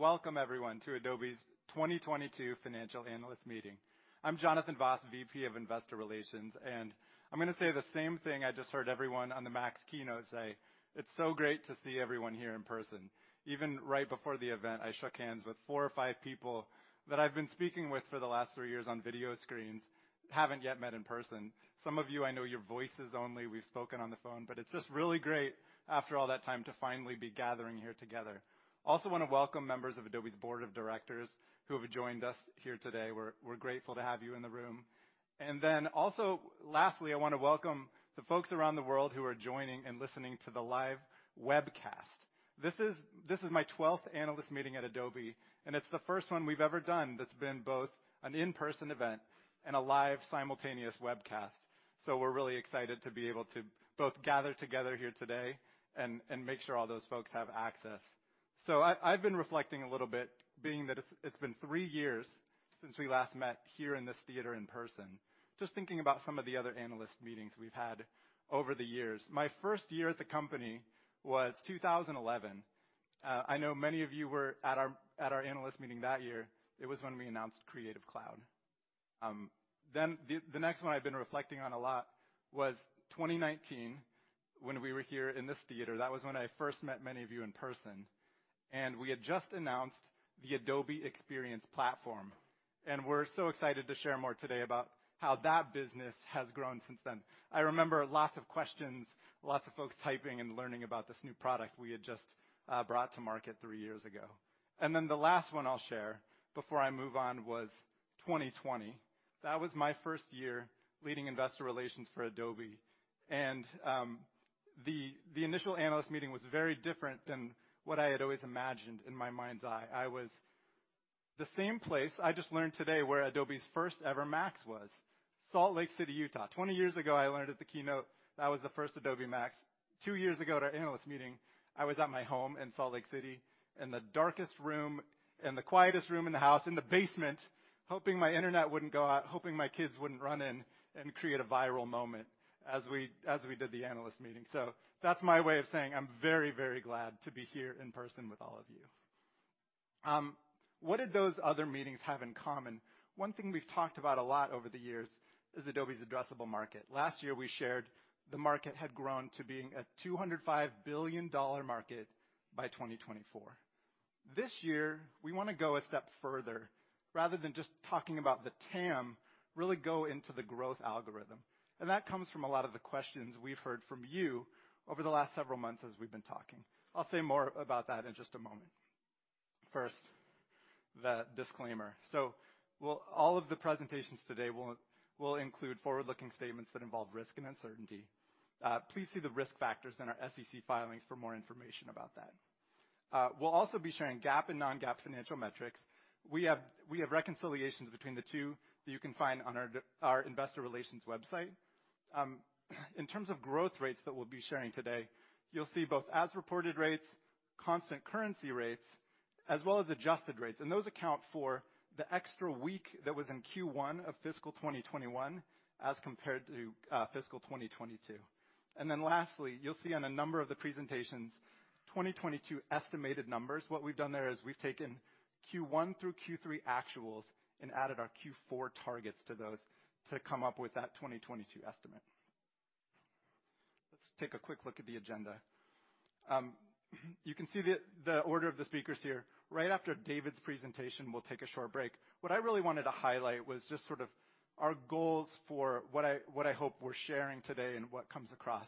Welcome everyone to Adobe's 2022 financial analyst meeting. I'm Jonathan Vaas, VP of Investor Relations, and I'm gonna say the same thing I just heard everyone on the MAX keynote say, it's so great to see everyone here in person. Even right before the event, I shook hands with four or five people that I've been speaking with for the last three years on video screens, haven't yet met in person. Some of you, I know your voices only. We've spoken on the phone. It's just really great after all that time to finally be gathering here together. Also wanna welcome members of Adobe's board of directors who have joined us here today. We're grateful to have you in the room. Also, lastly, I wanna welcome the folks around the world who are joining and listening to the live webcast. This is my twelfth analyst meeting at Adobe, and it's the first one we've ever done that's been both an in-person event and a live simultaneous webcast. We're really excited to be able to both gather together here today and make sure all those folks have access. I've been reflecting a little bit being that it's been three years since we last met here in this theater in person, just thinking about some of the other analyst meetings we've had over the years. My first year at the company was 2011. I know many of you were at our analyst meeting that year. It was when we announced Creative Cloud. The next one I've been reflecting on a lot was 2019 when we were here in this theater. That was when I first met many of you in person, and we had just announced the Adobe Experience Platform. We're so excited to share more today about how that business has grown since then. I remember lots of questions, lots of folks typing and learning about this new product we had just brought to market three years ago. Then the last one I'll share before I move on was 2020. That was my first year leading investor relations for Adobe. The initial analyst meeting was very different than what I had always imagined in my mind's eye. I was the same place I just learned today where Adobe's first ever MAX was, Salt Lake City, Utah. 20 years ago, I learned at the keynote that was the first Adobe MAX. two years ago at our analyst meeting, I was at my home in Salt Lake City in the darkest room and the quietest room in the house in the basement, hoping my internet wouldn't go out, hoping my kids wouldn't run in and create a viral moment as we did the analyst meeting. That's my way of saying I'm very, very glad to be here in person with all of you. What did those other meetings have in common? One thing we've talked about a lot over the years is Adobe's addressable market. Last year, we shared the market had grown to being a $205 billion market by 2024. This year, we wanna go a step further, rather than just talking about the TAM, really go into the growth algorithm. That comes from a lot of the questions we've heard from you over the last several months as we've been talking. I'll say more about that in just a moment. First, the disclaimer. All of the presentations today will include forward-looking statements that involve risk and uncertainty. Please see the risk factors in our SEC filings for more information about that. We'll also be sharing GAAP and Non-GAAP financial metrics. We have reconciliations between the two that you can find on our investor relations website. In terms of growth rates that we'll be sharing today, you'll see both as reported rates, constant currency rates, as well as adjusted rates, and those account for the extra week that was in Q1 of fiscal 2021 as compared to fiscal 2022. Lastly, you'll see on a number of the presentations 2022 estimated numbers. What we've done there is we've taken Q1 through Q3 actuals and added our Q4 targets to those to come up with that 2022 estimate. Let's take a quick look at the agenda. You can see the order of the speakers here. Right after David's presentation, we'll take a short break. What I really wanted to highlight was just sort of our goals for what I hope we're sharing today and what comes across.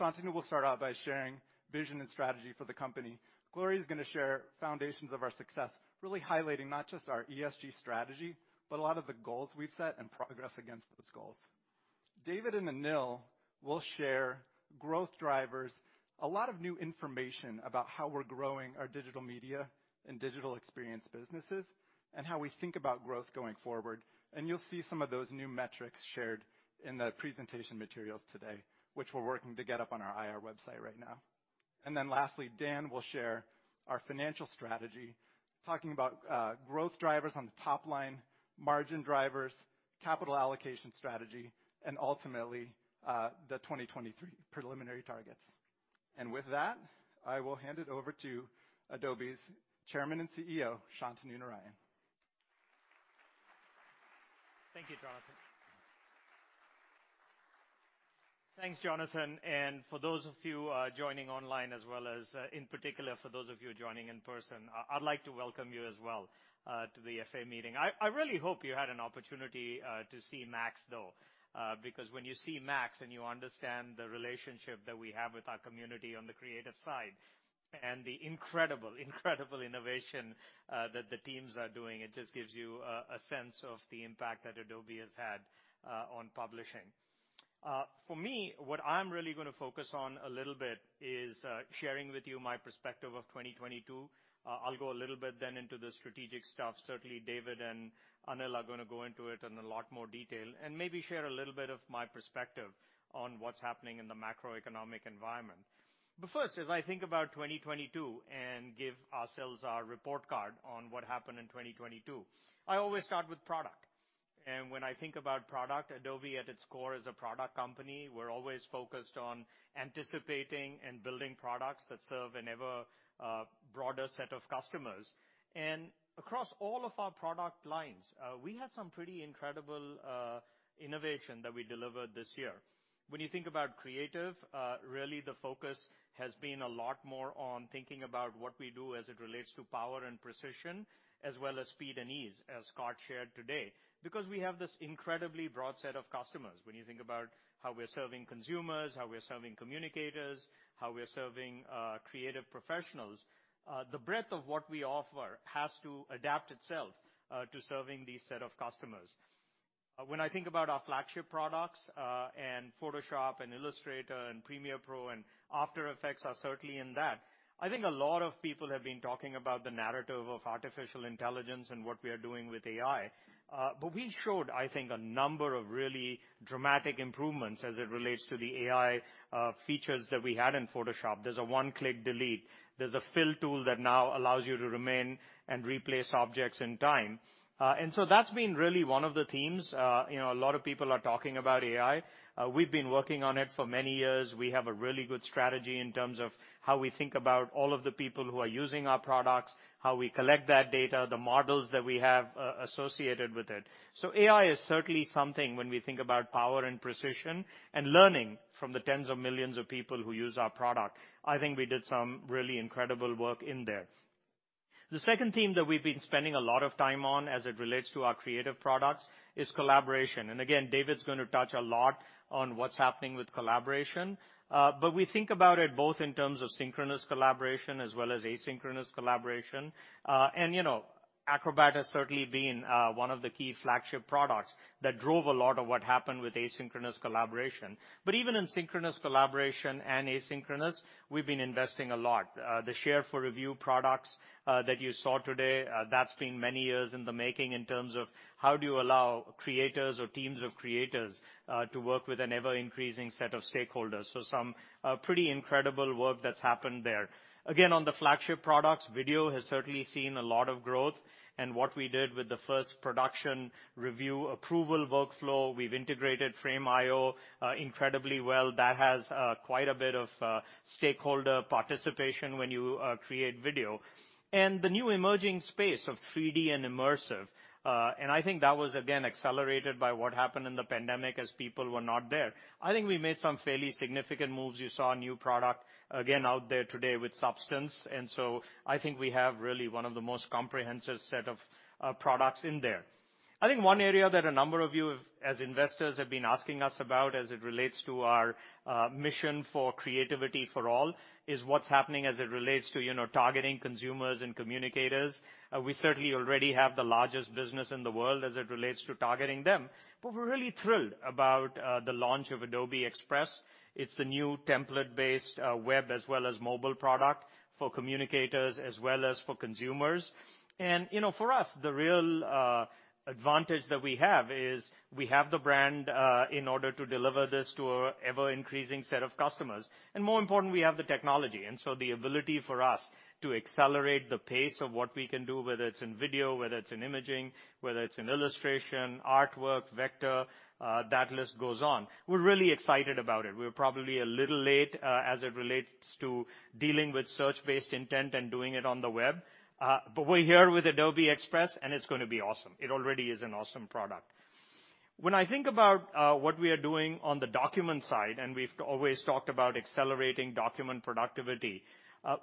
Shantanu will start out by sharing vision and strategy for the company. Gloria is gonna share foundations of our success, really highlighting not just our ESG strategy, but a lot of the goals we've set and progress against those goals. David and Anil will share growth drivers, a lot of new information about how we're growing our digital media and digital experience businesses and how we think about growth going forward. You'll see some of those new metrics shared in the presentation materials today, which we're working to get up on our IR website right now. Then lastly, Dan will share our financial strategy, talking about growth drivers on the top line, margin drivers, capital allocation strategy, and ultimately the 2023 preliminary targets. With that, I will hand it over to Adobe's chairman and Chief Executive Officer, Shantanu Narayen. Thank you, Jonathan. Thanks, Jonathan. For those of you joining online as well as, in particular, for those of you joining in person, I'd like to welcome you as well to the FA meeting. I really hope you had an opportunity to see MAX, though. Because when you see MAX and you understand the relationship that we have with our community on the creative side and the incredible innovation that the teams are doing, it just gives you a sense of the impact that Adobe has had on publishing. For me, what I'm really gonna focus on a little bit is sharing with you my perspective of 2022. I'll go a little bit then into the strategic stuff. Certainly, David and Anil are gonna go into it in a lot more detail and maybe share a little bit of my perspective on what's happening in the macroeconomic environment. First, as I think about 2022 and give ourselves our report card on what happened in 2022, I always start with product. When I think about product, Adobe at its core is a product company. We're always focused on anticipating and building products that serve an ever, broader set of customers. Across all of our product lines, we had some pretty incredible innovation that we delivered this year. When you think about creative, really the focus has been a lot more on thinking about what we do as it relates to power and precision, as well as speed and ease, as Scott shared today. Because we have this incredibly broad set of customers. When you think about how we're serving consumers, how we're serving communicators, how we're serving creative professionals, the breadth of what we offer has to adapt itself to serving these set of customers. When I think about our flagship products, and Photoshop and Illustrator and Premiere Pro and After Effects are certainly in that, I think a lot of people have been talking about the narrative of artificial intelligence and what we are doing with AI. We showed, I think, a number of really dramatic improvements as it relates to the AI features that we had in Photoshop. There's a one-click delete. There's a fill tool that now allows you to remove and replace objects in images. That's been really one of the themes. You know, a lot of people are talking about AI. We've been working on it for many years. We have a really good strategy in terms of how we think about all of the people who are using our products, how we collect that data, the models that we have associated with it. AI is certainly something when we think about power and precision and learning from the tens of millions of people who use our product. I think we did some really incredible work in there. The second theme that we've been spending a lot of time on as it relates to our creative products is collaboration. Again, David's gonna touch a lot on what's happening with collaboration. We think about it both in terms of synchronous collaboration as well as asynchronous collaboration. You know, Acrobat has certainly been one of the key flagship products that drove a lot of what happened with asynchronous collaboration. Even in synchronous collaboration and asynchronous, we've been investing a lot. The Share for Review products that you saw today, that's been many years in the making in terms of how do you allow creators or teams of creators to work with an ever-increasing set of stakeholders. Some pretty incredible work that's happened there. Again, on the flagship products, Video has certainly seen a lot of growth. What we did with the first production review approval workflow, we've integrated Frame.io incredibly well. That has quite a bit of stakeholder participation when you create video. The new emerging space of 3D and immersive, and I think that was again accelerated by what happened in the pandemic as people were not there. I think we made some fairly significant moves. You saw a new product again out there today with Substance. I think we have really one of the most comprehensive set of products in there. I think one area that a number of you have, as investors, have been asking us about as it relates to our mission for creativity for all is what's happening as it relates to, you know, targeting consumers and communicators. We certainly already have the largest business in the world as it relates to targeting them. But we're really thrilled about the launch of Adobe Express. It's the new template-based web as well as mobile product for communicators as well as for consumers. You know, for us, the real advantage that we have is we have the brand in order to deliver this to our ever-increasing set of customers. More important, we have the technology. The ability for us to accelerate the pace of what we can do, whether it's in video, whether it's in imaging, whether it's in illustration, artwork, vector, that list goes on. We're really excited about it. We're probably a little late as it relates to dealing with search-based intent and doing it on the web. We're here with Adobe Express, and it's gonna be awesome. It already is an awesome product. When I think about what we are doing on the document side, and we've always talked about accelerating document productivity,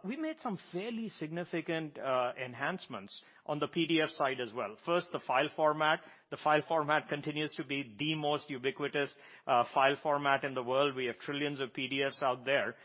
we made some fairly significant enhancements on the PDF side as well. First, the file format. The file format continues to be the most ubiquitous file format in the world. We have trillions of PDFs out there.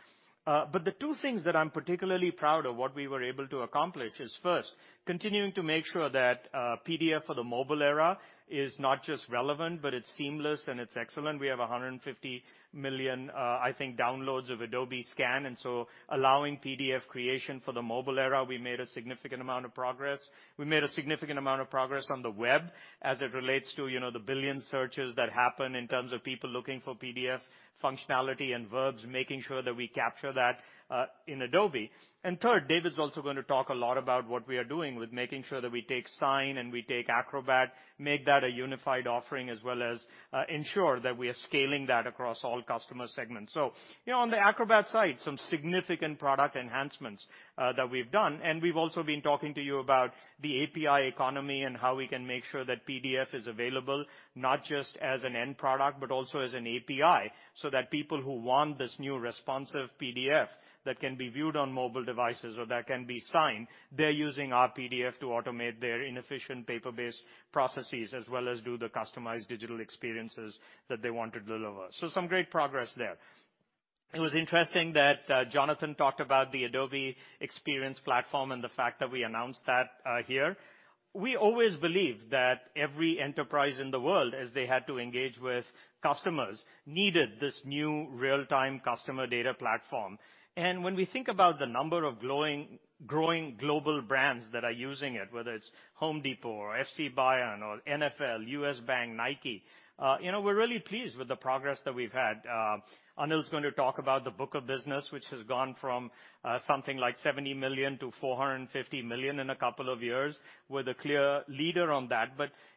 The two things that I'm particularly proud of what we were able to accomplish is first, continuing to make sure that PDF for the mobile era is not just relevant, but it's seamless and it's excellent. We have 150 million, I think, downloads of Adobe Scan, and so allowing PDF creation for the mobile era, we made a significant amount of progress. We made a significant amount of progress on the web as it relates to, you know, the 1 billion searches that happen in terms of people looking for PDF functionality and verbs, making sure that we capture that in Adobe. Third, David's also going to talk a lot about what we are doing with making sure that we take Sign and we take Acrobat, make that a unified offering as well as ensure that we are scaling that across all customer segments. You know, on the Acrobat side, some significant product enhancements that we've done. We've also been talking to you about the API economy and how we can make sure that PDF is available not just as an end product, but also as an API, so that people who want this new responsive PDF that can be viewed on mobile devices or that can be signed, they're using our PDF to automate their inefficient paper-based processes as well as do the customized digital experiences that they want to deliver. Some great progress there. It was interesting that Jonathan talked about the Adobe Experience Platform and the fact that we announced that here. We always believed that every enterprise in the world, as they had to engage with customers, needed this new Real-Time Customer Data Platform. When we think about the number of growing global brands that are using it, whether it's Home Depot or FC Bayern or NFL, U.S. Bank, Nike, you know, we're really pleased with the progress that we've had. Anil's gonna talk about the book of business, which has gone from something like $70 million to $450 million in a couple of years with a clear leader on that.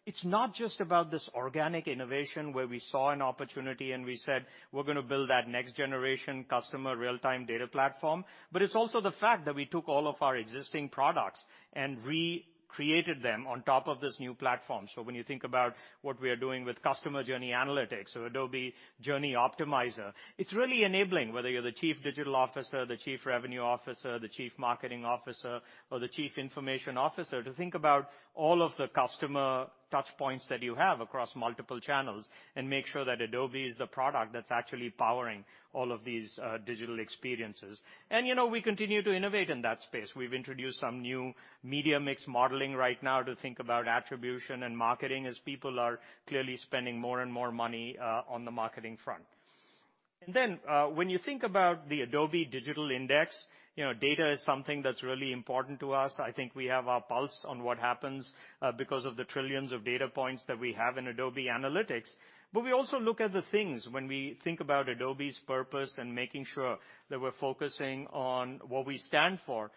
It's not just about this organic innovation where we saw an opportunity and we said, "We're gonna build that next generation customer real-time data platform," it's also the fact that we took all of our existing products and recreated them on top of this new platform. When you think about what we are doing with Customer Journey Analytics or Adobe Journey Optimizer, it's really enabling, whether you're the chief digital officer, the chief revenue officer, the chief marketing officer or the chief information officer, to think about all of the customer touchpoints that you have across multiple channels and make sure that Adobe is the product that's actually powering all of these, digital experiences. You know, we continue to innovate in that space. We've introduced some new media mix modeling right now to think about attribution and marketing as people are clearly spending more and more money, on the marketing front. When you think about the Adobe Digital Index, you know, data is something that's really important to us. I think we have our pulse on what happens because of the trillions of data points that we have in Adobe Analytics. We also look at the things when we think about Adobe's purpose and making sure that we're focusing on what we stand for.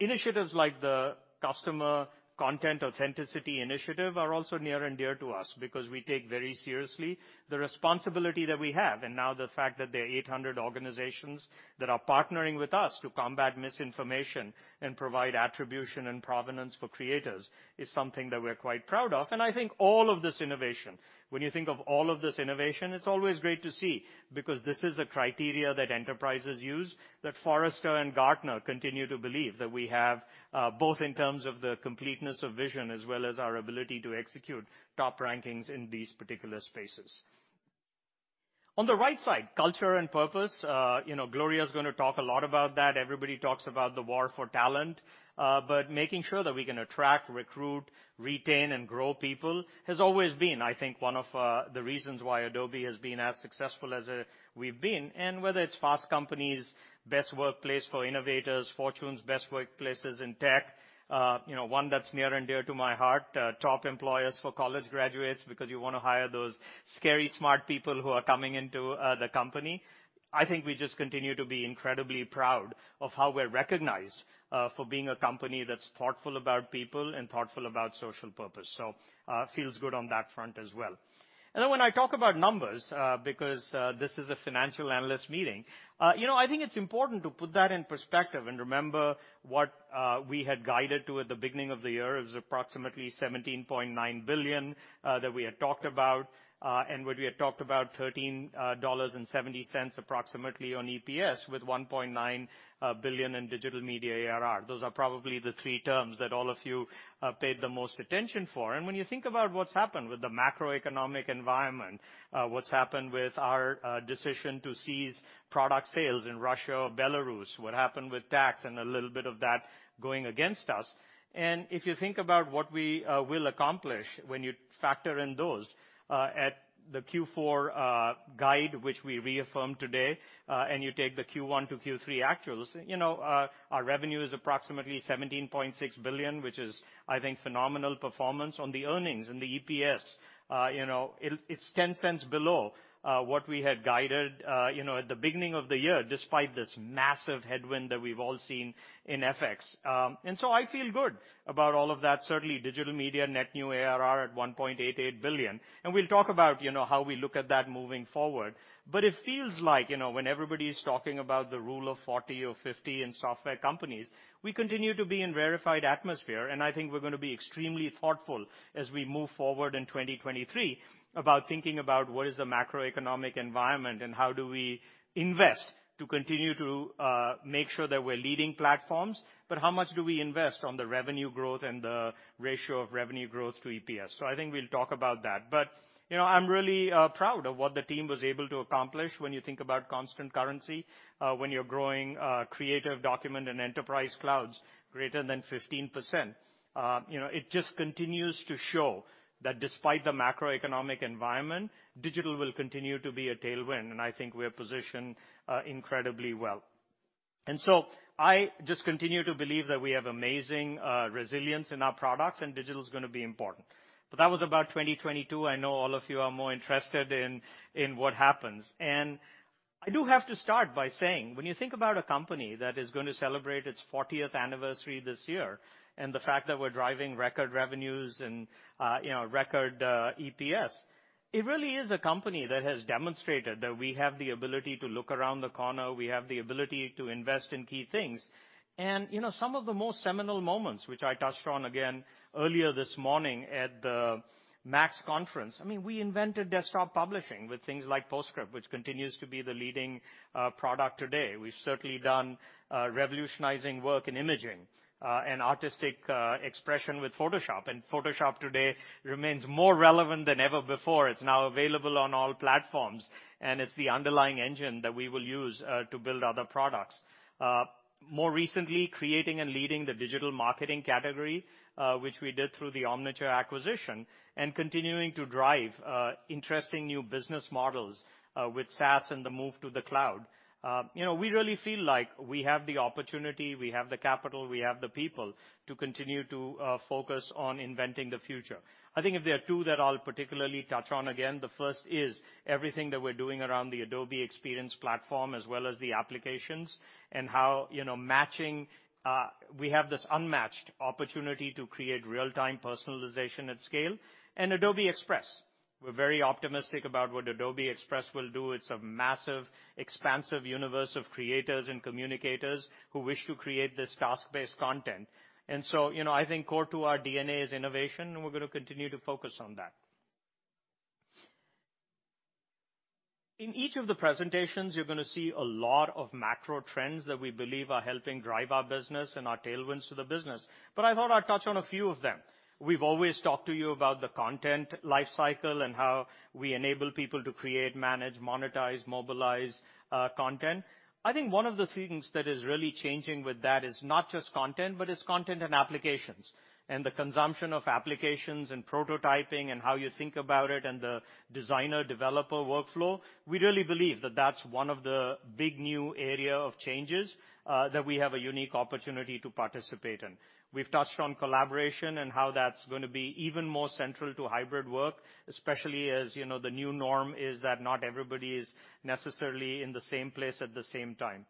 Initiatives like the Content Authenticity Initiative are also near and dear to us because we take very seriously the responsibility that we have. Now the fact that there are 800 organizations that are partnering with us to combat misinformation and provide attribution and provenance for creators is something that we're quite proud of. I think all of this innovation, when you think of all of this innovation, it's always great to see, because this is a criteria that enterprises use, that Forrester and Gartner continue to believe that we have, both in terms of the completeness of vision as well as our ability to execute top rankings in these particular spaces. On the right side, culture and purpose, you know, Gloria is gonna talk a lot about that. Everybody talks about the war for talent, but making sure that we can attract, recruit, retain, and grow people has always been, I think, one of the reasons why Adobe has been as successful as we've been. Whether it's Fast Company's best workplace for innovators, Fortune's best workplaces in tech, you know, one that's near and dear to my heart, top employers for college graduates because you wanna hire those scary, smart people who are coming into the company, I think we just continue to be incredibly proud of how we're recognized for being a company that's thoughtful about people and thoughtful about social purpose. Feels good on that front as well. When I talk about numbers, because this is a financial analyst meeting, you know, I think it's important to put that in perspective and remember what we had guided to at the beginning of the year. It was approximately $17.9 billion that we had talked about, and what we had talked about $13.70 approximately on EPS with $1.9 billion in Digital Media ARR. Those are probably the three terms that all of you have paid the most attention to. When you think about what's happened with the macroeconomic environment, what's happened with our decision to cease product sales in Russia or Belarus, what happened with FX and a little bit of that going against us. If you think about what we will accomplish when you factor in those at the Q4 guide, which we reaffirmed today, and you take the Q1 - Q3 actuals, you know, our revenue is approximately $17.6 billion, which is I think phenomenal performance. On the earnings and the EPS, you know, it's ten cents below what we had guided, you know, at the beginning of the year, despite this massive headwind that we've all seen in FX. I feel good about all of that. Certainly, digital media net new ARR at $1.88 billion. We'll talk about, you know, how we look at that moving forward. It feels like, you know, when everybody's talking about the rule of 40 or 50 in software companies, we continue to be in rarefied atmosphere, and I think we're gonna be extremely thoughtful as we move forward in 2023 about thinking about what is the macroeconomic environment and how do we invest to continue to make sure that we're leading platforms, but how much do we invest on the revenue growth and the ratio of revenue growth to EPS. I think we'll talk about that. You know, I'm really proud of what the team was able to accomplish when you think about constant currency, when you're growing Creative Cloud, Document Cloud, and Experience Cloud greater than 15%. You know, it just continues to show that despite the macroeconomic environment, digital will continue to be a tailwind, and I think we're positioned incredibly well. I just continue to believe that we have amazing resilience in our products, and digital is gonna be important. That was about 2022. I know all of you are more interested in what happens. I do have to start by saying, when you think about a company that is going to celebrate its fortieth anniversary this year, and the fact that we're driving record revenues and, you know, record EPS. It really is a company that has demonstrated that we have the ability to look around the corner, we have the ability to invest in key things. You know, some of the most seminal moments, which I touched on again earlier this morning at the MAX conference, I mean, we invented desktop publishing with things like PostScript, which continues to be the leading product today. We've certainly done revolutionizing work in imaging and artistic expression with Photoshop. Photoshop today remains more relevant than ever before. It's now available on all platforms, and it's the underlying engine that we will use to build other products. More recently, creating and leading the digital marketing category, which we did through the Omniture acquisition, and continuing to drive interesting new business models with SaaS and the move to the cloud. You know, we really feel like we have the opportunity, we have the capital, we have the people to continue to focus on inventing the future. I think if there are two that I'll particularly touch on again, the first is everything that we're doing around the Adobe Experience Platform as well as the applications and how, you know, we have this unmatched opportunity to create real-time personalization at scale, and Adobe Express. We're very optimistic about what Adobe Express will do. It's a massive, expansive universe of creators and communicators who wish to create this task-based content. You know, I think core to our DNA is innovation, and we're gonna continue to focus on that. In each of the presentations, you're gonna see a lot of macro trends that we believe are helping drive our business and our tailwinds to the business. I thought I'd touch on a few of them. We've always talked to you about the content life cycle and how we enable people to create, manage, monetize, mobilize, content. I think one of the things that is really changing with that is not just content, but it's content and applications, and the consumption of applications and prototyping and how you think about it, and the designer-developer workflow. We really believe that that's one of the big new area of changes that we have a unique opportunity to participate in. We've touched on collaboration and how that's gonna be even more central to hybrid work, especially as, you know, the new norm is that not everybody is necessarily in the same place at the same time.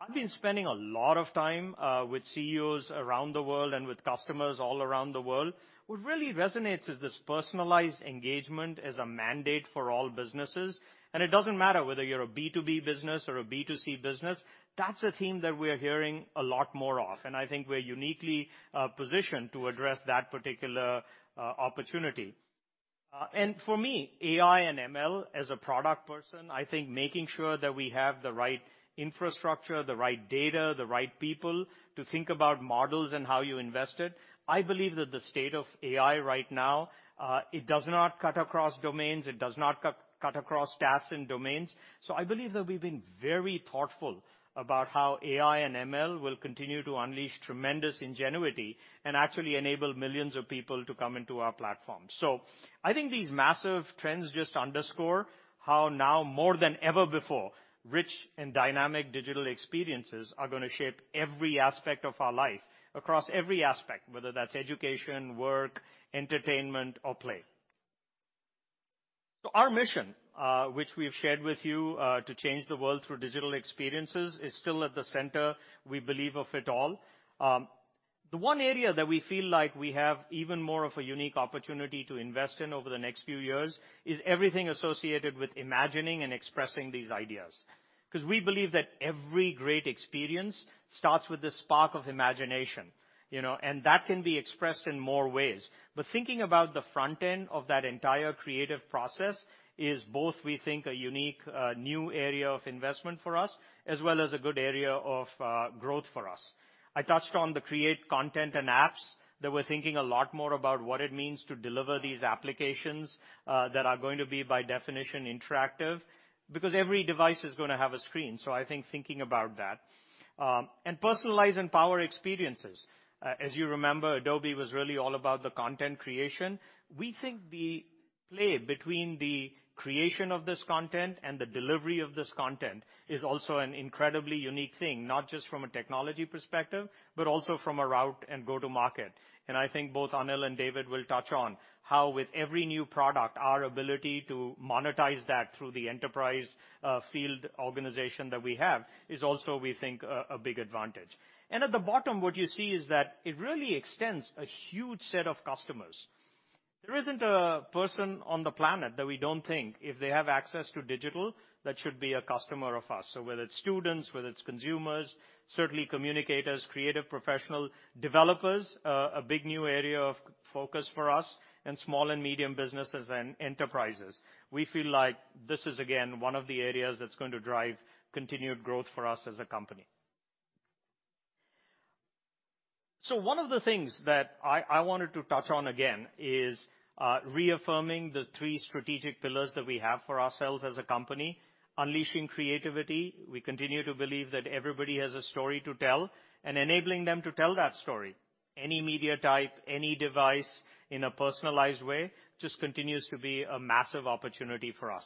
I've been spending a lot of time with CEOs around the world and with customers all around the world. What really resonates is this personalized engagement as a mandate for all businesses. It doesn't matter whether you're a B2B business or a B2C business, that's a theme that we're hearing a lot more of, and I think we're uniquely positioned to address that particular opportunity. For me, AI and ML, as a product person, I think making sure that we have the right infrastructure, the right data, the right people to think about models and how you invest it, I believe that the state of AI right now, it does not cut across domains, it does not cut across tasks and domains. I believe that we've been very thoughtful about how AI and ML will continue to unleash tremendous ingenuity and actually enable millions of people to come into our platform. I think these massive trends just underscore how now more than ever before, rich and dynamic digital experiences are gonna shape every aspect of our life across every aspect, whether that's education, work, entertainment, or play. Our mission, which we've shared with you, to change the world through digital experiences, is still at the center, we believe of it all. The one area that we feel like we have even more of a unique opportunity to invest in over the next few years is everything associated with imagining and expressing these ideas. Beause we believe that every great experience starts with a spark of imagination, you know, and that can be expressed in more ways. Thinking about the front end of that entire creative process is both, we think, a unique new area of investment for us, as well as a good area of growth for us. I touched on the Creative Cloud and apps that we're thinking a lot more about what it means to deliver these applications that are going to be by definition interactive, because every device is gonna have a screen. I think thinking about that. Personalize and power experiences. As you remember, Adobe was really all about the content creation. We think the play between the creation of this content and the delivery of this content is also an incredibly unique thing, not just from a technology perspective, but also from a route-to-market and go-to-market. I think both Anil and David will touch on how with every new product, our ability to monetize that through the enterprise, field organization that we have is also, we think, a big advantage. At the bottom, what you see is that it really extends a huge set of customers. There isn't a person on the planet that we don't think if they have access to digital, that should be a customer of ours. Whether it's students, whether it's consumers, certainly communicators, creative professional, developers, a big new area of focus for us, and small and medium businesses and enterprises. We feel like this is again one of the areas that's going to drive continued growth for us as a company. One of the things that I wanted to touch on again is reaffirming the three strategic pillars that we have for ourselves as a company. Unleashing creativity, we continue to believe that everybody has a story to tell, and enabling them to tell that story, any media type, any device, in a personalized way, just continues to be a massive opportunity for us.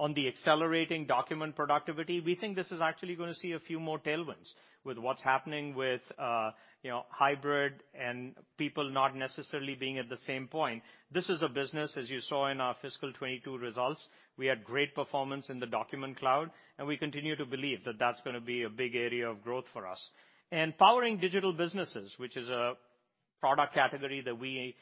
On the accelerating document productivity, we think this is actually gonna see a few more tailwinds with what's happening with, you know, hybrid and people not necessarily being at the same point. This is a business, as you saw in our fiscal 2022 results, we had great performance in the Document Cloud, and we continue to believe that that's gonna be a big area of growth for us. Powering digital businesses, which is a product category that we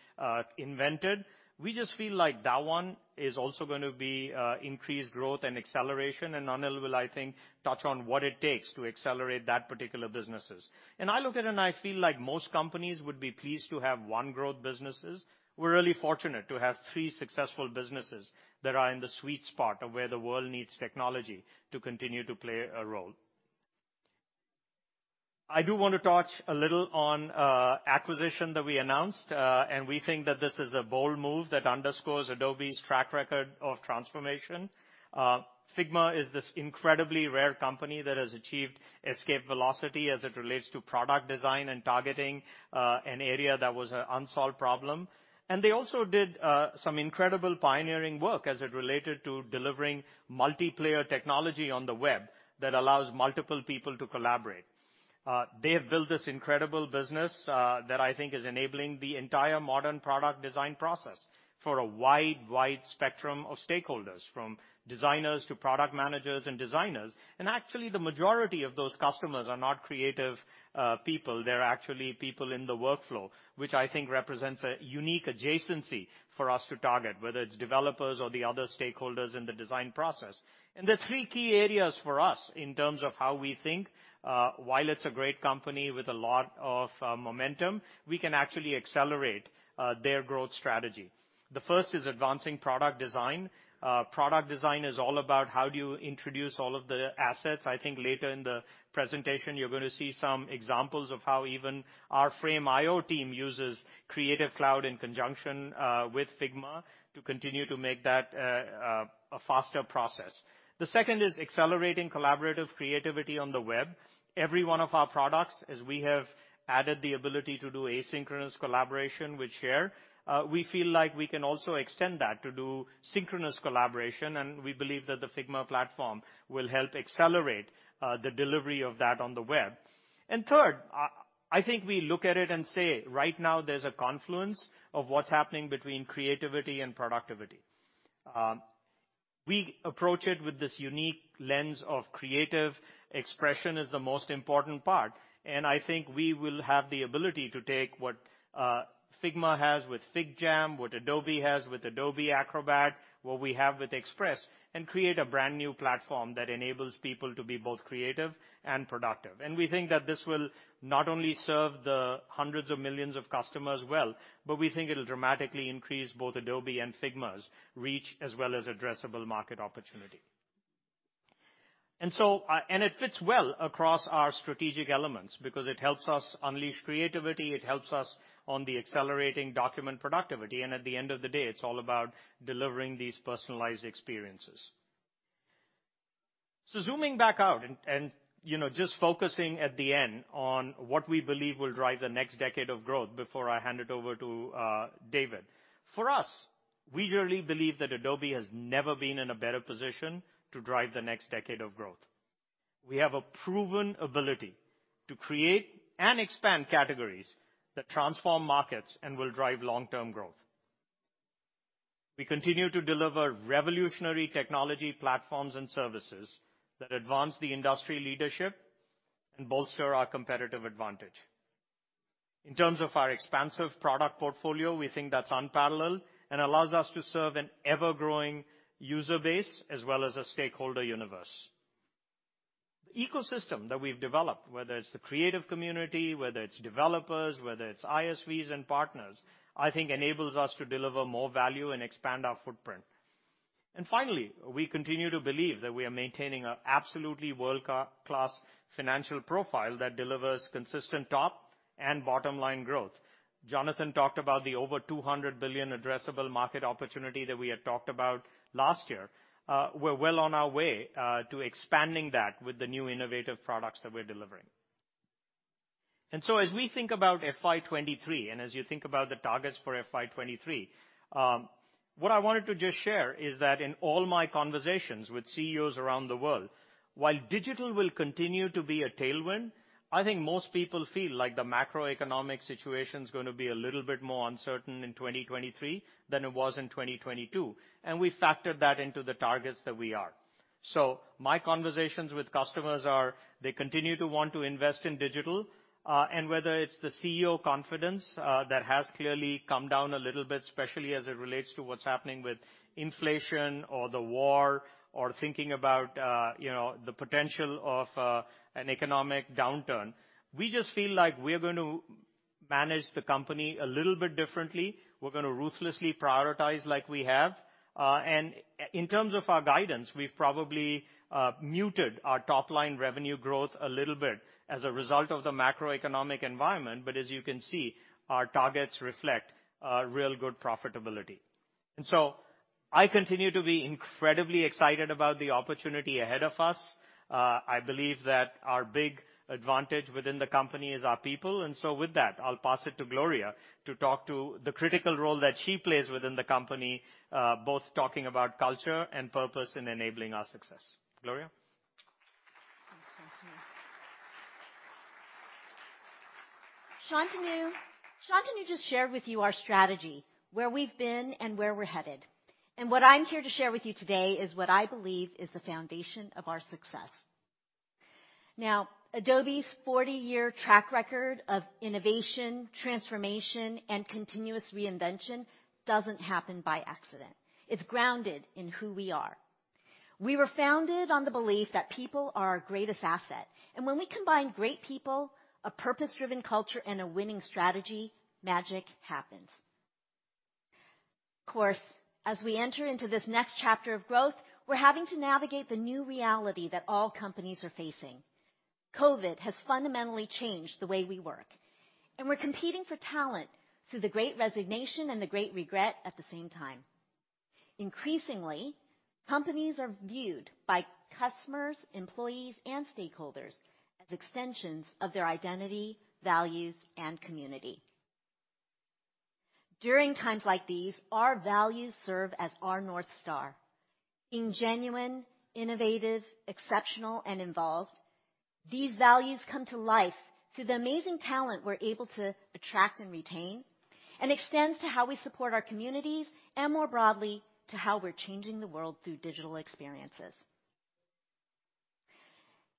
invented. We just feel like that one is also going to be increased growth and acceleration, and Anil will, I think, touch on what it takes to accelerate that particular businesses. I look at it and I feel like most companies would be pleased to have one growth businesses. We're really fortunate to have three successful businesses that are in the sweet spot of where the world needs technology to continue to play a role. I do want to touch a little on acquisition that we announced, and we think that this is a bold move that underscores Adobe's track record of transformation. Figma is this incredibly rare company that has achieved escape velocity as it relates to product design and targeting an area that was an unsolved problem. They also did some incredible pioneering work as it related to delivering multiplayer technology on the web that allows multiple people to collaborate. They have built this incredible business that I think is enabling the entire modern product design process for a wide spectrum of stakeholders, from designers to product managers and designers. Actually, the majority of those customers are not creative people, they're actually people in the workflow, which I think represents a unique adjacency for us to target, whether it's developers or the other stakeholders in the design process. The three key areas for us in terms of how we think, while it's a great company with a lot of momentum, we can actually accelerate their growth strategy. The first is advancing product design. Product design is all about how do you introduce all of the assets. I think later in the presentation, you're gonna see some examples of how even our Frame.io team uses Creative Cloud in conjunction with Figma to continue to make that a faster process. The second is accelerating collaborative creativity on the web. Every one of our products, as we have added the ability to do asynchronous collaboration with Share, we feel like we can also extend that to do synchronous collaboration, and we believe that the Figma platform will help accelerate the delivery of that on the web. Third, I think we look at it and say, right now there's a confluence of what's happening between creativity and productivity. We approach it with this unique lens of creative expression as the most important part. I think we will have the ability to take what Figma has with FigJam, what Adobe has with Adobe Acrobat, what we have with Express, and create a brand-new platform that enables people to be both creative and productive. We think that this will not only serve the hundreds of millions of customers well, but we think it'll dramatically increase both Adobe and Figma's reach as well as addressable market opportunity. It fits well across our strategic elements because it helps us unleash creativity, it helps us on the accelerating document productivity, and at the end of the day, it's all about delivering these personalized experiences. Zooming back out and you know, just focusing at the end on what we believe will drive the next decade of growth before I hand it over to David. For us, we really believe that Adobe has never been in a better position to drive the next decade of growth. We have a proven ability to create and expand categories that transform markets and will drive long-term growth. We continue to deliver revolutionary technology platforms and services that advance the industry leadership and bolster our competitive advantage. In terms of our expansive product portfolio, we think that's unparalleled and allows us to serve an ever-growing user base as well as a stakeholder universe. The ecosystem that we've developed, whether it's the creative community, whether it's developers, whether it's ISVs and partners, I think enables us to deliver more value and expand our footprint. Finally, we continue to believe that we are maintaining an absolutely world-class financial profile that delivers consistent top and bottom-line growth. Jonathan talked about the over $200 billion addressable market opportunity that we had talked about last year. We're well on our way to expanding that with the new innovative products that we're delivering. As we think about FY 2023 and as you think about the targets for FY 2023, what I wanted to just share is that in all my conversations with CEOs around the world, while digital will continue to be a tailwind, I think most people feel like the macroeconomic situation's gonna be a little bit more uncertain in 2023 than it was in 2022, and we factored that into the targets that we are. My conversations with customers are they continue to want to invest in digital, and whether it's the Chief Executive Officer confidence that has clearly come down a little bit, especially as it relates to what's happening with inflation or the war or thinking about, you know, the potential of an economic downturn, we just feel like we're going to manage the company a little bit differently. We're gonna ruthlessly prioritize like we have. In terms of our guidance, we've probably muted our top-line revenue growth a little bit as a result of the macroeconomic environment, but as you can see, our targets reflect real good profitability. I continue to be incredibly excited about the opportunity ahead of us. I believe that our big advantage within the company is our people. With that, I'll pass it to Gloria to talk about the critical role that she plays within the company, both talking about culture and purpose in enabling our success. Gloria? Thanks, Shantanu. Shantanu just shared with you our strategy, where we've been and where we're headed. What I'm here to share with you today is what I believe is the foundation of our success. Now, Adobe's 40-year track record of innovation, transformation, and continuous reinvention doesn't happen by accident. It's grounded in who we are. We were founded on the belief that people are our greatest asset, and when we combine great people, a purpose-driven culture, and a winning strategy, magic happens. Of course, as we enter into this next chapter of growth, we're having to navigate the new reality that all companies are facing. COVID has fundamentally changed the way we work, and we're competing for talent through the Great Resignation and the Great Regret at the same time. Increasingly, companies are viewed by customers, employees, and stakeholders as extensions of their identity, values, and community. During times like these, our values serve as our North Star. Being genuine, innovative, exceptional, and involved, these values come to life through the amazing talent we're able to attract and retain, and extends to how we support our communities, and more broadly, to how we're changing the world through digital experiences.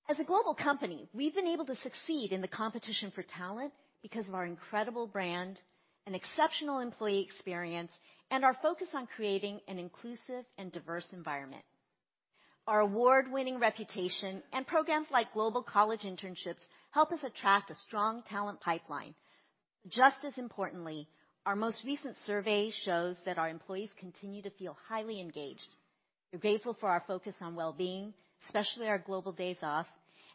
As a global company, we've been able to succeed in the competition for talent because of our incredible brand and exceptional employee experience and our focus on creating an inclusive and diverse environment. Our award-winning reputation and programs like Global College Internships help us attract a strong talent pipeline. Just as importantly, our most recent survey shows that our employees continue to feel highly engaged. We're grateful for our focus on well-being, especially our global days off,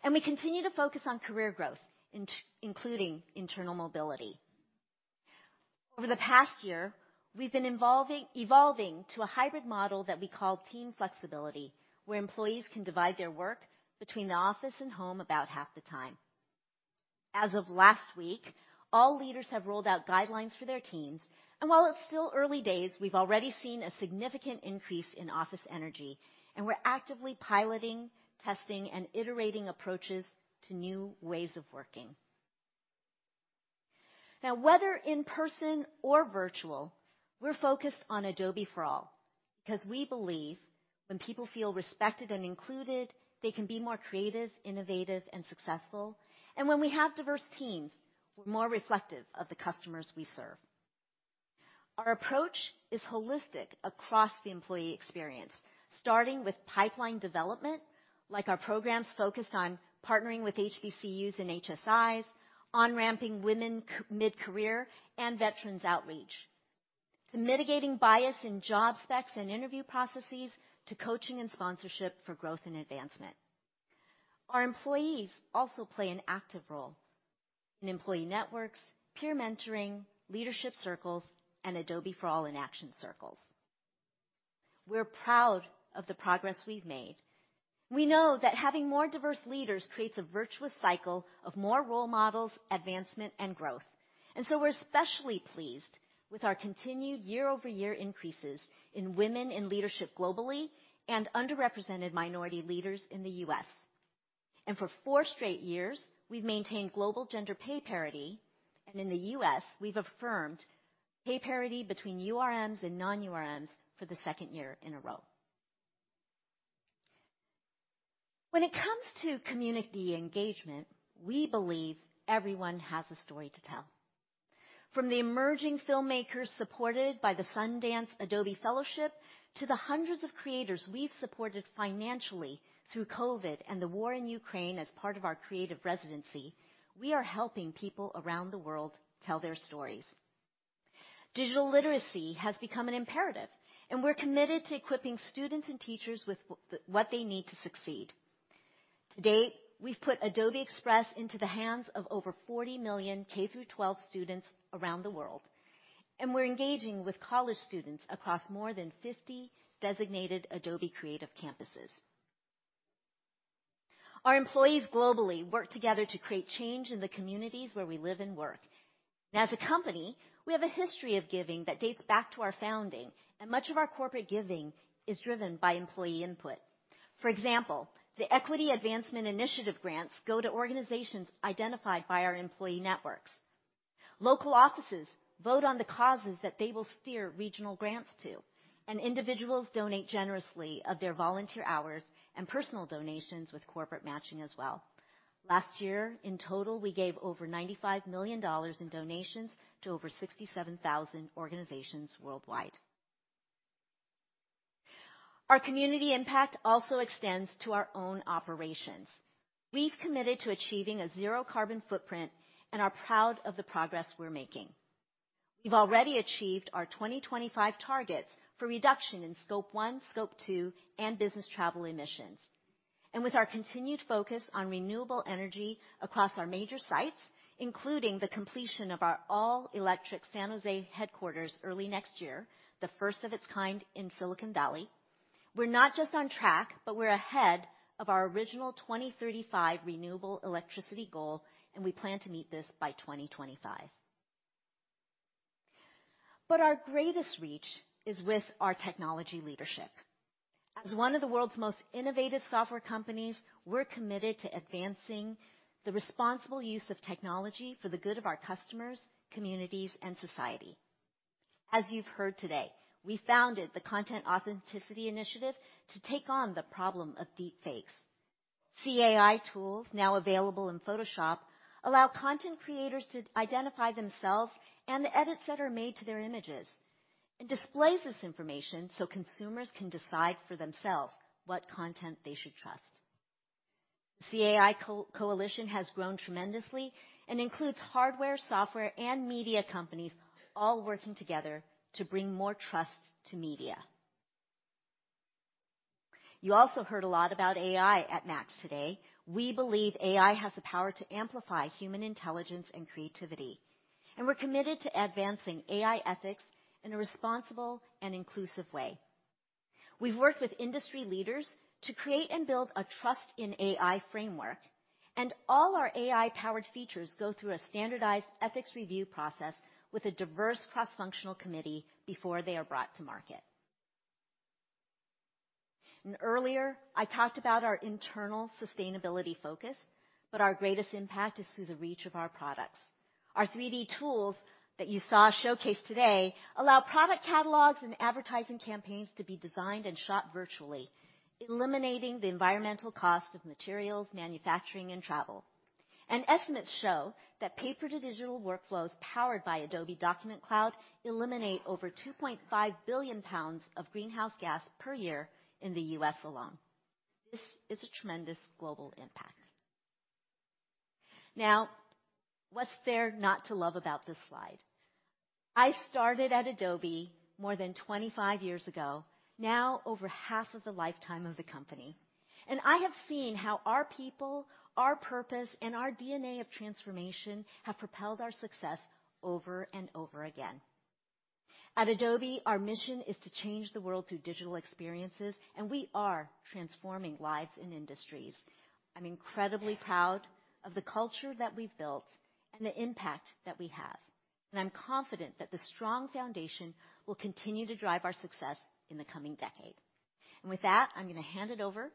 and we continue to focus on career growth, including internal mobility. Over the past year, we've been evolving to a hybrid model that we call team flexibility, where employees can divide their work between the office and home about half the time. As of last week, all leaders have rolled out guidelines for their teams, and while it's still early days, we've already seen a significant increase in office energy, and we're actively piloting, testing, and iterating approaches to new ways of working. Now, whether in person or virtual, we're focused on Adobe for all, because we believe when people feel respected and included, they can be more creative, innovative, and successful. When we have diverse teams, we're more reflective of the customers we serve. Our approach is holistic across the employee experience, starting with pipeline development, like our programs focused on partnering with HBCUs and HSIs, on-ramping women mid-career and veterans outreach, to mitigating bias in job specs and interview processes, to coaching and sponsorship for growth and advancement. Our employees also play an active role in employee networks, peer mentoring, leadership circles, and Adobe for all in action circles. We're proud of the progress we've made. We know that having more diverse leaders creates a virtuous cycle of more role models, advancement, and growth. We're especially pleased with our continued year-over-year increases in women in leadership globally and underrepresented minority leaders in the US. For four straight years, we've maintained global gender pay parity, and in the US, we've affirmed pay parity between URMs and non-URMs for the second year in a row. When it comes to community engagement, we believe everyone has a story to tell. From the emerging filmmakers supported by the Sundance Adobe Fellowship to the hundreds of creators we've supported financially through COVID and the war in Ukraine as part of our creative residency, we are helping people around the world tell their stories. Digital literacy has become an imperative, and we're committed to equipping students and teachers with what they need to succeed. To date, we've put Adobe Express into the hands of over 40 million K-12 students around the world, and we're engaging with college students across more than 50 designated Adobe creative campuses. Our employees globally work together to create change in the communities where we live and work. As a company, we have a history of giving that dates back to our founding, and much of our corporate giving is driven by employee input. For example, the Equity and Advancement Initiative grants go to organizations identified by our employee networks. Local offices vote on the causes that they will steer regional grants to, and individuals donate generously of their volunteer hours and personal donations with corporate matching as well. Last year, in total, we gave over $95 million in donations to over 67,000 organizations worldwide. Our community impact also extends to our own operations. We've committed to achieving a zero carbon footprint and are proud of the progress we're making. We've already achieved our 2025 targets for reduction in scope one, scope two, and business travel emissions. With our continued focus on renewable energy across our major sites, including the completion of our all-electric San Jose headquarters early next year, the first of its kind in Silicon Valley, we're not just on track, but we're ahead of our original 2035 renewable electricity goal, and we plan to meet this by 2025. Our greatest reach is with our technology leadership. As one of the world's most innovative software companies, we're committed to advancing the responsible use of technology for the good of our customers, communities, and society. As you've heard today, we founded the Content Authenticity Initiative to take on the problem of deepfakes. CAI tools, now available in Photoshop, allow content creators to identify themselves and the edits that are made to their images, and displays this information so consumers can decide for themselves what content they should trust. CAI coalition has grown tremendously and includes hardware, software, and media companies all working together to bring more trust to media. You also heard a lot about AI at MAX today. We believe AI has the power to amplify human intelligence and creativity, and we're committed to advancing AI ethics in a responsible and inclusive way. We've worked with industry leaders to create and build a trust in AI framework, and all our AI-powered features go through a standardized ethics review process with a diverse cross-functional committee before they are brought to market. Earlier, I talked about our internal sustainability focus, but our greatest impact is through the reach of our products. Our 3D tools that you saw showcased today allow product catalogs and advertising campaigns to be designed and shot virtually, eliminating the environmental cost of materials, manufacturing, and travel. Estimates show that paper-to-digital workflows powered by Adobe Document Cloud eliminate over 2.5 billion pounds of greenhouse gas per year in the U.S. alone. This is a tremendous global impact. Now, what's there not to love about this slide? I started at Adobe more than 25 years ago, now over half of the lifetime of the company, and I have seen how our people, our purpose, and our DNA of transformation have propelled our success over and over again. At Adobe, our mission is to change the world through digital experiences, and we are transforming lives and industries. I'm incredibly proud of the culture that we've built and the impact that we have, and I'm confident that the strong foundation will continue to drive our success in the coming decade. With that, I'm gonna hand it over to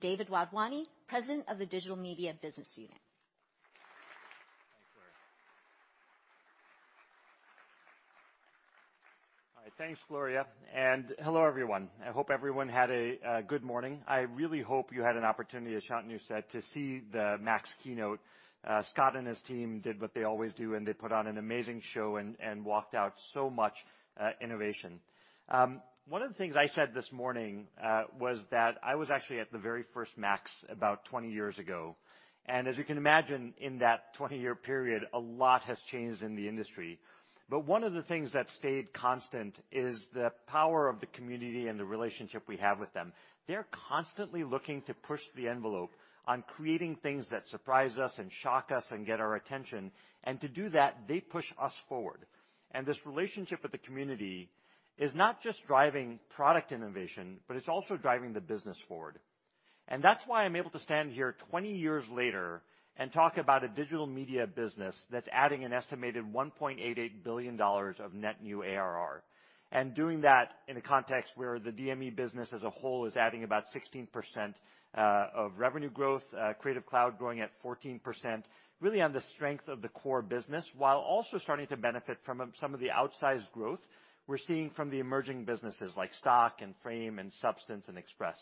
David Wadhwani, President of the Digital Media Business Unit. Thanks, Gloria, and hello, everyone. I hope everyone had a good morning. I really hope you had an opportunity, as Shantanu said, to see the MAX keynote. Scott and his team did what they always do, and they put on an amazing show and rolled out so much innovation. One of the things I said this morning was that I was actually at the very first MAX about 20 years ago, and as you can imagine, in that 20-year period, a lot has changed in the industry. One of the things that stayed constant is the power of the community and the relationship we have with them. They're constantly looking to push the envelope on creating things that surprise us and shock us and get our attention, and to do that, they push us forward. This relationship with the community is not just driving product innovation, but it's also driving the business forward. That's why I'm able to stand here 20 years later and talk about a digital media business that's adding an estimated $1.8 billion of net new ARR, and doing that in a context where the DME business as a whole is adding about 16% of revenue growth, Creative Cloud growing at 14%, really on the strength of the core business, while also starting to benefit from some of the outsized growth we're seeing from the emerging businesses like Stock and Frame and Substance and Express.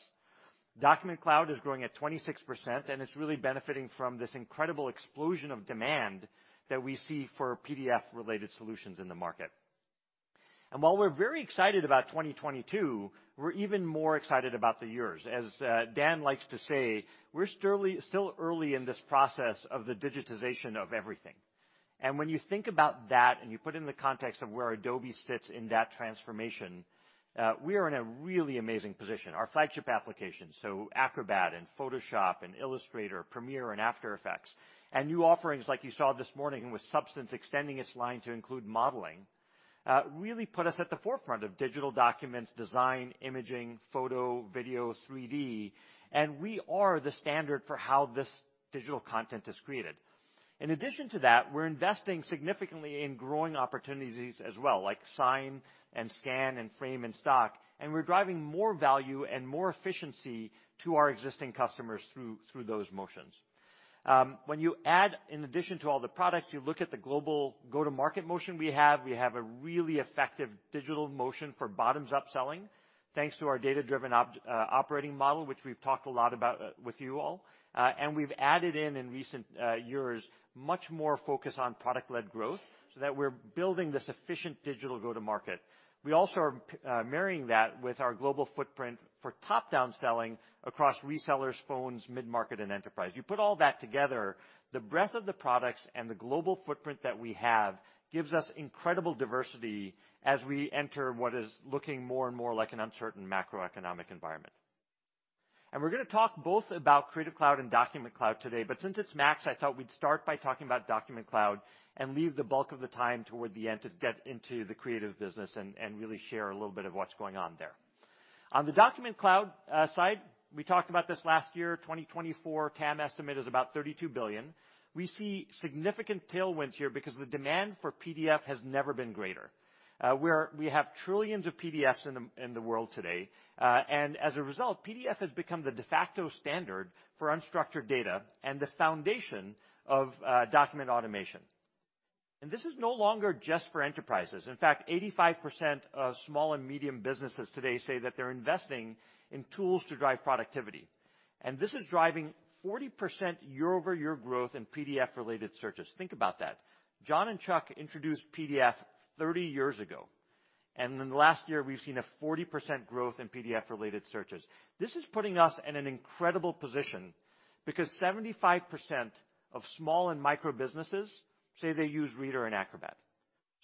Document Cloud is growing at 26%, and it's really benefiting from this incredible explosion of demand that we see for PDF-related solutions in the market. While we're very excited about 2022, we're even more excited about the years. As Dan likes to say, "We're still early in this process of the digitization of everything." When you think about that and you put it in the context of where Adobe sits in that transformation, we are in a really amazing position. Our flagship application, so Acrobat and Photoshop and Illustrator, Premiere and After Effects, and new offerings like you saw this morning with Substance extending its line to include modeling, really put us at the forefront of digital documents, design, imaging, photo, video, 3D, and we are the standard for how this digital content is created. In addition to that, we're investing significantly in growing opportunities as well, like Sign and Scan and Frame and Stock, and we're driving more value and more efficiency to our existing customers through those motions. When you add in addition to all the products, you look at the global go-to-market motion we have, we have a really effective digital motion for bottoms-up selling thanks to our data-driven operating model which we've talked a lot about with you all. We've added in recent years much more focus on product-led growth so that we're building this efficient digital go-to-market. We also are marrying that with our global footprint for top-down selling across resellers, phones, mid-market, and enterprise. You put all that together, the breadth of the products and the global footprint that we have gives us incredible diversity as we enter what is looking more and more like an uncertain macroeconomic environment. We're gonna talk both about Creative Cloud and Document Cloud today, but since it's MAX, I thought we'd start by talking about Document Cloud and leave the bulk of the time toward the end to get into the creative business and really share a little bit of what's going on there. On the Document Cloud side, we talked about this last year, 2024 TAM estimate is about $32 billion. We see significant tailwinds here because the demand for PDF has never been greater. We have trillions of PDFs in the world today, and as a result, PDF has become the de facto standard for unstructured data and the foundation of document automation. This is no longer just for enterprises. In fact, 85% of small and medium businesses today say that they're investing in tools to drive productivity. This is driving 40% year-over-year growth in PDF-related searches. Think about that. John and Chuck introduced PDF 30 years ago, and in the last year we've seen a 40% growth in PDF-related searches. This is putting us in an incredible position because 75% of small and micro-businesses say they use Reader and Acrobat.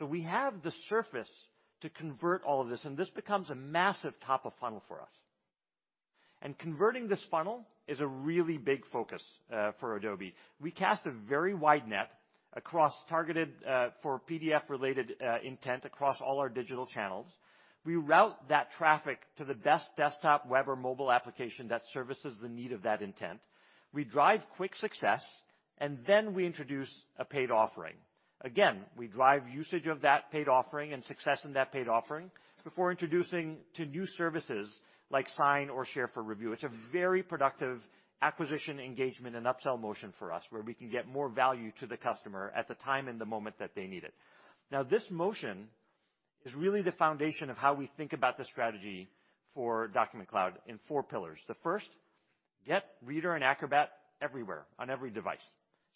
We have the surface to convert all of this, and this becomes a massive top of funnel for us. Converting this funnel is a really big focus for Adobe. We cast a very wide net across targeted for PDF-related intent across all our digital channels. We route that traffic to the best desktop, web, or mobile application that services the need of that intent. We drive quick success, and then we introduce a paid offering. Again, we drive usage of that paid offering and success in that paid offering before introducing to new services like Sign or Share for Review. It's a very productive acquisition engagement and upsell motion for us, where we can get more value to the customer at the time and the moment that they need it. Now, this motion is really the foundation of how we think about the strategy for Document Cloud in four pillars. The first, get Reader and Acrobat everywhere on every device.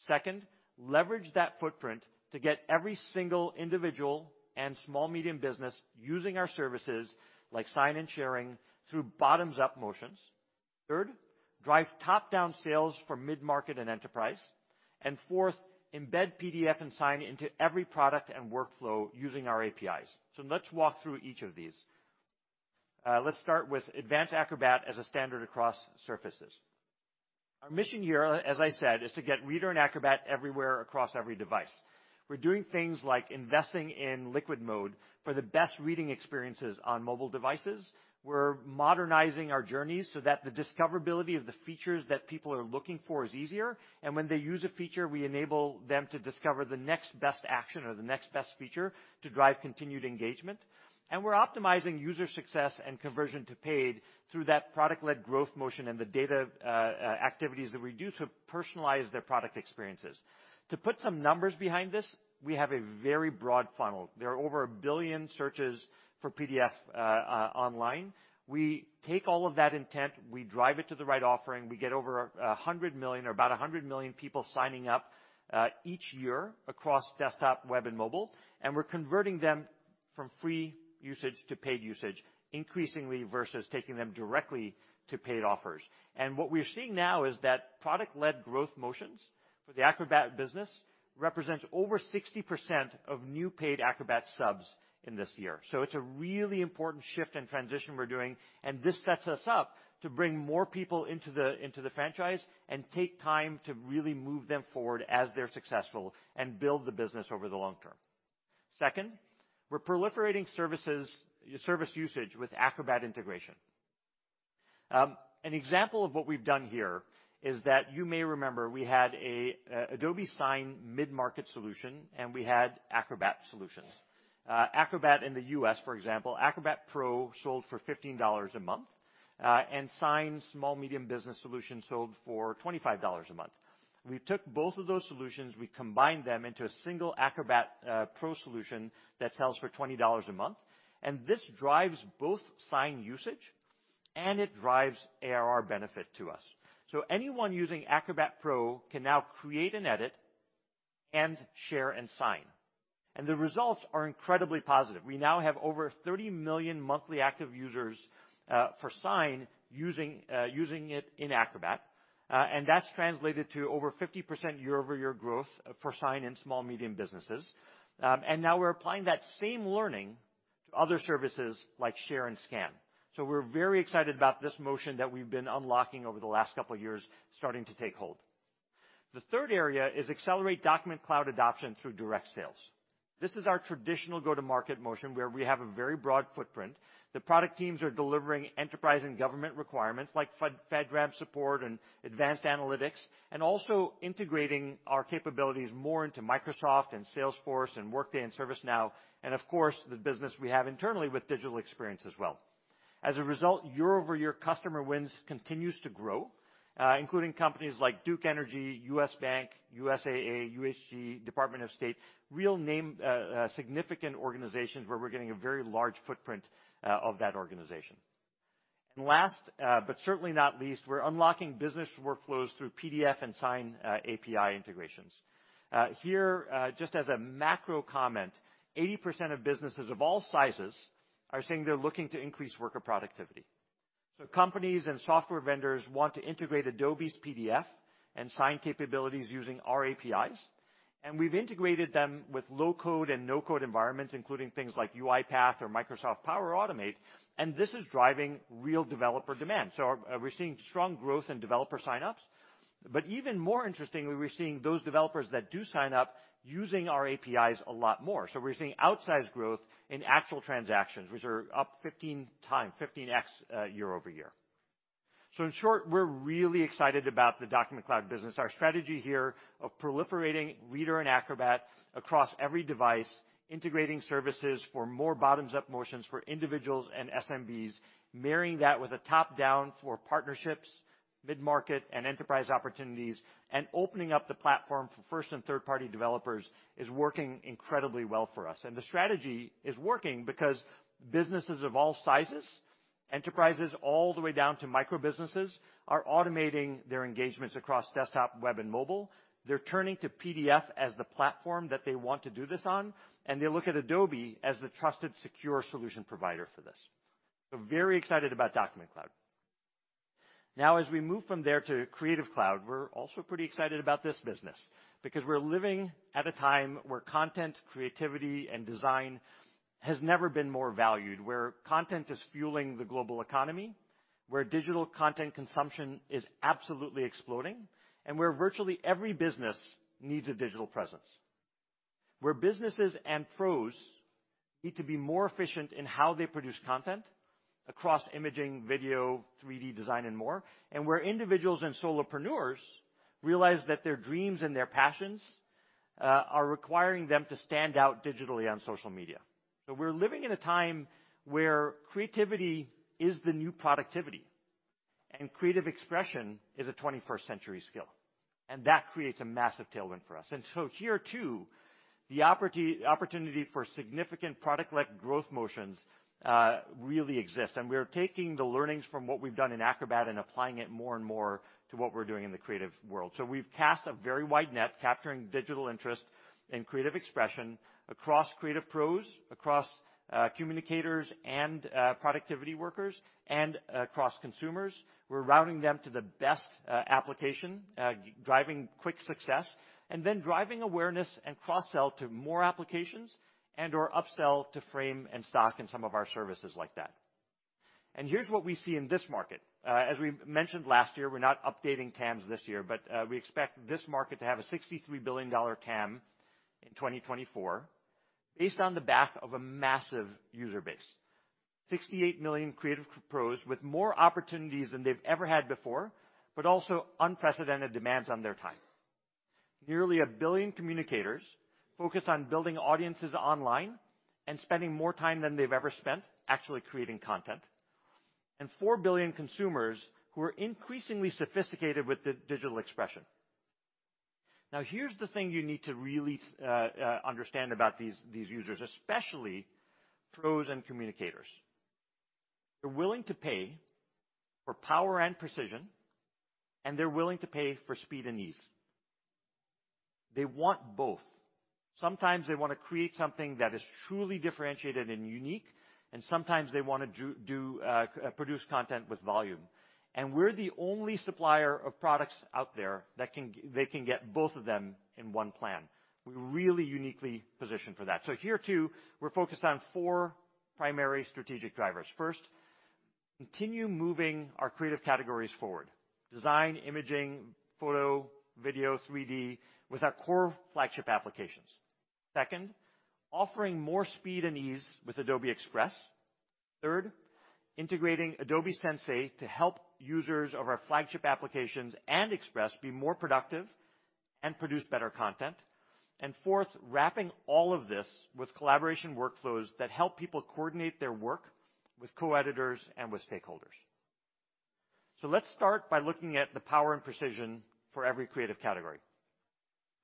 Second, leverage that footprint to get every single individual and small, medium business using our services like Sign and Sharing through bottoms-up motions. Third, drive top-down sales for mid-market and enterprise. Fourth, embed PDF and Sign into every product and workflow using our APIs. Let's walk through each of these. Let's start with advanced Acrobat as a standard across surfaces. Our mission here, as I said, is to get Reader and Acrobat everywhere across every device. We're doing things like investing in Liquid Mode for the best reading experiences on mobile devices. We're modernizing our journeys so that the discoverability of the features that people are looking for is easier. When they use a feature, we enable them to discover the next best action or the next best feature to drive continued engagement. We're optimizing user success and conversion to paid through that product-led growth motion and the data activities that we do to personalize their product experiences. To put some numbers behind this, we have a very broad funnel. There are over 1 billion searches for PDF online. We take all of that intent, we drive it to the right offering. We get over 100 million, or about 100 million people signing up each year across desktop, web, and mobile, and we're converting them from free usage to paid usage, increasingly versus taking them directly to paid offers. What we're seeing now is that product-led growth motions for the Acrobat business represents over 60% of new paid Acrobat subs in this year. It's a really important shift and transition we're doing, and this sets us up to bring more people into the franchise and take time to really move them forward as they're successful and build the business over the long term. Second, we're proliferating service usage with Acrobat integration. An example of what we've done here is that you may remember we had Adobe Sign mid-market solution, and we had Acrobat solutions. Acrobat in the U.S., for example, Acrobat Pro sold for $15 a month, and Sign small medium business solution sold for $25 a month. We took both of those solutions, we combined them into a single Acrobat Pro solution that sells for $20 a month, and this drives both Sign usage, and it drives ARR benefit to us. Anyone using Acrobat Pro can now create and edit and share and sign, and the results are incredibly positive. We now have over 30 million monthly active users for Sign using it in Acrobat. That's translated to over 50% year-over-year growth for Sign in small, medium businesses. Now we're applying that same learning to other services like Share and Scan. We're very excited about this motion that we've been unlocking over the last couple of years starting to take hold. The third area is accelerate Document Cloud adoption through direct sales. This is our traditional go-to-market motion where we have a very broad footprnt. The product teams are delivering enterprise and government requirements like FedRAMP support and advanced analytics, and also integrating our capabilities more into Microsoft and Salesforce and Workday and ServiceNow and, of course, the business we have internally with digital experience as well. As a result, year-over-year customer wins continues to grow, including companies like Duke Energy, U.S. Bank, USAA, USG, Department of State, significant organizations where we're getting a very large footprint of that organization. Last, but certainly not least, we're unlocking business workflows through PDF and Sign API integrations. Here, just as a macro comment, 80% of businesses of all sizes are saying they're looking to increase worker productivity. Companies and software vendors want to integrate Adobe's PDF and Sign capabilities using our APIs, and we've integrated them with low-code and no-code environments, including things like UiPath or Microsoft Power Automate, and this is driving real developer demand. We're seeing strong growth in developer sign-ups. Even more interestingly, we're seeing those developers that do sign up using our APIs a lot more. We're seeing outsized growth in actual transactions, which are up 15x year-over-year. In short, we're really excited about the Document Cloud business. Our strategy here of proliferating Reader and Acrobat across every device, integrating services for more bottoms-up motions for individuals and SMBs, marrying that with a top-down for partnerships, mid-market, and enterprise opportunities, and opening up the platform for first and third-party developers is working incredibly well for us. The strategy is working because businesses of all sizes, enterprises all the way down to microbusinesses, are automating their engagements across desktop, web, and mobile. They're turning to PDF as the platform that they want to do this on, and they look at Adobe as the trusted, secure solution provider for this. We're very excited about Document Cloud. Now as we move from there to Creative Cloud, we're also pretty excited about this business because we're living at a time where content, creativity, and design has never been more valued, where content is fueling the global economy, where digital content consumption is absolutely exploding, and where virtually every business needs a digital presence, where businesses and pros need to be more efficient in how they produce content across imaging, video, 3D design, and more, and where individuals and solopreneurs realize that their dreams and their passions are requiring them to stand out digitally on social media. We're living in a time where creativity is the new productivity and creative expression is a 21st-century skill, and that creates a massive tailwind for us. Here too, the opportunity for significant product-led growth motions really exist. We're taking the learnings from what we've done in Acrobat and applying it more and more to what we're doing in the creative world. We've cast a very wide net capturing digital interest in creative expression across creative pros, across communicators and productivity workers and across consumers. We're routing them to the best application driving quick success, and then driving awareness and cross-sell to more applications and/or upsell to frame and stock in some of our services like that. Here's what we see in this market. As we mentioned last year, we're not updating TAMs this year, but we expect this market to have a $63 billion TAM in 2024 based on the back of a massive user base. 68 million creative pros with more opportunities than they've ever had before, but also unprecedented demands on their time. Nearly 1 billion communicators focused on building audiences online and spending more time than they've ever spent actually creating content, and 4 billion consumers who are increasingly sophisticated with digital expression. Now, here's the thing you need to really understand about these users, especially pros and communicators. They're willing to pay for power and precision, and they're willing to pay for speed and ease. They want both. Sometimes they want to create something that is truly differentiated and unique, and sometimes they want to produce content with volume. We're the only supplier of products out there that they can get both of them in one plan. We're really uniquely positioned for that. Here, too, we're focused on four primary strategic drivers. First, continue moving our creative categories forward, design, imaging, photo, video, 3D with our core flagship applications. Second, offering more speed and ease with Adobe Express. Third, integrating Adobe Sensei to help users of our flagship applications and Express be more productive and produce better content. And fourth, wrapping all of this with collaboration workflows that help people coordinate their work with co-editors and with stakeholders. Let's start by looking at the power and precision for every creative category.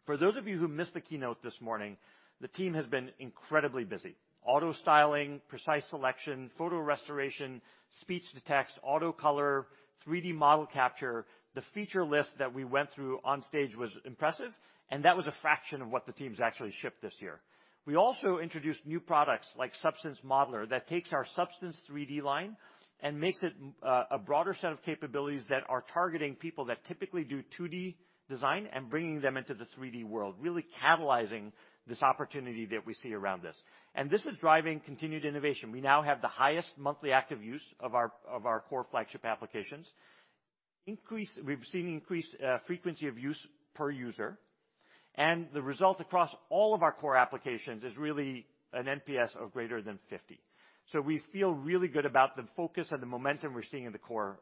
For those of you who missed the keynote this morning, the team has been incredibly busy. Auto styling, precise selection, photo restoration, speech to text, auto color, 3D model capture. The feature list that we went through on stage was impressive, and that was a fraction of what the teams actually shipped this year. We also introduced new products like Substance 3D Modeler that takes our Substance 3D line and makes it a broader set of capabilities that are targeting people that typically do 2D design and bringing them into the 3D world, really catalyzing this opportunity that we see around this. This is driving continued innovation. We now have the highest monthly active use of our core flagship applications. We've seen increased frequency of use per user, and the result across all of our core applications is really an NPS of greater than 50. We feel really good about the focus and the momentum we're seeing in the core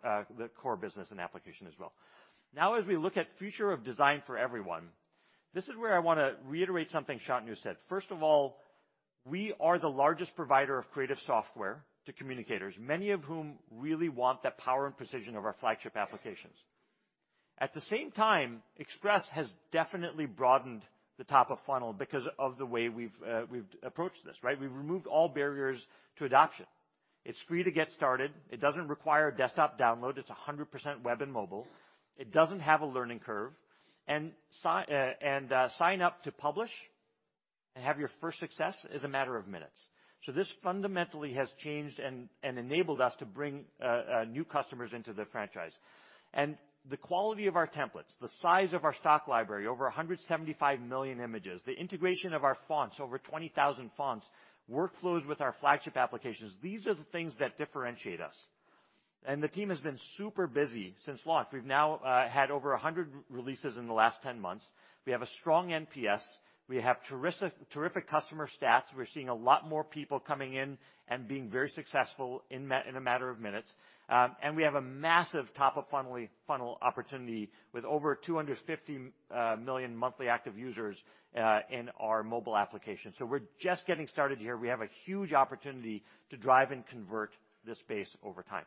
business and application as well. Now, as we look at future of design for everyone, this is where I wanna reiterate something Shantanu said. First of all, we are the largest provider of creative software to communicators, many of whom really want the power and precision of our flagship applications. At the same time, Express has definitely broadened the top of funnel because of the way we've approached this, right? We've removed all barriers to adoption. It's free to get started. It doesn't require a desktop download. It's 100% web and mobile. It doesn't have a learning curve. Sign up to publish and have your first success is a matter of minutes. This fundamentally has changed and enabled us to bring new customers into the franchise. The quality of our templates, the size of our Stock library, over 175 million images, the integration of our fonts, over 20,000 fonts, workflows with our flagship applications, these are the things that differentiate us. The team has been super busy since launch. We've now had over 100 releases in the last 10 months. We have a strong NPS. We have terrific customer stats. We're seeing a lot more people coming in and being very successful in a matter of minutes. We have a massive top-of-funnel opportunity with over 250 million monthly active users in our mobile application. We're just getting started here. We have a huge opportunity to drive and convert this space over time.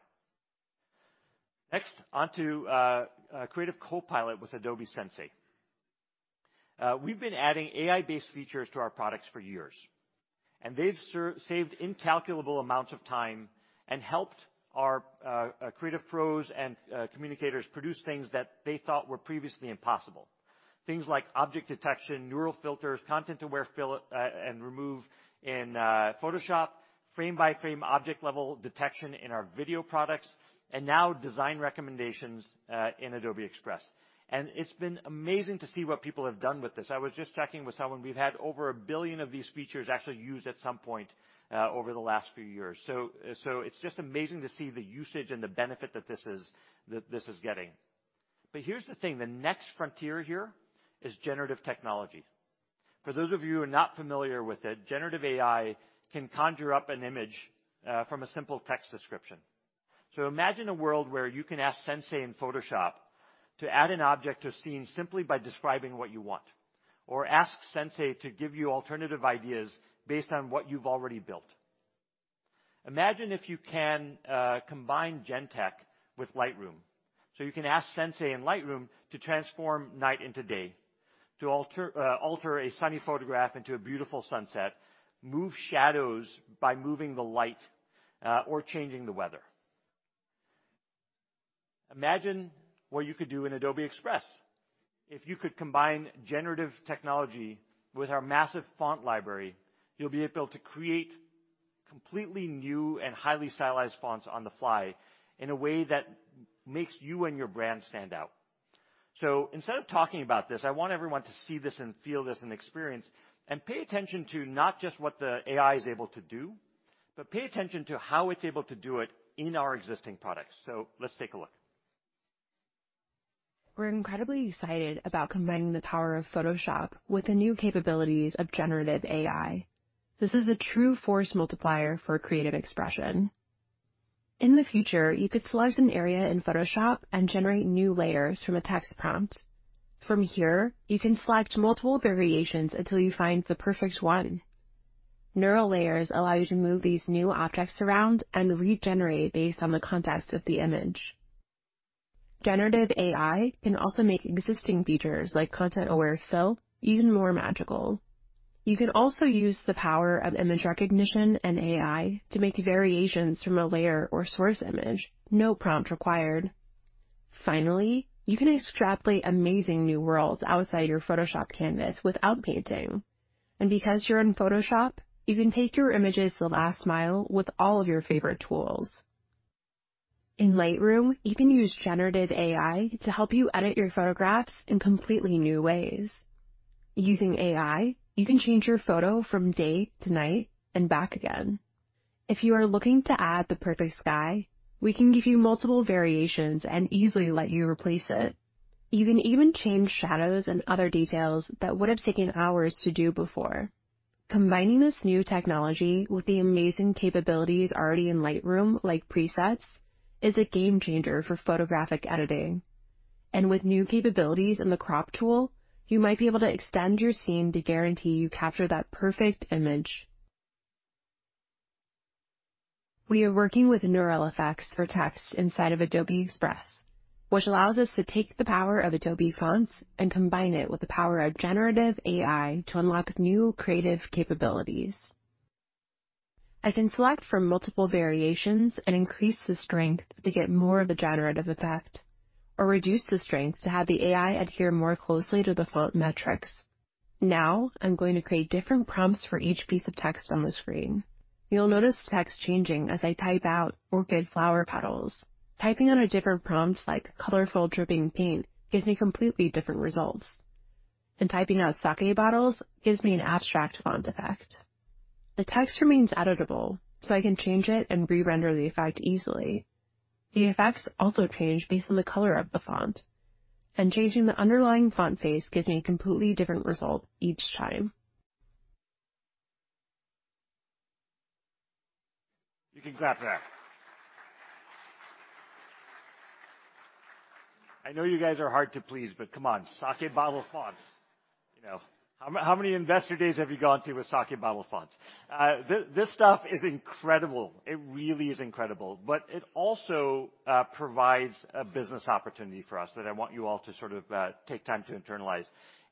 Next, on to Creative Copilot with Adobe Sensei. We've been adding AI-based features to our products for years, and they've saved incalculable amounts of time and helped our creative pros and communicators produce things that they thought were previously impossible. Things like object detection, Neural Filters, Content-Aware Fill, and remove in Photoshop, frame-by-frame object level detection in our video products, and now design recommendations in Adobe Express. It's been amazing to see what people have done with this. I was just checking with someone. We've had over 1 billion of these features actually used at some point over the last few years. So it's just amazing to see the usage and the benefit that this is getting. Here's the thing. The next frontier here is generative technology. For those of you who are not familiar with it, generative AI can conjure up an image from a simple text description. Imagine a world where you can ask Sensei in Photoshop to add an object to a scene simply by describing what you want, or ask Sensei to give you alternative ideas based on what you've already built. Imagine if you can combine GenTech with Lightroom, so you can ask Sensei in Lightroom to transform night into day, to alter a sunny photograph into a beautiful sunset, move shadows by moving the light, or changing the weather. Imagine what you could do in Adobe Express if you could combine generative technology with our massive font library. You'll be able to create completely new and highly stylized fonts on the fly in a way that makes you and your brand stand out. Instead of talking about this, I want everyone to see this and feel this and experience, and pay attention to not just what the AI is able to do, but pay attention to how it's able to do it in our existing products. Let's take a look. We're incredibly excited about combining the power of Photoshop with the new capabilities of generative AI. This is a true force multiplier for creative expression. In the future, you could select an area in Photoshop and generate new layers from a text prompt. From here, you can select multiple variations until you find the perfect one. Neural layers allow you to move these new objects around and regenerate based on the context of the image. Generative AI can also make existing features like Content-Aware Fill even more magical. You can also use the power of image recognition and AI to make variations from a layer or source image, no prompt required. Finally, you can extrapolate amazing new worlds outside your Photoshop canvas without painting. Because you're in Photoshop, you can take your images the last mile with all of your favorite tools. In Lightroom, you can use generative AI to help you edit your photographs in completely new ways. Using AI, you can change your photo from day to night and back again. If you are looking to add the perfect sky, we can give you multiple variations and easily let you replace it. You can even change shadows and other details that would have taken hours to do before. Combining this new technology with the amazing capabilities already in Lightroom, like presets, is a game changer for photographic editing. With new capabilities in the crop tool, you might be able to extend your scene to guarantee you capture that perfect image. We are working with neural effects for text inside of Adobe Express, which allows us to take the power of Adobe Fonts and combine it with the power of generative AI to unlock new creative capabilities. I can select from multiple variations and increase the strength to get more of a generative effect, or reduce the strength to have the AI adhere more closely to the font metrics. Now, I'm going to create different prompts for each piece of text on the screen. You'll notice the text changing as I type out orchid flower petals. Typing on a different prompt, like colorful dripping paint, gives me completely different results. Typing out sake bottles gives me an abstract font effect. The text remains editable, so I can change it and re-render the effect easily. The effects also change based on the color of the font, and changing the underlying font face gives me a completely different result each time. You can clap for that. I know you guys are hard to please, but come on, sake bottle fonts. You know, how many investor days have you gone to with sake bottle fonts? This stuff is incredible. It really is incredible. But it also provides a business opportunity for us that I want you all to sort of take time to internalize.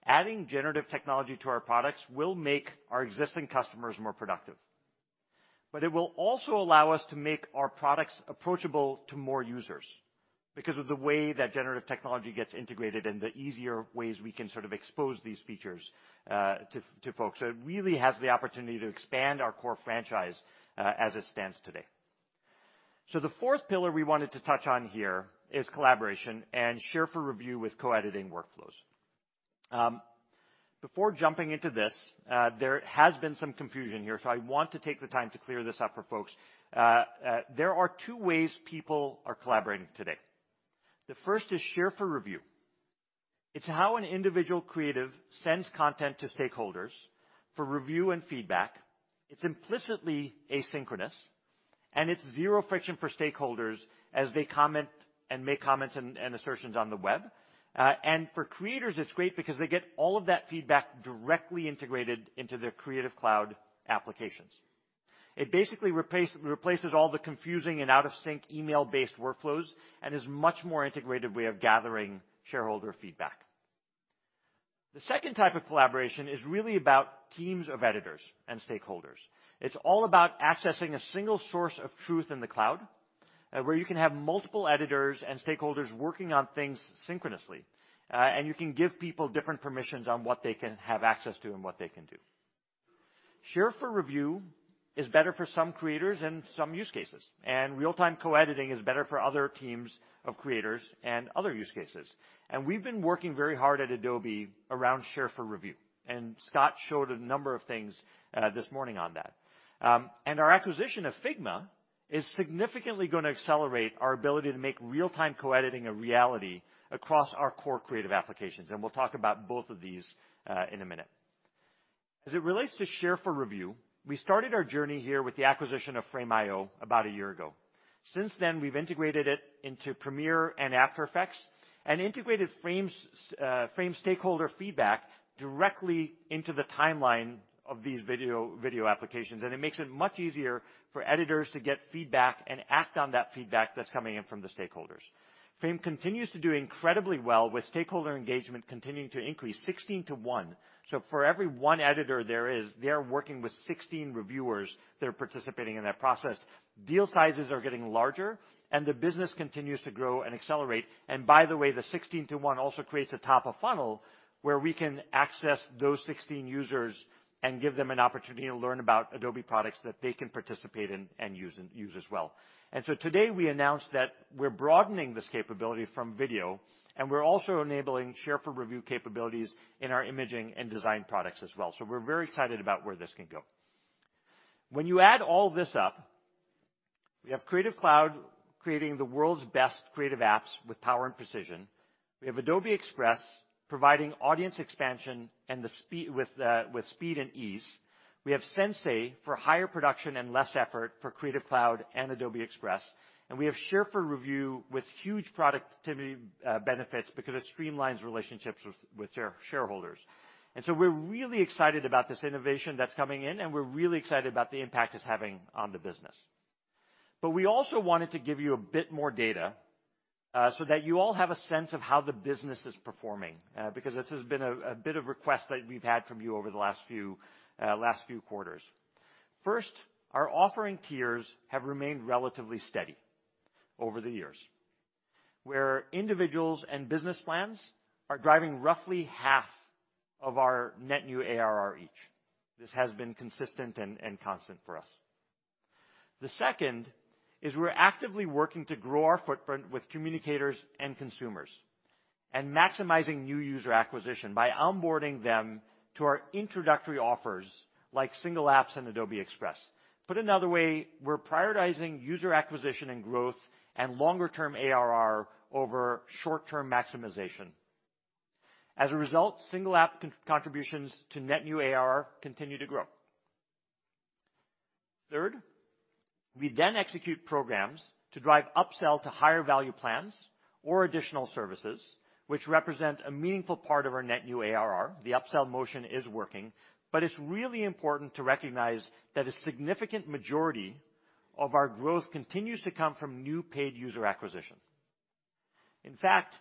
Adding generative technology to our products will make our existing customers more productive. But it will also allow us to make our products approachable to more users because of the way that generative technology gets integrated and the easier ways we can sort of expose these features to folks. It really has the opportunity to expand our core franchise as it stands today. The fourth pillar we wanted to touch on here is collaboration and Share for Review with co-editing workflows. Before jumping into this, there has been some confusion here, so I want to take the time to clear this up for folks. There are two ways people are collaborating today. The first is Share for Review. It's how an individual creative sends content to stakeholders for review and feedback. It's implicitly asynchronous, and it's zero friction for stakeholders as they comment and make comments and assertions on the web. For creators, it's great because they get all of that feedback directly integrated into their Creative Cloud applications. It basically replaces all the confusing and out-of-sync email-based workflows, and is a much more integrated way of gathering stakeholder feedback. The second type of collaboration is really about teams of editors and stakeholders. It's all about accessing a single source of truth in the cloud, where you can have multiple editors and stakeholders working on things synchronously. You can give people different permissions on what they can have access to and what they can do. Share for Review is better for some creators and some use cases, and real-time co-editing is better for other teams of creators and other use cases. We've been working very hard at Adobe around Share for Review. Scott showed a number of things this morning on that. Our acquisition of Figma is significantly gonna accelerate our ability to make real-time co-editing a reality across our core creative applications, and we'll talk about both of these in a minute. As it relates to Share for Review, we started our journey here with the acquisition of Frame.io about a year ago. Since then, we've integrated it into Premiere and After Effects, and integrated Frame stakeholder feedback directly into the timeline of these video applications. It makes it much easier for editors to get feedback and act on that feedback that's coming in from the stakeholders. Frame continues to do incredibly well with stakeholder engagemt continuing to increase 16-to-1. For every one editor there is, they're working with 16 reviewers that are participating in that process. Deal sizes are getting larger, and the business continues to grow and accelerate. By the way, the 16-to-1 also creates a top-of-funnel where we can access those 16 users and give them an opportunity to learn about Adobe products that they can participate in and use as well. Today, we announced that we're broadening this capability from video, and we're also enabling Share for Review capabilities in our imaging and design products as well. We're very excited about where this can go. When you add all this up, we have Creative Cloud creating the world's best creative apps with power and precision. We have Adobe Express providing audience expansion with speed and ease. We have Sensei for higher production and less effort for Creative Cloud and Adobe Express. We have Share for Review with huge productivity benefits because it streamlines relationships with shareholders. We're really excited about this innovation that's coming in, and we're really excited about the impact it's having on the business. We also wanted to give you a bit more data, so that you all have a sense of how the business is performing, because this has been a bit of request that we've had from you over the last few quarters. First, our offering tiers have remained relatively steady over the years, where individuals and business plans are driving roughly half of our net new ARR each. This has been consistent and constant for us. The second is we're actively working to grow our footprint with communicators and consumers and maximizing new user acquisition by onboarding them to our introductory offers like Single Apps and Adobe Express. Put another way, we're prioritizing user acquisition and growth and longer term ARR over short-term maximization. As a result, Single App contributions to net new ARR continue to grow. Third, we execute programs to drive upsell to higher value plans or additional services, which represent a meaningful part of our net new ARR. The upsell motion is working, but it's really important to recognize that a significant majority of our growth continues to come from new paid user acquisition. In fact,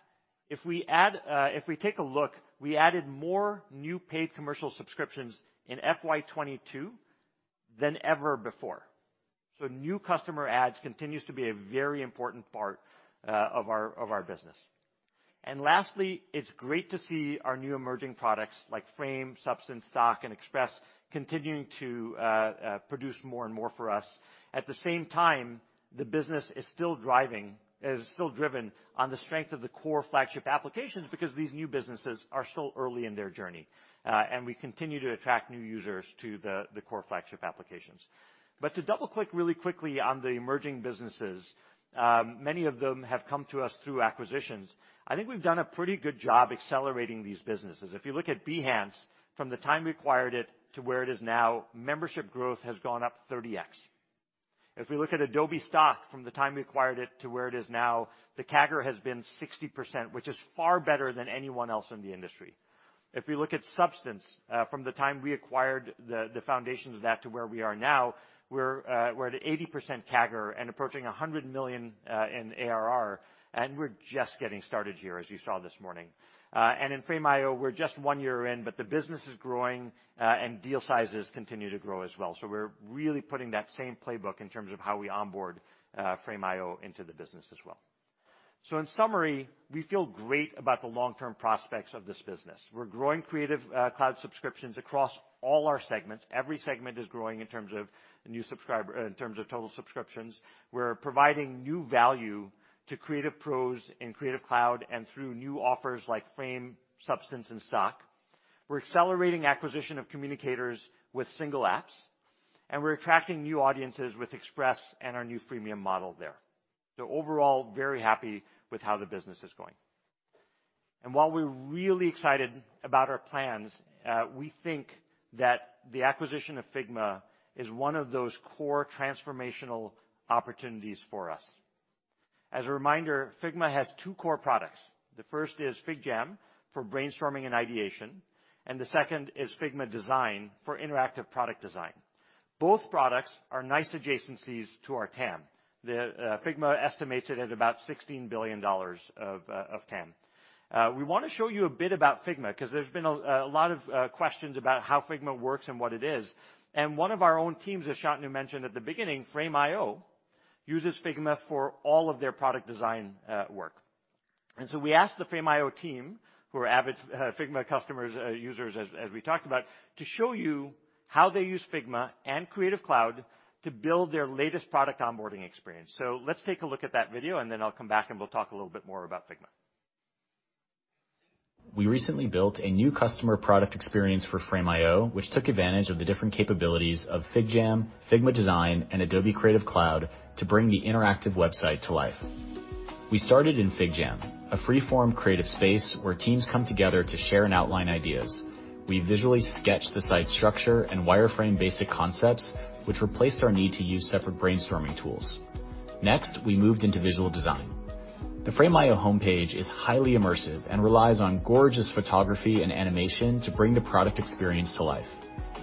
if we take a look, we added more new paid commercial subscriptions in FY 2022 than ever before. New customer adds continues to be a very important part of our business. Lastly, it's great to see our new emerging products like Frame, Substance, Stock, and Express continuing to produce more and more for us. At the same time, the business is still driven on the strength of the core flagship applications because these new businesses are still early in their journey, and we continue to attract new users to the core flagship applications. To double-click really quickly on the emerging businesses, many of them have come to us through acquisitions. I think we've done a pretty good job accelerating these businesses. If you look at Behance, from the time we acquired it to where it is now, membership growth has gone up 30x. If we look at Adobe Stock, from the time we acquired it to where it is now, the CAGR has been 60%, which is far better than anyone else in the industry. If we look at Substance from the time we acquired the foundations of that to where we are now, we're at 80% CAGR and approaching $100 million in ARR, and we're just getting started here, as you saw this morning. In Frame.io, we're just one year in, but the business is growing, and deal sizes continue to grow as well. We're really putting that same playbook in terms of how we onboard Frame.io into the business as well. In summary, we feel great about the long-term prospects of this business. We're growing Creative Cloud subscriptions across all our segments. Every segment is growing in terms of new subscriber in terms of total subscriptions. We're providing new value to creative pros in Creative Cloud and through new offers like Frame, Substance, and Stock. We're accelerating acquisition of communicators with single apps. We're attracting new audiences with Express and our new freemium model there. Overall, very happy with how the business is going. While we're really excited about our plans, we think that the acquisition of Figma is one of those core transformational opportunities for us. As a reminder, Figma has two core products. The first is FigJam, for brainstorming and ideation, and the second is Figma Design for interactive product design. Both products are nice adjacencies to our TAM. Figma estimates it at about $16 billion of TAM. We wanna show you a bit about Figma 'cause there's been a lot of questions about how Figma works and what it is. One of our own teams, as Shantanu mentioned at the beginning, Frame.io, uses Figma for all of their product design work. We asked the Frame.io team, who are avid Figma customers, users as we talked about, to show you how they use Figma and Creative Cloud to build their latest product onboarding experience. Let's take a look at that video, and then I'll come back, and we'll talk a little bit more about Figma. We recently built a new customer product experience for Frame.io, which took advantage of the different capabilities of FigJam, Figma Design, and Adobe Creative Cloud to bring the interactive website to life. We started in FigJam, a free-form creative space where teams come together to share and outline ideas. We visually sketched the site structure and wireframe basic concepts, which replaced our need to use separate brainstorming tools. Next, we moved into visual design. The Frame.io homepage is highly immersive and relies on gorgeous photography and animation to bring the product experience to life.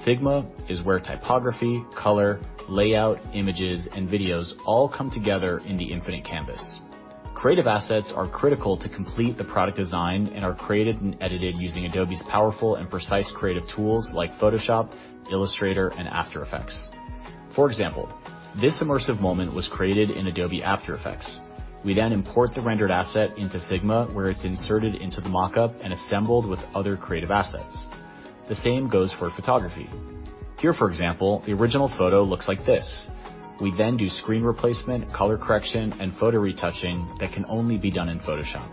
Figma is where typography, color, layout, images, and videos all come together in the infinite canvas. Creative assets are critical to complete the product design and are created and edited using Adobe's powerful and precise creative tools like Photoshop, Illustrator, and After Effects. For example, this immersive moment was created in Adobe After Effects. We then import the rendered asset into Figma, where it's inserted into the mock-up and assembled with other creative assets. The same goes for photography. Here, for example, the original photo looks like this. We then do screen replacement, color correction, and photo retouching that can only be done in Photoshop.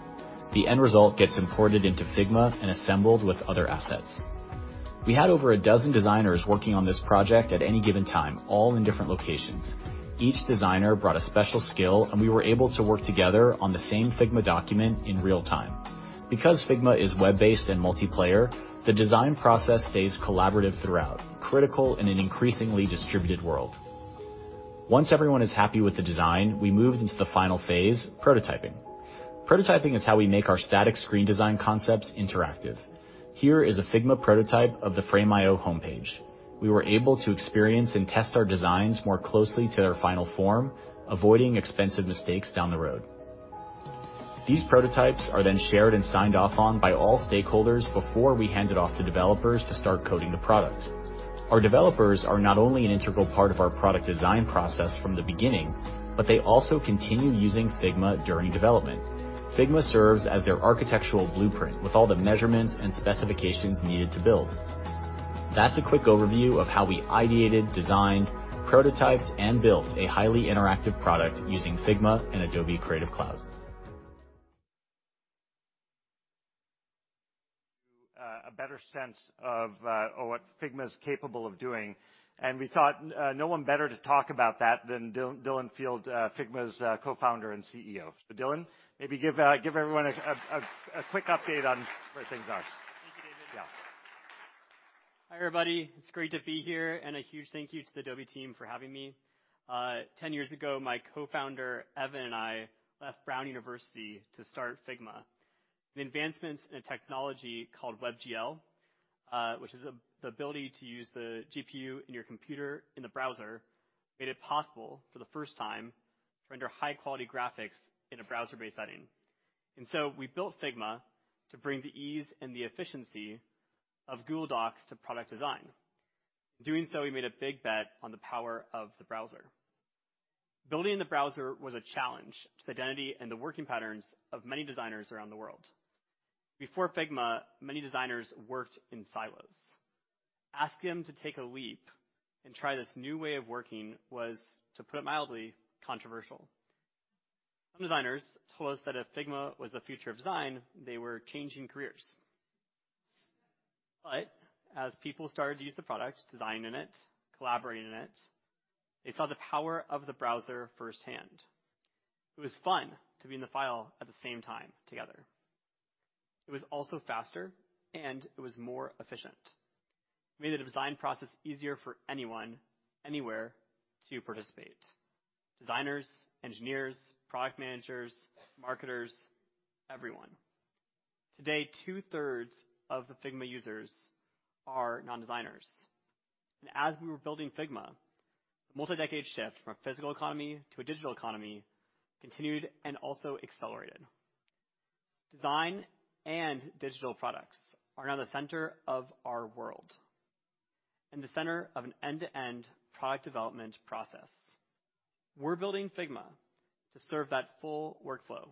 The end result gets imported into Figma and assembled with other assets. We had over a dozen designers working on this project at any given time, all in different locations. Each designer brought a special skill, and we were able to work together on the same Figma document in real time. Because Figma is web-based and multiplayer, the design process stays collaborative throughout, critical in an increasingly distributed world. Once everyone is happy with the design, we moved into the final phase, prototyping. Prototyping is how we make our static screen design concepts interactive. Here is a Figma prototype of the Frame.io homepage. We were able to experience and test our designs more closely to their final form, avoiding expensive mistakes down the road. These prototypes are then shared and signed off on by all stakeholders before we hand it off to developers to start coding the product. Our developers are not only an integral part of our product design process from the beginning, but they also continue using Figma during development. Figma serves as their architectural blueprint with all the measurements and specifications needed to build. That's a quick overview of how we ideated, designed, prototyped, and built a highly interactive product using Figma and Adobe Creative Cloud. A better sense of what Figma is capable of doing, and we thought no one better to talk about that than Dylan Field, Figma's Co-founder and CEO. Dylan, maybe give everyone a quick update on where things are. Thank you, David. Yeah. Hi, everybody. It's great to be here. A huge thank you to the Adobe team for having me. Ten years ago, my co-founder, Evan, and I left Brown University to start Figma. The advancements in a technology called WebGL, which is the ability to use the GPU in your computer in the browser, made it possible for the first time to render high-quality graphics in a browser-based setting. We built Figma to bring the ease and the efficiency of Google Docs to product design. In doing so, we made a big bet on the power of the browser. Building in the browser was a challenge to the identity and the working patterns of many designers around the world. Before Figma, many designers worked in silos. Asking them to take a leap and try this new way of working was, to put it mildly, controversial. Some designers told us that if Figma was the future of design, they were changing careers. As people started to use the product, design in it, collaborate in it, they saw the power of the browser firsthand. It was fun to be in the file at the same time together. It was also faster, and it was more efficient. It made the design process easier for anyone, anywhere to participate. Designers, engineers, product managers, marketers, everyone. Today, two-thirds of the Figma users are non-designers. As we were building Figma, the multi-decade shift from physical economy to a digital economy continued and also accelerated. Design and digital products are now the center of our world and the center of an end-to-end product development process. We're building Figma to serve that full workflow,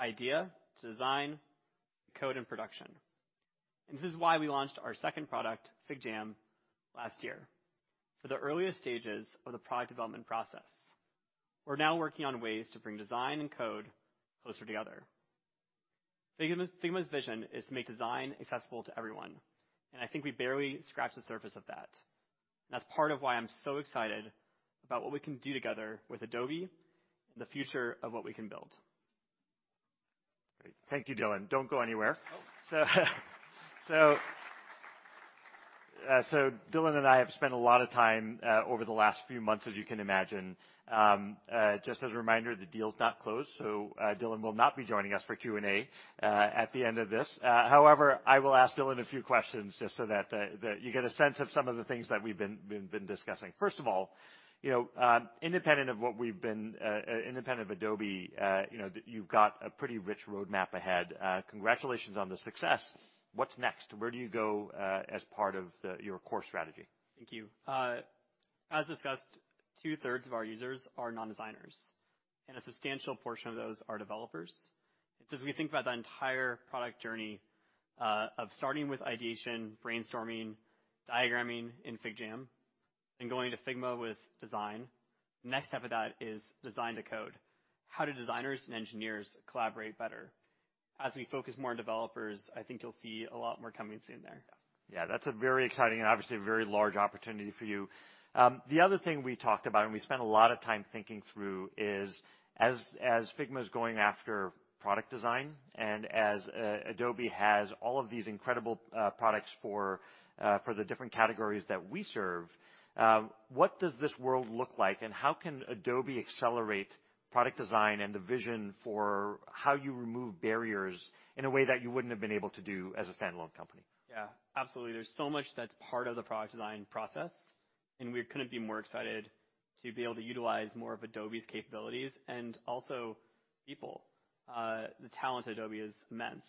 idea to design to code and production. This is why we launched our second product, FigJam, last year. For the earliest stages of the product development process, we're now working on ways to bring design and code closer together. Figma's vision is to make design accessible to everyone, and I think we barely scratched the surface of that. That's part of why I'm so excited about what we can do together with Adobe and the future of what we can build. Great. Thank you, Dylan. Don't go anywhere. Oh. Dylan and I have spent a lot of time over the last few months, as you can imagine. Just as a reminder, the deal's not closed, so Dylan will not be joining us for Q&A at the end of this. However, I will ask Dylan a few questions just so that you get a sense of some of the things that we've been discussing. First of all, you know, independent of Adobe, you know, you've got a pretty rich roadmap ahead. Congratulations on the success. What's next? Where do you go as part of your core strategy? Thank you. As discussed, two-thirds of our users are non-designers, and a substantial portion of those are developers. As we think about the entire product journey, of starting with ideation, brainstorming, diagramming in FigJam, and going to Figma with design, next step of that is design to code. How do designers and engineers collaborate better? As we focus more on developers, I think you'll see a lot more coming soon there. Yeah, that's a very exciting and obviously a very large opportunity for you. The other thing we talked about and we spent a lot of time thinking through is, as Figma is going after product design and as Adobe has all of these incredible products for the different categories that we serve, what does this world look like, and how can Adobe accelerate product design and the vision for how you remove barriers in a way that you wouldn't have been able to do as a standalone company? Yeah, absolutely. There's so much that's part of the product design process, and we couldn't be more excited to be able to utilize more of Adobe's capabilities and also people. The talent at Adobe is immense,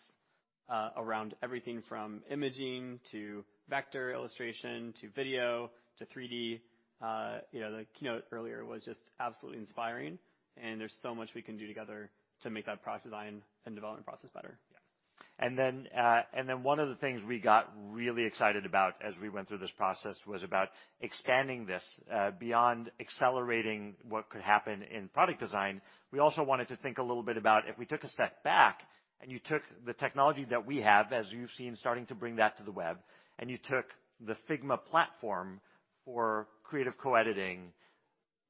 around everything from imaging to vector illustration to video to 3D. You know, the keynote earlier was just absolutely inspiring, and there's so much we can do together to make that product design and development process better. One of the things we got really excited about as we went through this process was about expanding this beyond accelerating what could happen in product design. We also wanted to think a little bit about if we took a step back and you took the technology that we have, as you've seen starting to bring that to the web, and you took the Figma platform for creative co-editing,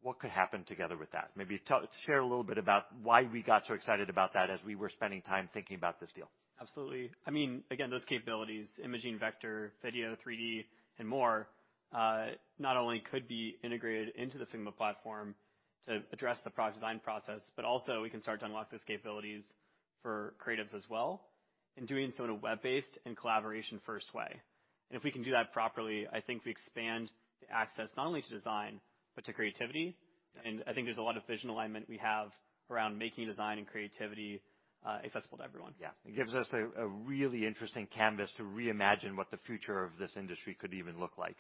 what could happen together with that. Maybe share a little bit about why we got so excited about that as we were spending time thinking about this deal. Absolutely. I mean, again, those capabilities, imaging, vector, video, 3D and more, not only could be integrated into the Figma platform to address the product design process, but also we can start to unlock those capabilities for creatives as well in doing so in a web-based and collaboration-first way. If we can do that properly, I think we expand the access not only to design, but to creativity. I think there's a lot of vision alignment we have around making design and creativity, accessible to everyone. Yeah. It gives us a really interesting canvas to reimagine what the future of this industry could even look like.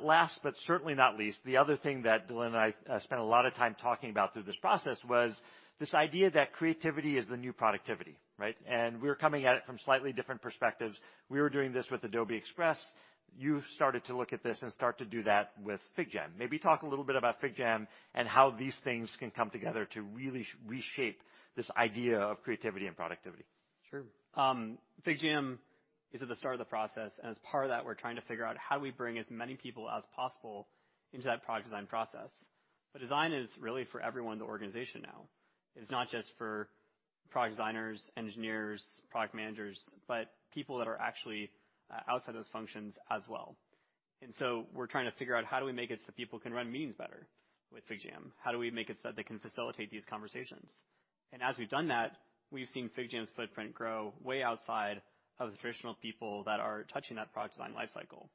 Last, but certainly not least, the other thing that Dylan and I spent a lot of time talking about through this process was this idea that creativity is the new productivity, right? We're coming at it from slightly different perspectives. We were doing this with Adobe Express. You started to look at this and start to do that with FigJam. Maybe talk a little bit about FigJam and how these things can come together to really reshape this idea of creativity and productivity. Sure. FigJam is at the start of the process, and as part of that, we're trying to figure out how do we bring as many people as possible into that product design process. Design is really for everyone in the organization now. It's not just for product designers, engineers, product managers, but people that are actually outside those functions as well. We're trying to figure out how do we make it so people can run meetings better with FigJam? How do we make it so that they can facilitate these conversations? As we've done that, we've seen FigJam's footprint grow way outside of the traditional people that are touching that product design life cycle.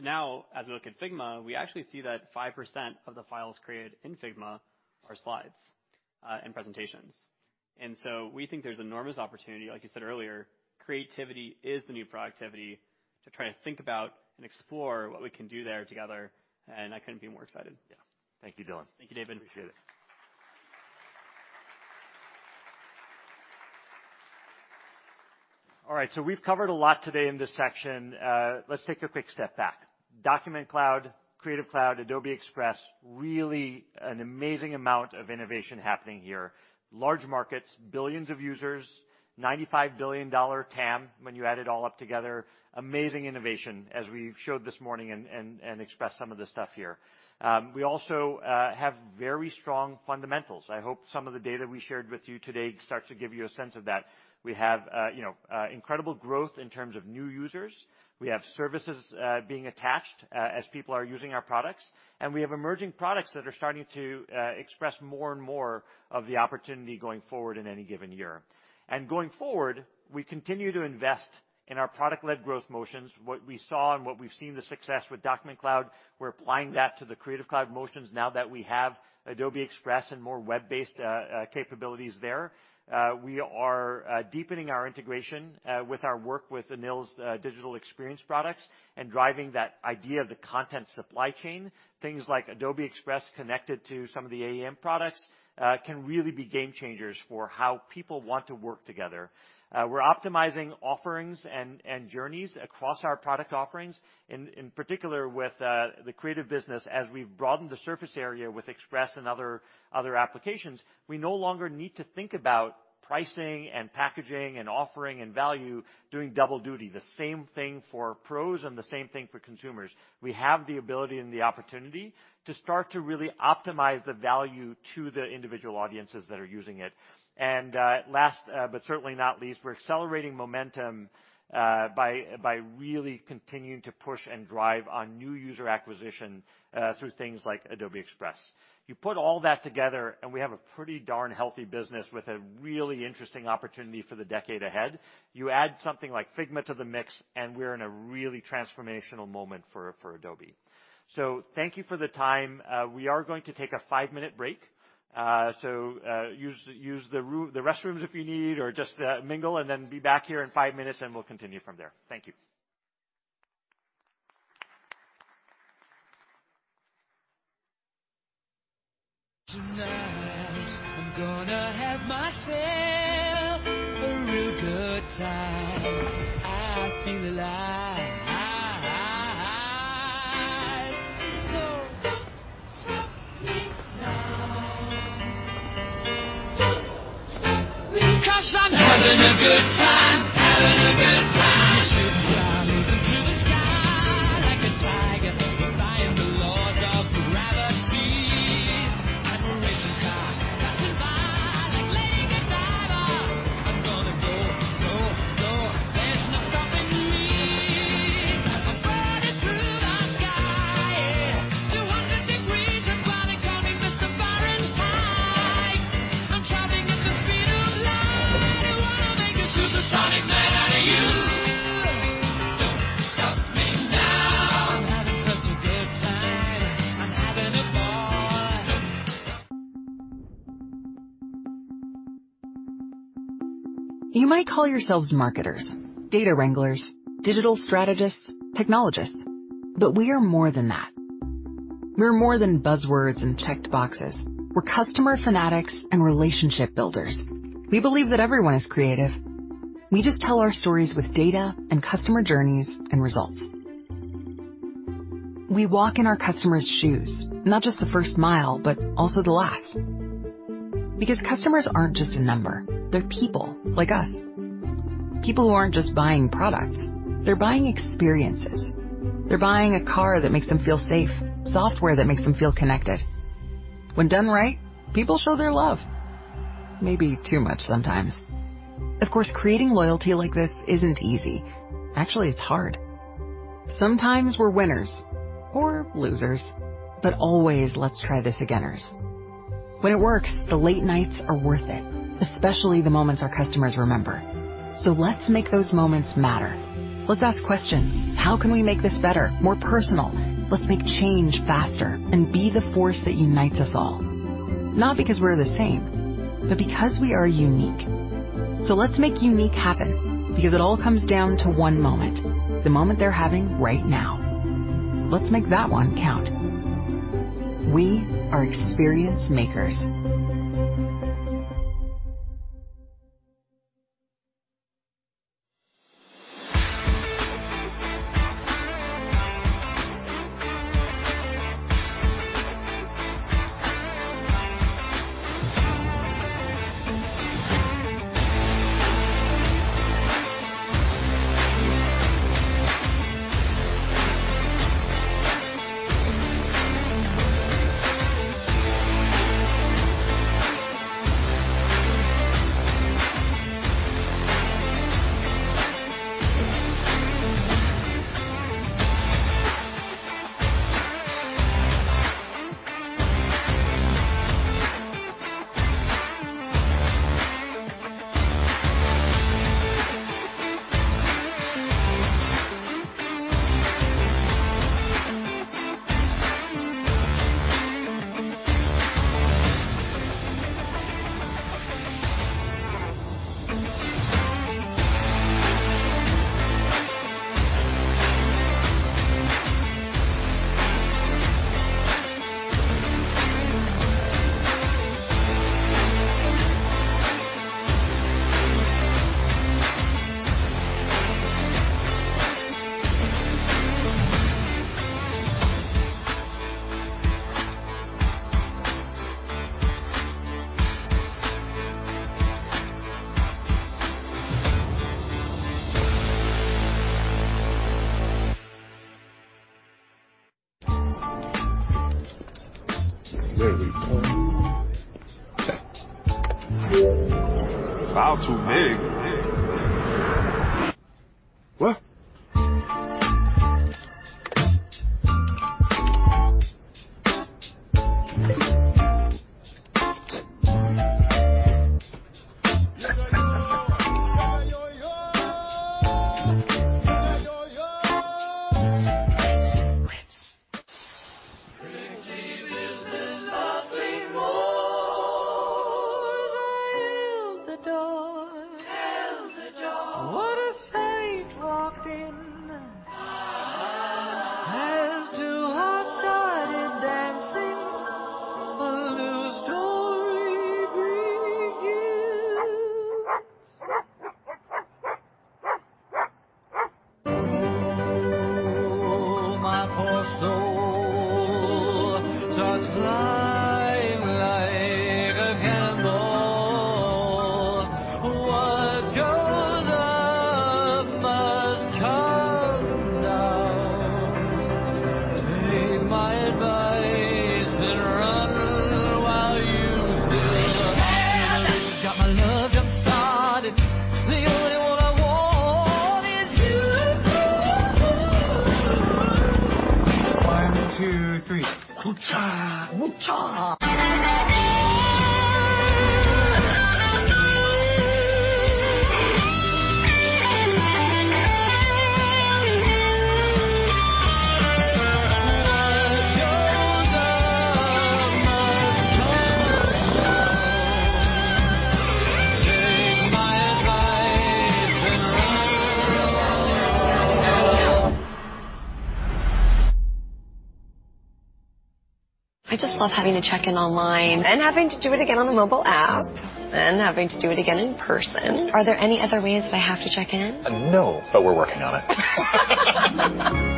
Now as we look at Figma, we actually see that 5% of the files created in Figma are slides and presentations. We think there's enormous opportunity, like you said earlier, creativity is the new productivity, to try to think about and explore what we can do there together. I couldn't be more excited. Yeah. Thank you, Dylan. Thank you, David. Appreciate it. All right, so we've covered a lot today in this section. Let's take a quick step back. Document Cloud, Creative Cloud, Adobe Express, really an amazing amount of innovation happening here. Large markets, billions of users, $95 billion TAM when you add it all up together. Amazing innovation as we showed this morning and expressed some of the stuff here. We also have very strong fundamentals. I hope some of the data we shared with you today starts to give you a sense of that. We have, you know, incredible growth in terms of new users. We have services being attached as people are using our products. We have emerging products that are starting to express more and more of the opportunity going forward in any given year. Going forward, we continue to invest in our product-led growth motions. What we saw and what we've seen the success with Document Cloud, we're applying that to the Creative Cloud motions now that we have Adobe Express and more web-based capabilities there. We are deepening our integration with our work with Anil's digital experience products and driving that idea of the content supply chain. Things like Adobe Express connected to some of the AEM products can really be game changers for how people want to work together. We're optimizing offerings and journeys across our product offerings, in particular with the creative business. As we've broadened the surface area with Express and other applications, we no longer need to think about pricing and packaging and offering and value doing double duty. The same thing for pros and the same thing for consumers. We have the ability and the opportunity to start to really optimize the value to the individual audiences that are using it. Last, but certainly not least, we're accelerating momentum by really continuing to push and drive on new user acquisition through things like Adobe Express. You put all that together, and we have a pretty darn healthy business with a really interesting opportunity for the decade ahead. You add something like Figma to the mix, and we're in a really transformational moment for Adobe. Thank you for the time. We are going to take a five-minute break. Use the restrooms if you need, or just mingle, and then be back here in five minutes, and we'll continue from there. Thank you. You might call yourselves marketers, data wranglers, digital strategists, technologists, but we are more than that. We're more than buzzwords and checked boxes. We're customer fanatics and relationship builders. We believe that everyone is creative. We just tell our stories with data and customer journeys and results. We walk in our customers' shoes, not just the first mile, but also the last. Because customers aren't just a number. They're people like us, people who aren't just buying products. They're buying experiences. They're buying a car that makes them feel safe, software that makes them feel connected. When done right, people show their love. Maybe too much sometimes. Of course, creating loyalty like this isn't easy. Actually, it's hard. Sometimes we're winners or losers, but always let's-try-this-againers. I just love having to check in online, and having to do it again on the mobile app, and having to do it again in person. Are there any other ways that I have to check in? No, but we're working on it.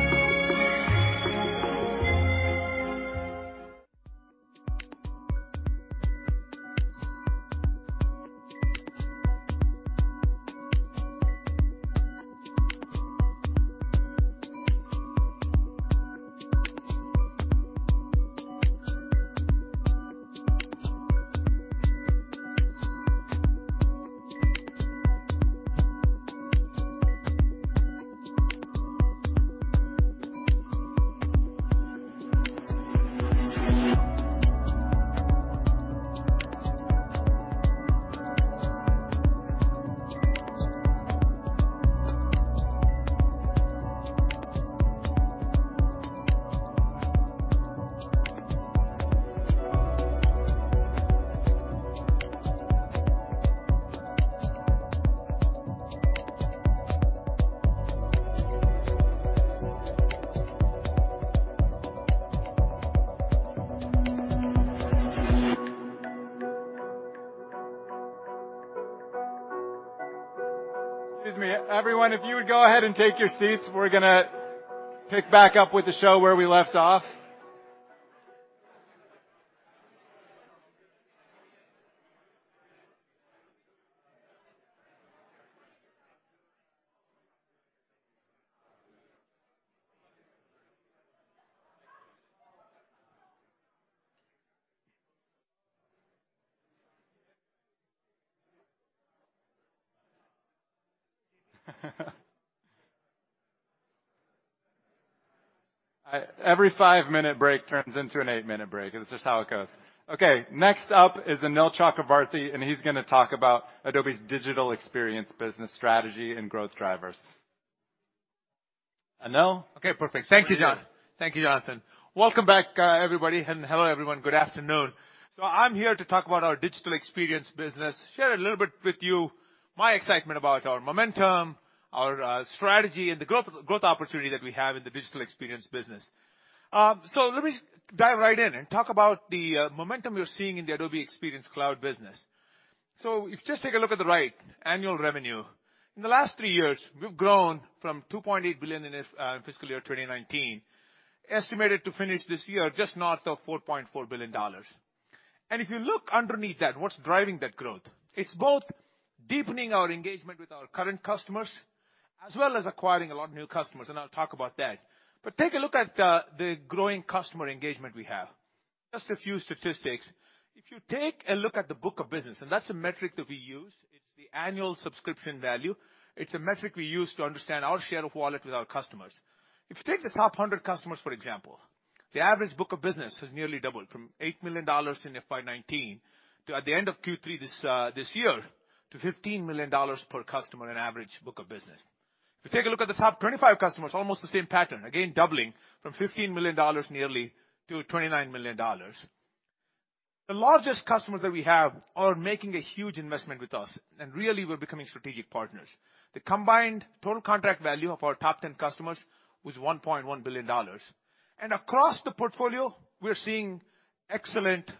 Excuse me. Everyone, if you would go ahead and take your seats, we're gonna pick back up with the show where we left off. Every five-minute break turns into an eight-minute break. It's just how it goes. Okay, next up is Anil Chakravarthy, and he's gonna talk about Adobe's digital experience, business strategy, and growth drivers. Anil. Okay, perfect. Thank you, John. Thank you, Jonathan. Welcome back, everybody, and hello everyone. Good afternoon. I'm here to talk about our digital experience business. Share a little bit with you my excitement about our momentum, our strategy, and the growth opportunity that we have in the digital experience business. Let me dive right in and talk about the momentum we're seeing in the Adobe Experience Cloud business. If you just take a look at the right, annual revenue. In the last three years, we've grown from $2.8 billion in fiscal year 2019, estimated to finish this year just north of $4.4 billion. If you look underneath that, what's driving that growth, it's both deepening our engagement with our current customers as well as acquiring a lot of new customers, and I'll talk about that. Take a look at the growing customer engagement we have. Just a few statistics. If you take a look at the book of business, and that's a metric that we use, it's the annual subscription value. It's a metric we use to understand our share of wallet with our customers. If you take the top 100 customers, for example, the average book of business has nearly doubled from $8 million in FY 2019 to at the end of Q3 this year to $15 million per customer in average book of business. If you take a look at the top 25 customers, almost the same pattern. Again, doubling from nearly $15 million-$29 million. The largest customers that we have are making a huge investment with us, and really we're becoming strategic partners. The combined total contract value of our top 10 customers was $1.1 billion. Across the portfolio, we're seeing excellent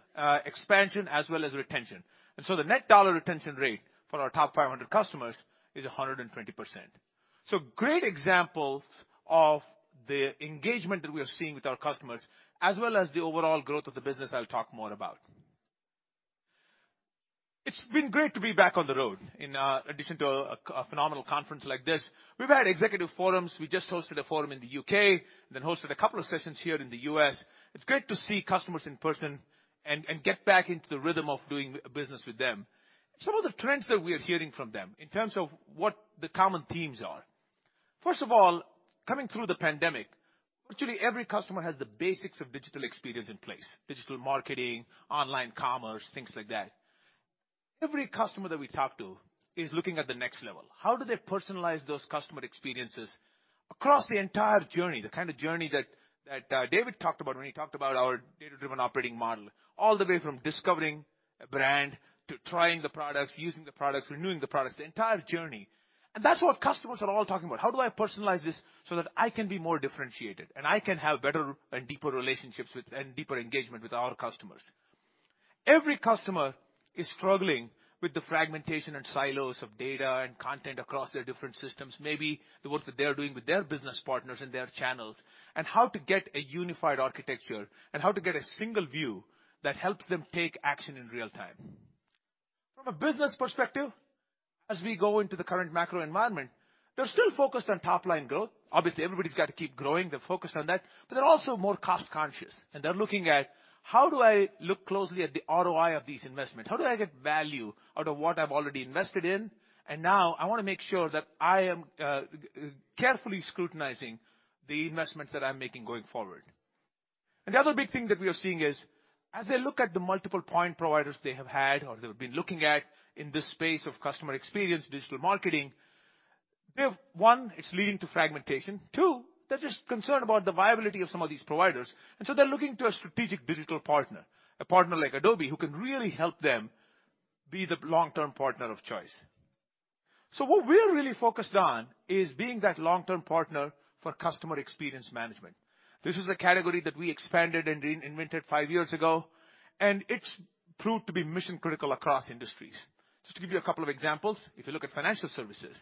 expansion as well as retention. The net dollar retention rate for our top 500 customers is 120%. Great examples of the engagement that we are seeing with our customers as well as the overall growth of the business I'll talk more about. It's been great to be back on the road. In addition to a phenomenal conference like this, we've had executive forums. We just hosted a forum in the U.K., and then hosted a couple of sessions here in the U.S. It's great to see customers in person and get back into the rhythm of doing business with them. Some of the trends that we are hearing from them in terms of what the common themes are. First of all, coming through the pandemic, virtually every customer has the basics of digital experience in place, digital marketing, online commerce, things like that. Every customer that we talk to is looking at the next level. How do they personalize those customer experiences across the entire journey, the kind of journey that David talked about when he talked about our data-driven operating model, all the way from discovering a brand to trying the products, using the products, renewing the products, the entire journey. That's what customers are all talking about. How do I personalize this so that I can be more differentiated, and I can have better and deeper relationships with and deeper engagement with our customers? Every customer is struggling with the fragmentation and silos of data and content across their different systems, maybe the work that they're doing with their business partners and their channels, and how to get a unified architecture and how to get a single view that helps them take action in real time. From a business perspective, as we go into the current macro environment, they're still focused on top-line growth. Obviously, everybody's got to keep growing. They're focused on that, but they're also more cost-conscious, and they're looking at how do I look closely at the ROI of these investments? How do I get value out of what I've already invested in? Now I want to make sure that I am carefully scrutinizing the investments that I'm making going forward. The other big thing that we are seeing is as they look at the multiple point providers they have had or they've been looking at in this space of customer experience, digital marketing, they've one, it's leading to fragmentation. Two, they're just concerned about the viability of some of these providers, and so they're looking to a strategic digital partner, a partner like Adobe, who can really help them be the long-term partner of choice. What we're really focused on is being that long-term partner for customer experience management. This is a category that we expanded and reinvented five years ago, and it's proved to be mission-critical across industries. Just to give you a couple of examples, if you look at financial services,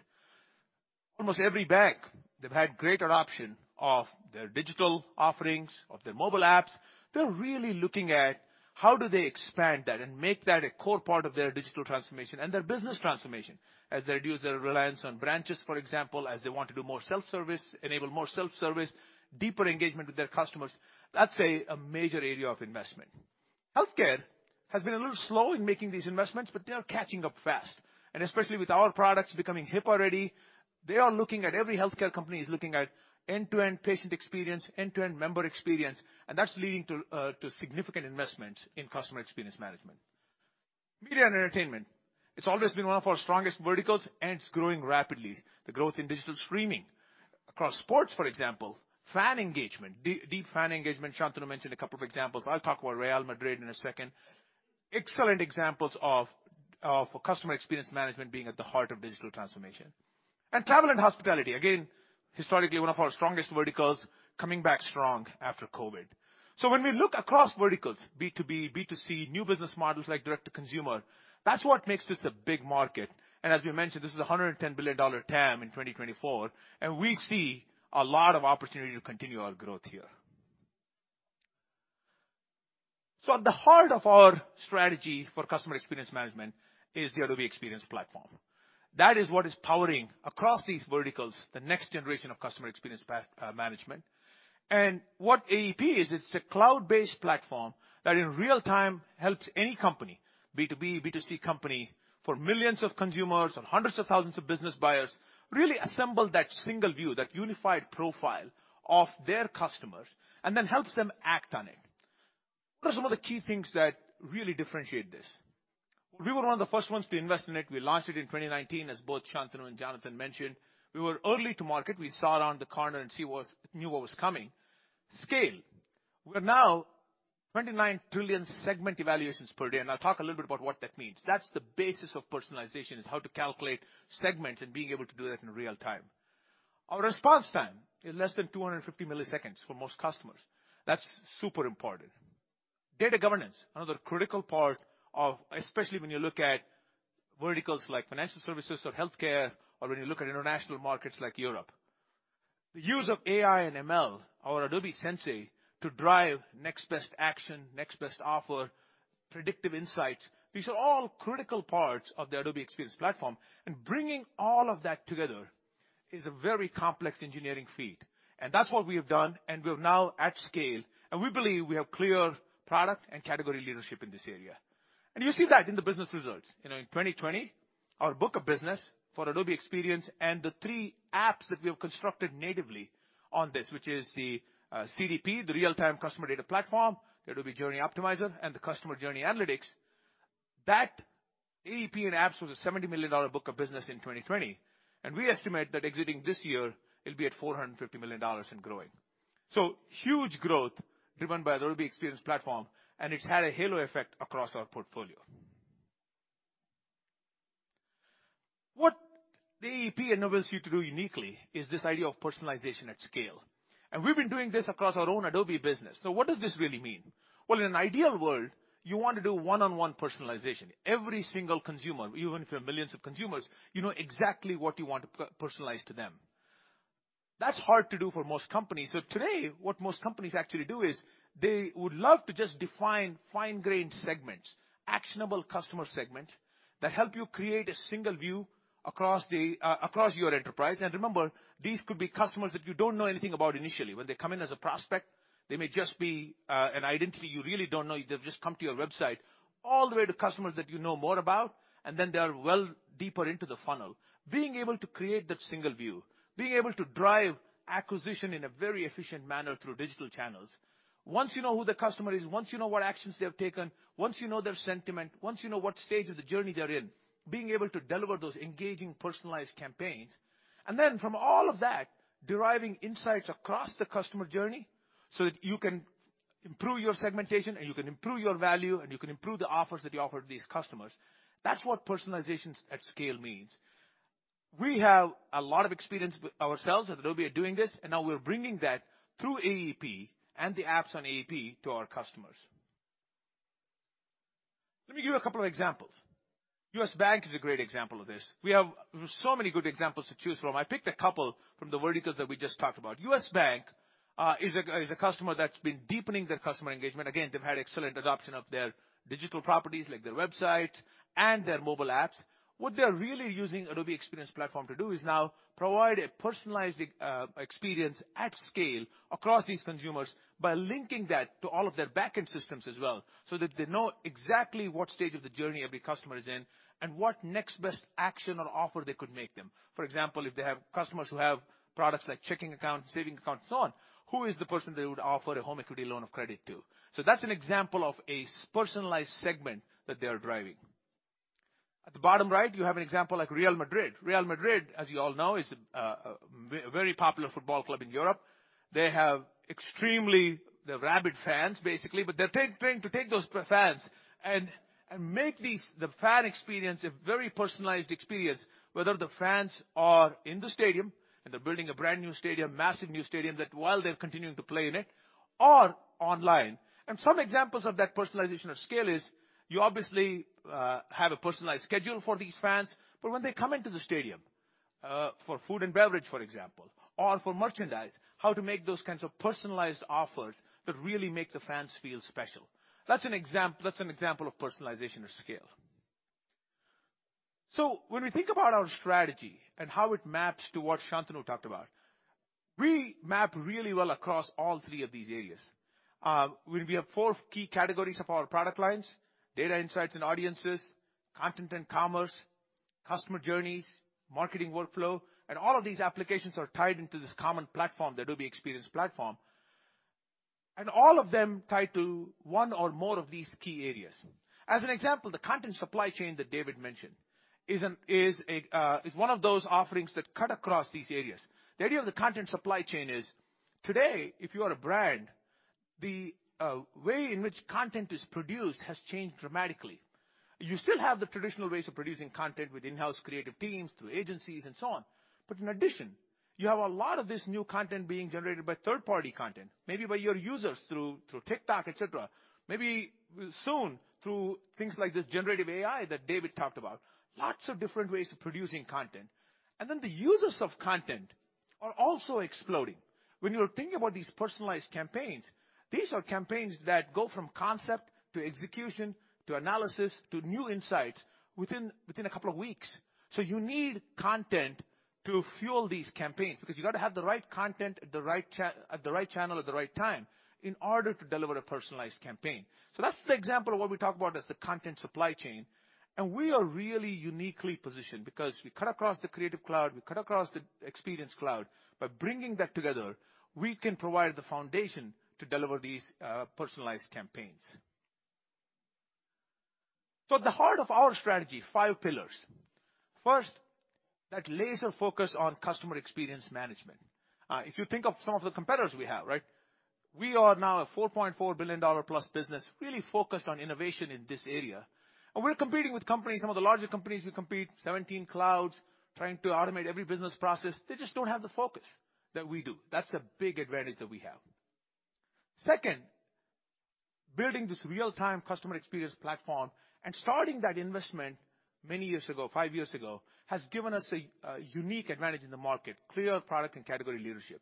almost every bank, they've had great adoption of their digital offerings, of their mobile apps. They're really looking at how do they expand that and make that a core part of their digital transformation and their business transformation as they reduce their reliance on branches, for example, as they want to do more self-service, enable more self-service, deeper engagement with their customers. That's a major area of investment. Healthcare has been a little slow in making these investments, but they are catching up fast, and especially with our products becoming HIPAA ready, they are looking at every healthcare company is looking at end-to-end patient experience, end-to-end member experience, and that's leading to significant investments in Customer Experience Management. Media and entertainment. It's always been one of our strongest verticals, and it's growing rapidly. The growth in digital streaming across sports, for example, fan engagement, deep fan engagement. Shantanu mentioned a couple of examples. I'll talk about Real Madrid in a second. Excellent examples of customer experience management being at the heart of digital transformation. Travel and hospitality, again, historically one of our strongest verticals, coming back strong after COVID. When we look across verticals, B2B, B2C, new business models like direct-to-consumer, that's what makes this a big market. As we mentioned, this is a $110 billion TAM in 2024, and we see a lot of opportunity to continue our growth here. At the heart of our strategy for customer experience management is the Adobe Experience Platform. That is what is powering across these verticals, the next generation of customer experience management. What AEP is, it's a cloud-based platform that in real-time helps any company, B2B, B2C company, for millions of consumers or hundreds of thousands of business buyers, really assemble that single view, that unified profile of their customers, and then helps them act on it. What are some of the key things that really differentiate this? We were one of the first ones to invest in it. We launched it in 2019, as both Shantanu and Jonathan mentioned. We were early to market. We saw around the corner and knew what was coming. Scale. We're now 29 trillion segment evaluations per day, and I'll talk a little bit about what that means. That's the basis of personalization, is how to calculate segments and being able to do that in real time. Our response time in less than 250 milliseconds for most customers. That's super important. Data governance, another critical part, especially when you look at verticals like financial services or healthcare or when you look at international markets like Europe. The use of AI and ML, our Adobe Sensei, to drive next best action, next best offer, predictive insights. These are all critical parts of the Adobe Experience Platform, and bringing all of that together is a very complex engineering feat. That's what we have done, and we're now at scale, and we believe we have clear product and category leadership in this area. You see that in the business results. You know, in 2020 our book of business for Adobe Experience and the three apps that we have constructed natively on this, which is the CDP, the Real-Time Customer Data Platform, the Adobe Journey Optimizer, and the Customer Journey Analytics, that AEP and apps was a $70 million book of business in 2020, and we estimate that exiting this year, it'll be at $450 million and growing. Huge growth driven by the Adobe Experience Platform, and it's had a halo effect across our portfolio. What the AEP enables you to do uniquely is this idea of personalization at scale. We've been doing this across our own Adobe business. What does this really mean? Well, in an ideal world, you want to do one-on-one personalization. Every single consumer, even if you're millions of consumers, you know exactly what you want to per-personalize to them. That's hard to do for most companies. Today, what most companies actually do is they would love to just define fine-grained segments, actionable customer segments that help you create a single view across the across your enterprise. Remember, these could be customers that you don't know anything about initially. When they come in as a prospect, they may just be an identity you really don't know. They've just come to your website. All the way to customers that you know more about, and then they are well deeper into the funnel. Being able to create that single view, being able to drive acquisition in a very efficient manner through digital channels. Once you know who the customer is, once you know what actions they have taken, once you know their sentiment, once you know what stage of the journey they're in, being able to deliver those engaging, personalized campaigns, and then from all of that, deriving insights across the customer journey so that you can improve your segmentation, and you can improve your value, and you can improve the offers that you offer to these customers. That's what personalizations at scale means. We have a lot of experience with ourselves at Adobe at doing this, and now we're bringing that through AEP and the apps on AEP to our customers. Let me give you a couple of examples. U.S. Bank is a great example of this. We have so many good examples to choose from. I picked a couple from the verticals that we just talked about. U.S. Bank is a customer that's been deepening their customer engagement. Again, they've had excellent adoption of their digital properties like their website and their mobile apps. What they're really using Adobe Experience Platform to do is now provide a personalized experience at scale across these consumers by linking that to all of their backend systems as well, so that they know exactly what stage of the journey every customer is in and what next best action or offer they could make them. For example, if they have customers who have products like checking accounts, savings accounts, so on, who is the person they would offer a home equity line of credit to? So that's an example of a personalized segment that they are driving. At the bottom right, you have an example like Real Madrid. Real Madrid, as you all know, is a very popular football club in Europe. They have extremely rabid fans, basically. They're trying to take those fans and make the fan experience a very personalized experience, whether the fans are in the stadium, and they're building a brand-new stadium, massive new stadium that while they're continuing to play in it or online. Some examples of that personalization at scale is you obviously have a personalized schedule for these fans, but when they come into the stadium for food and beverage, for example, or for merchandise, how to make those kinds of personalized offers that really make the fans feel special. That's an example of personalization at scale. When we think about our strategy and how it maps to what Shantanu talked about, we map really well across all three of these areas. We have four key categories of our product lines, data insights and audiences, content and commerce, customer journeys, marketing workflow, and all of these applications are tied into this common platform, the Adobe Experience Platform. All of them tie to one or more of these key areas. As an example, the content supply chain that David mentioned is one of those offerings that cut across these areas. The idea of the content supply chain is today, if you are a brand, the way in which content is produced has changed dramatically. You still have the traditional ways of producing content with in-house creative teams, through agencies and so on. In addition, you have a lot of this new content being generated by third-party content, maybe by your users through TikTok, et cetera, maybe soon through things like this generative AI that David talked about, lots of different ways of producing content. Then the users of content are also exploding. When you're thinking about these personalized campaigns, these are campaigns that go from concept to execution to analysis to new insights within a couple of weeks. You need content to fuel these campaigns because you got to have the right content at the right channel at the right time in order to deliver a personalized campaign. That's the example of what we talk about as the content supply chain. We are really uniquely positioned because we cut across the Creative Cloud, we cut across the Experience Cloud. By bringing that together, we can provide the foundation to deliver these personalized campaigns. At the heart of our strategy, five pillars. First, that laser focus on customer experience management. If you think of some of the competitors we have, right? We are now a $4.4 billion-plus business really focused on innovation in this area. We're competing with companies, some of the larger companies we compete, 17 clouds, trying to automate every business process. They just don't have the focus that we do. That's a big advantage that we have. Second, building this real-time customer experience platform and starting that investment many years ago, five years ago, has given us a unique advantage in the market, clear product and category leadership.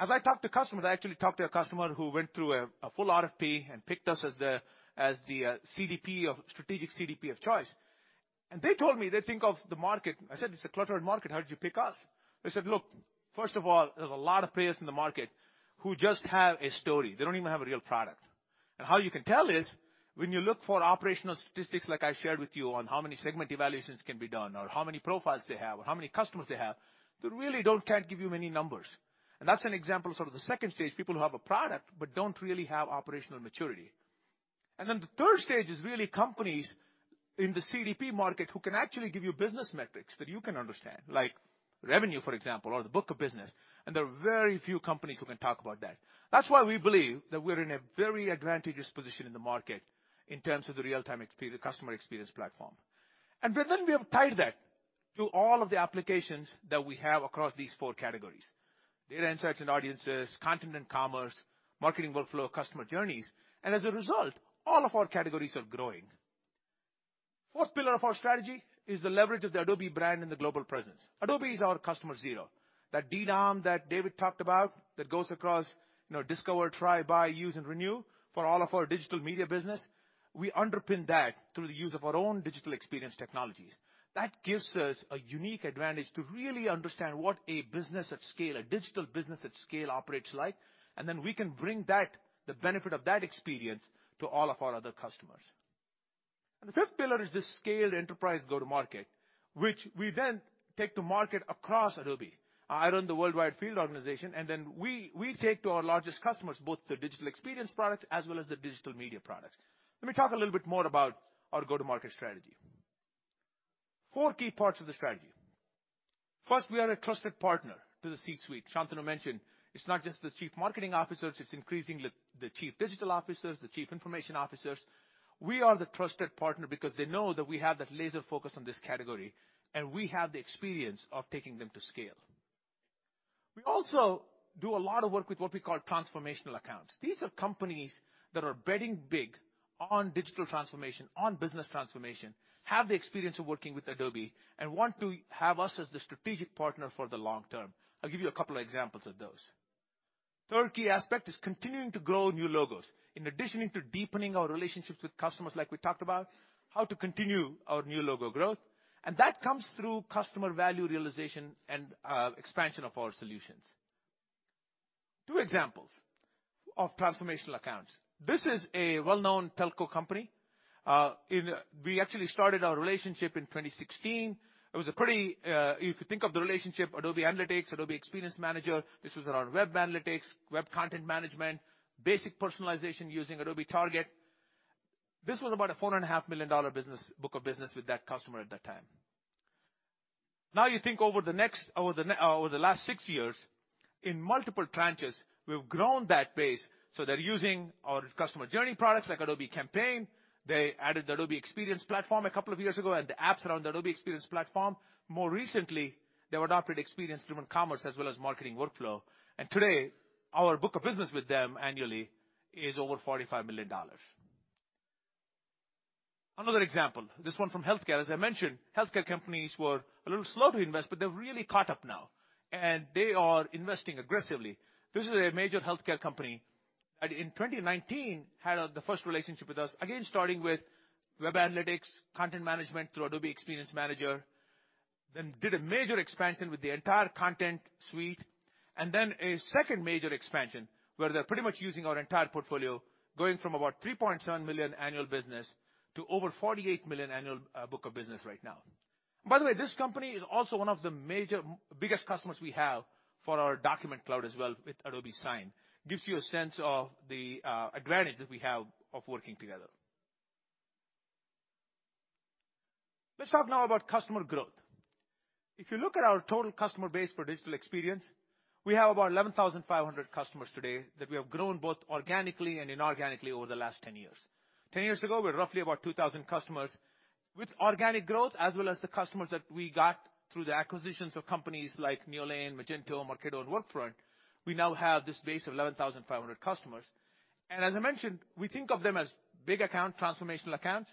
As I talk to customers, I actually talked to a customer who went through a full RFP and picked us as the strategic CDP of choice. They told me how they think of the market. I said, "It's a cluttered market. How did you pick us?" They said, "Look, first of all, there's a lot of players in the market who just have a story. They don't even have a real product. And how you can tell is when you look for operational statistics, like I shared with you on how many segment evaluations can be done or how many profiles they have or how many customers they have, they really can't give you many numbers." That's an example, sort of the second stage, people who have a product but don't really have operational maturity. The third stage is really companies in the CDP market who can actually give you business metrics that you can understand, like revenue, for example, or the book of business. There are very few companies who can talk about that. That's why we believe that we're in a very advantageous position in the market in terms of the real-time customer experience platform. We have tied that to all of the applications that we have across these four categories, data insights and audiences, content and commerce, marketing workflow, customer journeys. As a result, all of our categories are growing. Fourth pillar of our strategy is the leverage of the Adobe brand and the global presence. Adobe is our customer zero. That DDOM that David talked about that goes across, you know, discover, try, buy, use, and renew for all of our digital media business, we underpin that through the use of our own digital experience technologies. That gives us a unique advantage to really understand what a business at scale, a digital business at scale operates like, and then we can bring that, the benefit of that experience to all of our other customers. The fifth pillar is this scaled enterprise go-to-market, which we then take to market across Adobe. I run the worldwide field organization, and then we take to our largest customers, both the digital experience products as well as the digital media products. Let me talk a little bit more about our go-to-market strategy. Four key parts of the strategy. First, we are a trusted partner to the C-suite. Shantanu mentioned it's not just the chief marketing officers, it's increasingly the chief digital officers, the chief information officers. We are the trusted partner because they know that we have that laser focus on this category, and we have the experience of taking them to scale. We also do a lot of work with what we call transformational accounts. These are companies that are betting big on digital transformation, on business transformation, have the experience of working with Adobe, and want to have us as the strategic partner for the long term. I'll give you a couple of examples of those. Third key aspect is continuing to grow new logos. In addition to deepening our relationships with customers like we talked about, how to continue our new logo growth, and that comes through customer value realization and expansion of our solutions. Two examples of transformational accounts. This is a well-known telco company. We actually started our relationship in 2016. It was a pretty. If you think of the relationship, Adobe Analytics, Adobe Experience Manager, this was around web analytics, web content management, basic personalization using Adobe Target. This was about a $4.5 million book of business with that customer at that time. Now you think over the last six years, in multiple tranches, we've grown that base so they're using our customer journey products like Adobe Campaign. They added Adobe Experience Platform a couple of years ago, and the apps around the Adobe Experience Platform. More recently, they've adopted experience-driven commerce as well as marketing workflow. Today, our book of business with them annually is over $45 million. Another example, this one from healthcare. As I mentioned, healthcare companies were a little slow to invest, but they're really caught up now, and they are investing aggressively. This is a major healthcare company that in 2019 had the first relationship with us, again, starting with web analytics, content management through Adobe Experience Manager. Then did a major expansion with the entire content suite, and then a second major expansion where they're pretty much using our entire portfolio, going from about $3.7 million annual business to over $48 million annual book of business right now. By the way, this company is also one of the major, biggest customers we have for our Document Cloud as well with Adobe Sign. Gives you a sense of the advantage that we have of working together. Let's talk now about customer growth. If you look at our total customer base for digital experience, we have about 11,500 customers today that we have grown both organically and inorganically over the last 10 years. 10 years ago, we had roughly about 2,000 customers. With organic growth, as well as the customers that we got through the acquisitions of companies like Neolane, Magento, Marketo, and Workfront, we now have this base of 11,500 customers. As I mentioned, we think of them as big account, transformational accounts,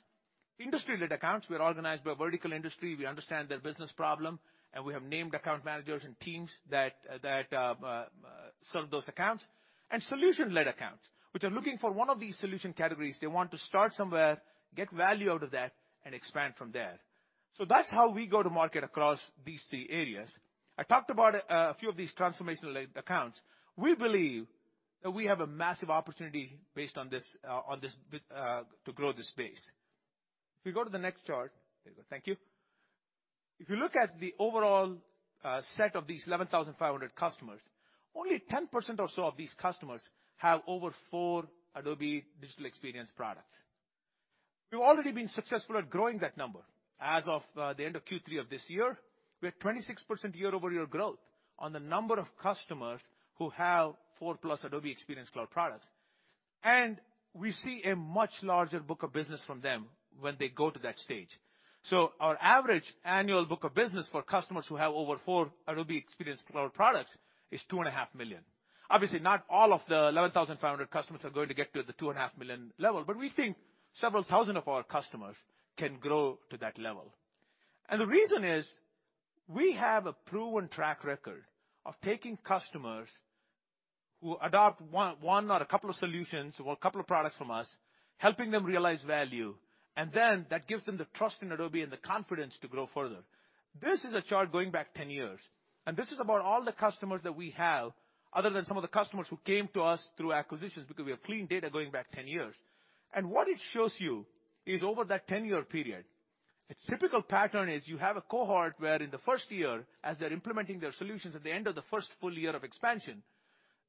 industry-led accounts. We're organized by vertical industry. We understand their business problem, and we have named account managers and teams that serve those accounts. Solution-led accounts, which are looking for one of these solution categories. They want to start somewhere, get value out of that, and expand from there. That's how we go to market across these three areas. I talked about a few of these transformational-led accounts. We believe that we have a massive opportunity based on this, on this, to grow this space. If you go to the next chart. There you go. Thank you. If you look at the overall set of these 11,500 customers, only 10% or so of these customers have over four Adobe Digital Experience products. We've already been successful at growing that number. As of the end of Q3 of this year, we're at 26% year-over-year growth on the number of customers who have 4+ Adobe Experience Cloud products. We see a much larger book of business from them when they go to that stage. Our average annual book of business for customers who have over four Adobe Experience Cloud products is $2.5 million. Obviously, not all of the 11,500 customers are going to get to the $2.5 million level, but we think several thousand of our customers can grow to that level. The reason is we have a proven track record of taking customers who adopt one or a couple of solutions or a couple of products from us, helping them realize value, and then that gives them the trust in Adobe and the confidence to grow further. This is a chart going back 10 years, and this is about all the customers that we have other than some of the customers who came to us through acquisitions, because we have clean data going back 10 years. What it shows you is over that ten-year period, a typical pattern is you have a cohort where in the first year, as they're implementing their solutions, at the end of the first full year of expansion,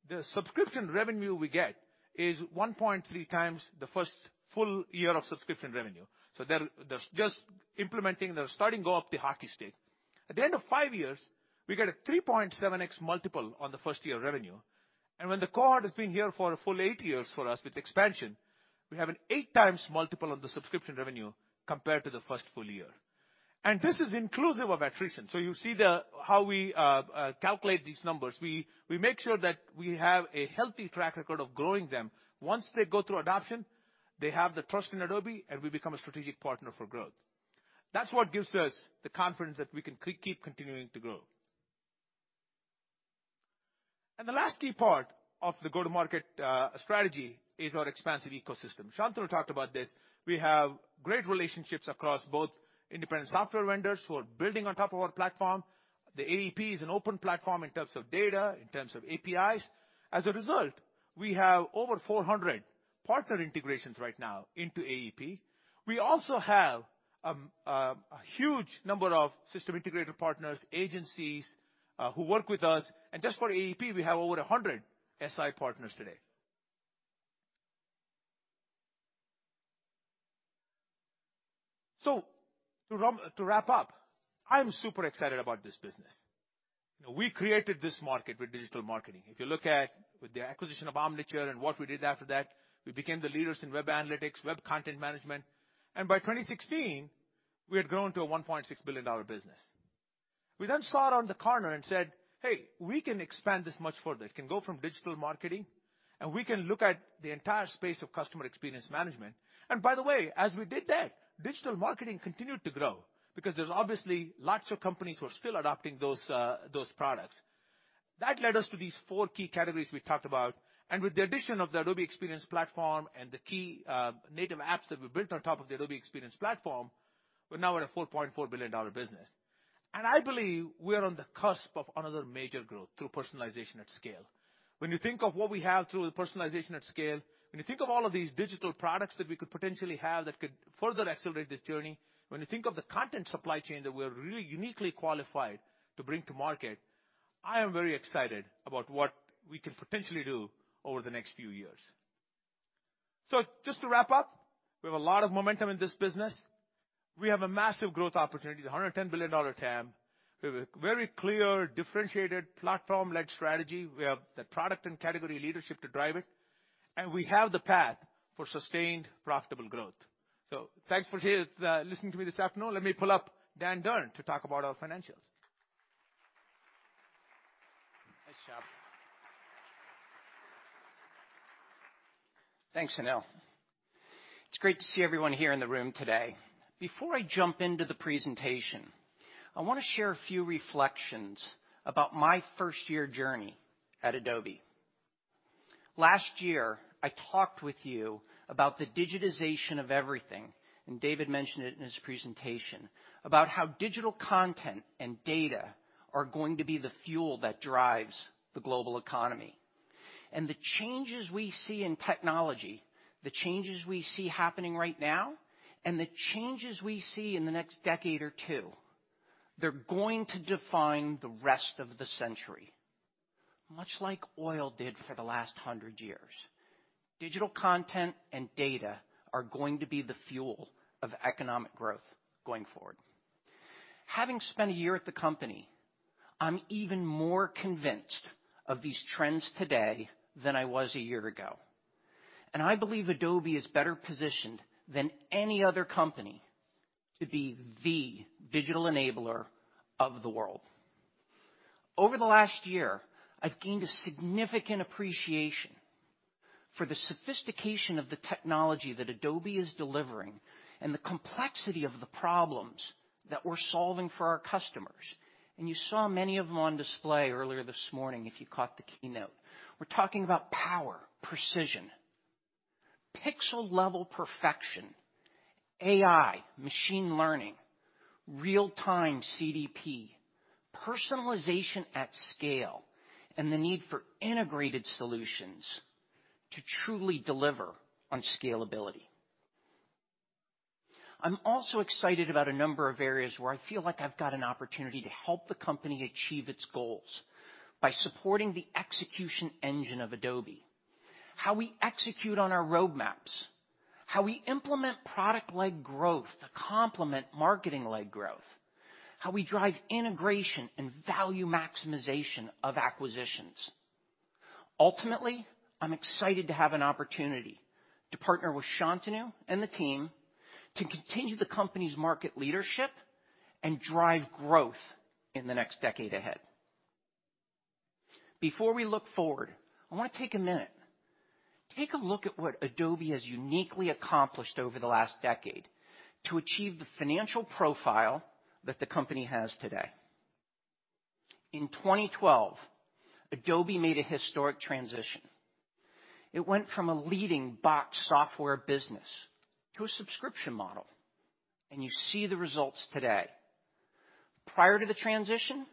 the subscription revenue we get is 1.3 times the first full year of subscription revenue. They're just implementing, they're starting to go up the hockey stick. At the end of five years, we get a 3.7x multiple on the first-year revenue, and when the cohort has been here for a full eight years for us with expansion, we have an 8 times multiple on the subscription revenue compared to the first full year. This is inclusive of attrition. You see how we calculate these numbers. We make sure that we have a healthy track record of growing them. Once they go through adoption, they have the trust in Adobe, and we become a strategic partner for growth. That's what gives us the confidence that we can keep continuing to grow. The last key part of the go-to-market strategy is our expansive ecosystem. Shantanu talked about this. We have great relationships across both independent software vendors who are building on top of our platform. The AEP is an open platform in terms of data, in terms of APIs. As a result, we have over 400 partner integrations right now into AEP. We also have a huge number of system integrator partners, agencies, who work with us, and just for AEP, we have over 100 SI partners today. To wrap up, I'm super excited about this business. We created this market with digital marketing. If you look at with the acquisition of Omniture and what we did after that, we became the leaders in web analytics, web content management, and by 2016, we had grown to a $1.6 billion business. We then saw around the corner and said, "Hey, we can expand this much further. It can go from digital marketing, and we can look at the entire space of Customer Experience Management." By the way, as we did that, digital marketing continued to grow because there's obviously lots of companies who are still adopting those products. That led us to these four key categories we talked about. With the addition of the Adobe Experience Platform and the key native apps that we built on top of the Adobe Experience Platform, we're now at a $4.4 billion business. I believe we are on the cusp of another major growth through personalization at scale. When you think of what we have through the personalization at scale, when you think of all of these digital products that we could potentially have that could further accelerate this journey, when you think of the content supply chain that we're really uniquely qualified to bring to market, I am very excited about what we can potentially do over the next few years. Just to wrap up, we have a lot of momentum in this business. We have a massive growth opportunity, a $110 billion TAM. We have a very clear, differentiated platform-led strategy. We have the product and category leadership to drive it, and we have the path for sustained profitable growth. Thanks for being here, listening to me this afternoon. Let me pull up Dan Durn to talk about our financials. Nice job. Thanks, Anil. It's great to see everyone here in the room today. Before I jump into the presentation, I want to share a few reflections about my first year journey at Adobe. Last year, I talked with you about the digitization of everything, and David mentioned it in his presentation about how digital content and data are going to be the fuel that drives the global economy. The changes we see in technology, the changes we see happening right now, and the changes we see in the next decade or two, they're going to define the rest of the century, much like oil did for the last hundred years. Digital content and data are going to be the fuel of economic growth going forward. Having spent a year at the company, I'm even more convinced of these trends today than I was a year ago, and I believe Adobe is better positioned than any other company to be the digital enabler of the world. Over the last year, I've gained a significant appreciation for the sophistication of the technology that Adobe is delivering and the complexity of the problems that we're solving for our customers. You saw many of them on display earlier this morning if you caught the keynote. We're talking about power, precision, pixel-level perfection, AI, machine learning, real-time CDP, personalization at scale, and the need for integrated solutions to truly deliver on scalability. I'm also excited about a number of areas where I feel like I've got an opportunity to help the company achieve its goals by supporting the execution engine of Adobe, how we execute on our roadmaps, how we implement product-led growth to complement marketing-led growth, how we drive integration and value maximization of acquisitions. Ultimately, I'm excited to have an opportunity to partner with Shantanu and the team to continue the company's market leadership and drive growth in the next decade ahead. Before we look forward, I want to take a minute, take a look at what Adobe has uniquely accomplished over the last decade to achieve the financial profile that the company has today. In 2012, Adobe made a historic transition. It went from a leading box software business to a subscription model, and you see the results today. Prior to the transition,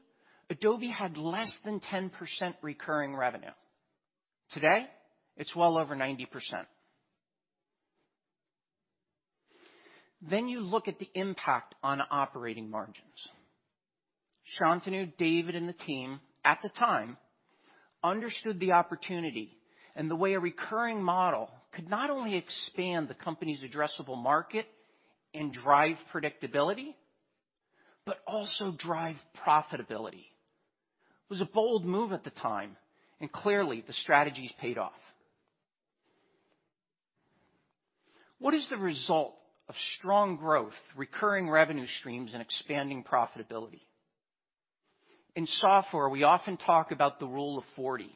Adobe had less than 10% recurring revenue. Today, it's well over 90%. You look at the impact on operating margins. Shantanu, David, and the team at the time understood the opportunity and the way a recurring model could not only expand the company's addressable market and drive predictability but also drive profitability. It was a bold move at the time, and clearly, the strategy's paid off. What is the result of strong growth, recurring revenue streams, and expanding profitability? In software, we often talk about the Rule of 40,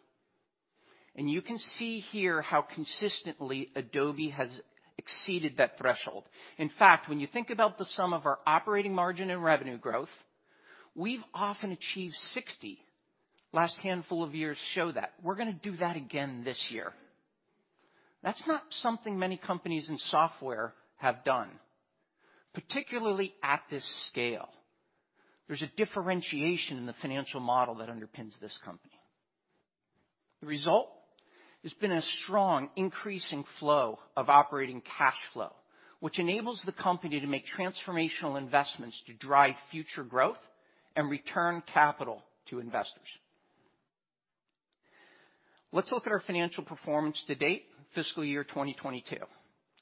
and you can see here how consistently Adobe has exceeded that threshold. In fact, when you think about the sum of our operating margin and revenue growth, we've often achieved 60. Last handful of years show that. We're gonna do that again this year. That's not something many companies in software have done, particularly at this scale. There's a differentiation in the financial model that underpins this company. The result has been a strong increasing flow of operating cash flow, which enables the company to make transformational investments to drive future growth and return capital to investors. Let's look at our financial performance to date, fiscal year 2022.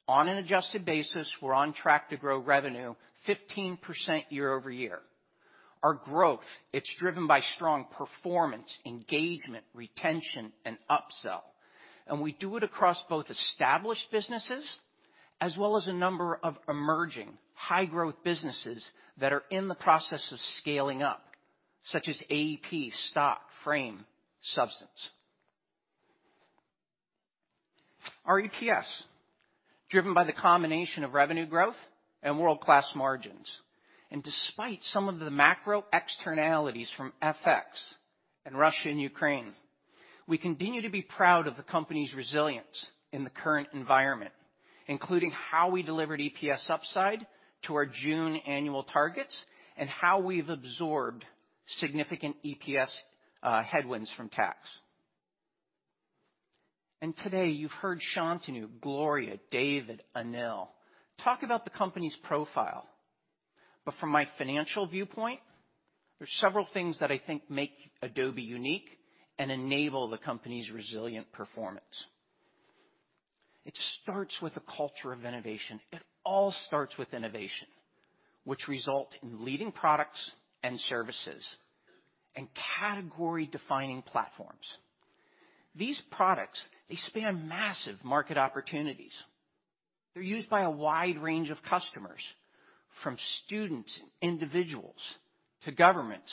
On an adjusted basis, we're on track to grow revenue 15% year-over-year. Our growth, it's driven by strong performance, engagement, retention, and upsell, and we do it across both established businesses as well as a number of emerging high-growth businesses that are in the process of scaling up, such as AEP, Stock, Frame, Substance. Our EPS, driven by the combination of revenue growth and world-class margins, and despite some of the macro externalities from FX and Russia and Ukraine, we continue to be proud of the company's resilience in the current environment, including how we delivered EPS upside to our June annual targets and how we've absorbed significant EPS headwinds from tax. Today, you've heard Shantanu, Gloria, David, Anil talk about the company's profile. From my financial viewpoint, there's several things that I think make Adobe unique and enable the company's resilient performance. It starts with a culture of innovation. It all starts with innovation, which result in leading products and services and category-defining platforms. These products, they span massive market opportunities. They're used by a wide range of customers, from students and individuals to governments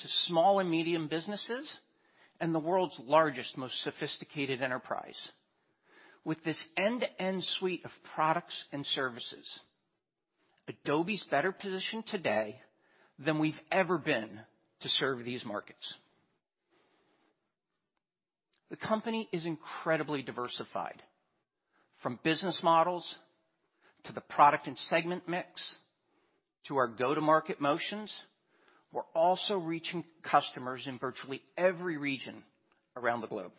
to small and medium businesses and the world's largest, most sophisticated enterprise. With this end-to-end suite of products and services, Adobe's better positioned today than we've ever been to serve these markets. The company is incredibly diversified from business models to the product and segment mix to our go-to-market motions. We're also reaching customers in virtually every region around the globe.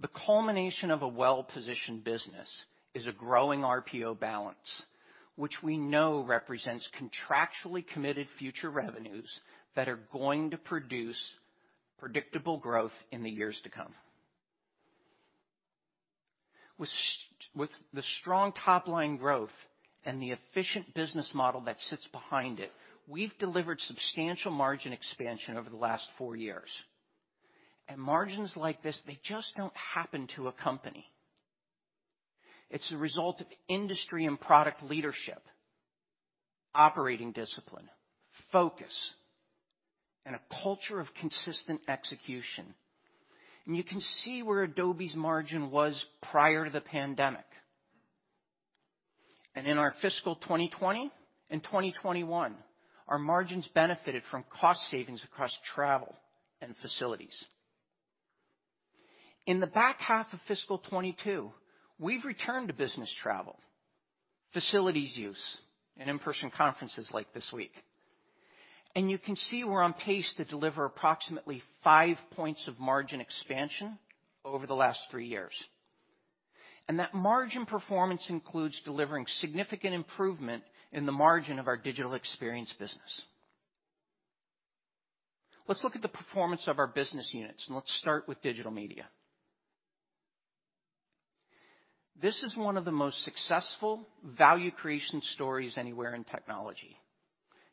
The culmination of a well-positioned business is a growing RPO balance, which we know represents contractually committed future revenues that are going to produce predictable growth in the years to come. With the strong top-line growth and the efficient business model that sits behind it, we've delivered substantial margin expansion over the last four years. Margins like this, they just don't happen to a company. It's a result of industry and product leadership, operating discipline, focus, and a culture of consistent execution. You can see where Adobe's margin was prior to the pandemic. In our fiscal 2020 and 2021, our margins benefited from cost savings across travel and facilities. In the back half of fiscal 2022, we've returned to business travel, facilities use, and in-person conferences like this week. You can see we're on pace to deliver approximately 5 points of margin expansion over the last 3 years. That margin performance includes delivering significant improvement in the margin of our Digital Experience business. Let's look at the performance of our business units, and let's start with Digital Media. This is one of the most successful value creation stories anywhere in technology,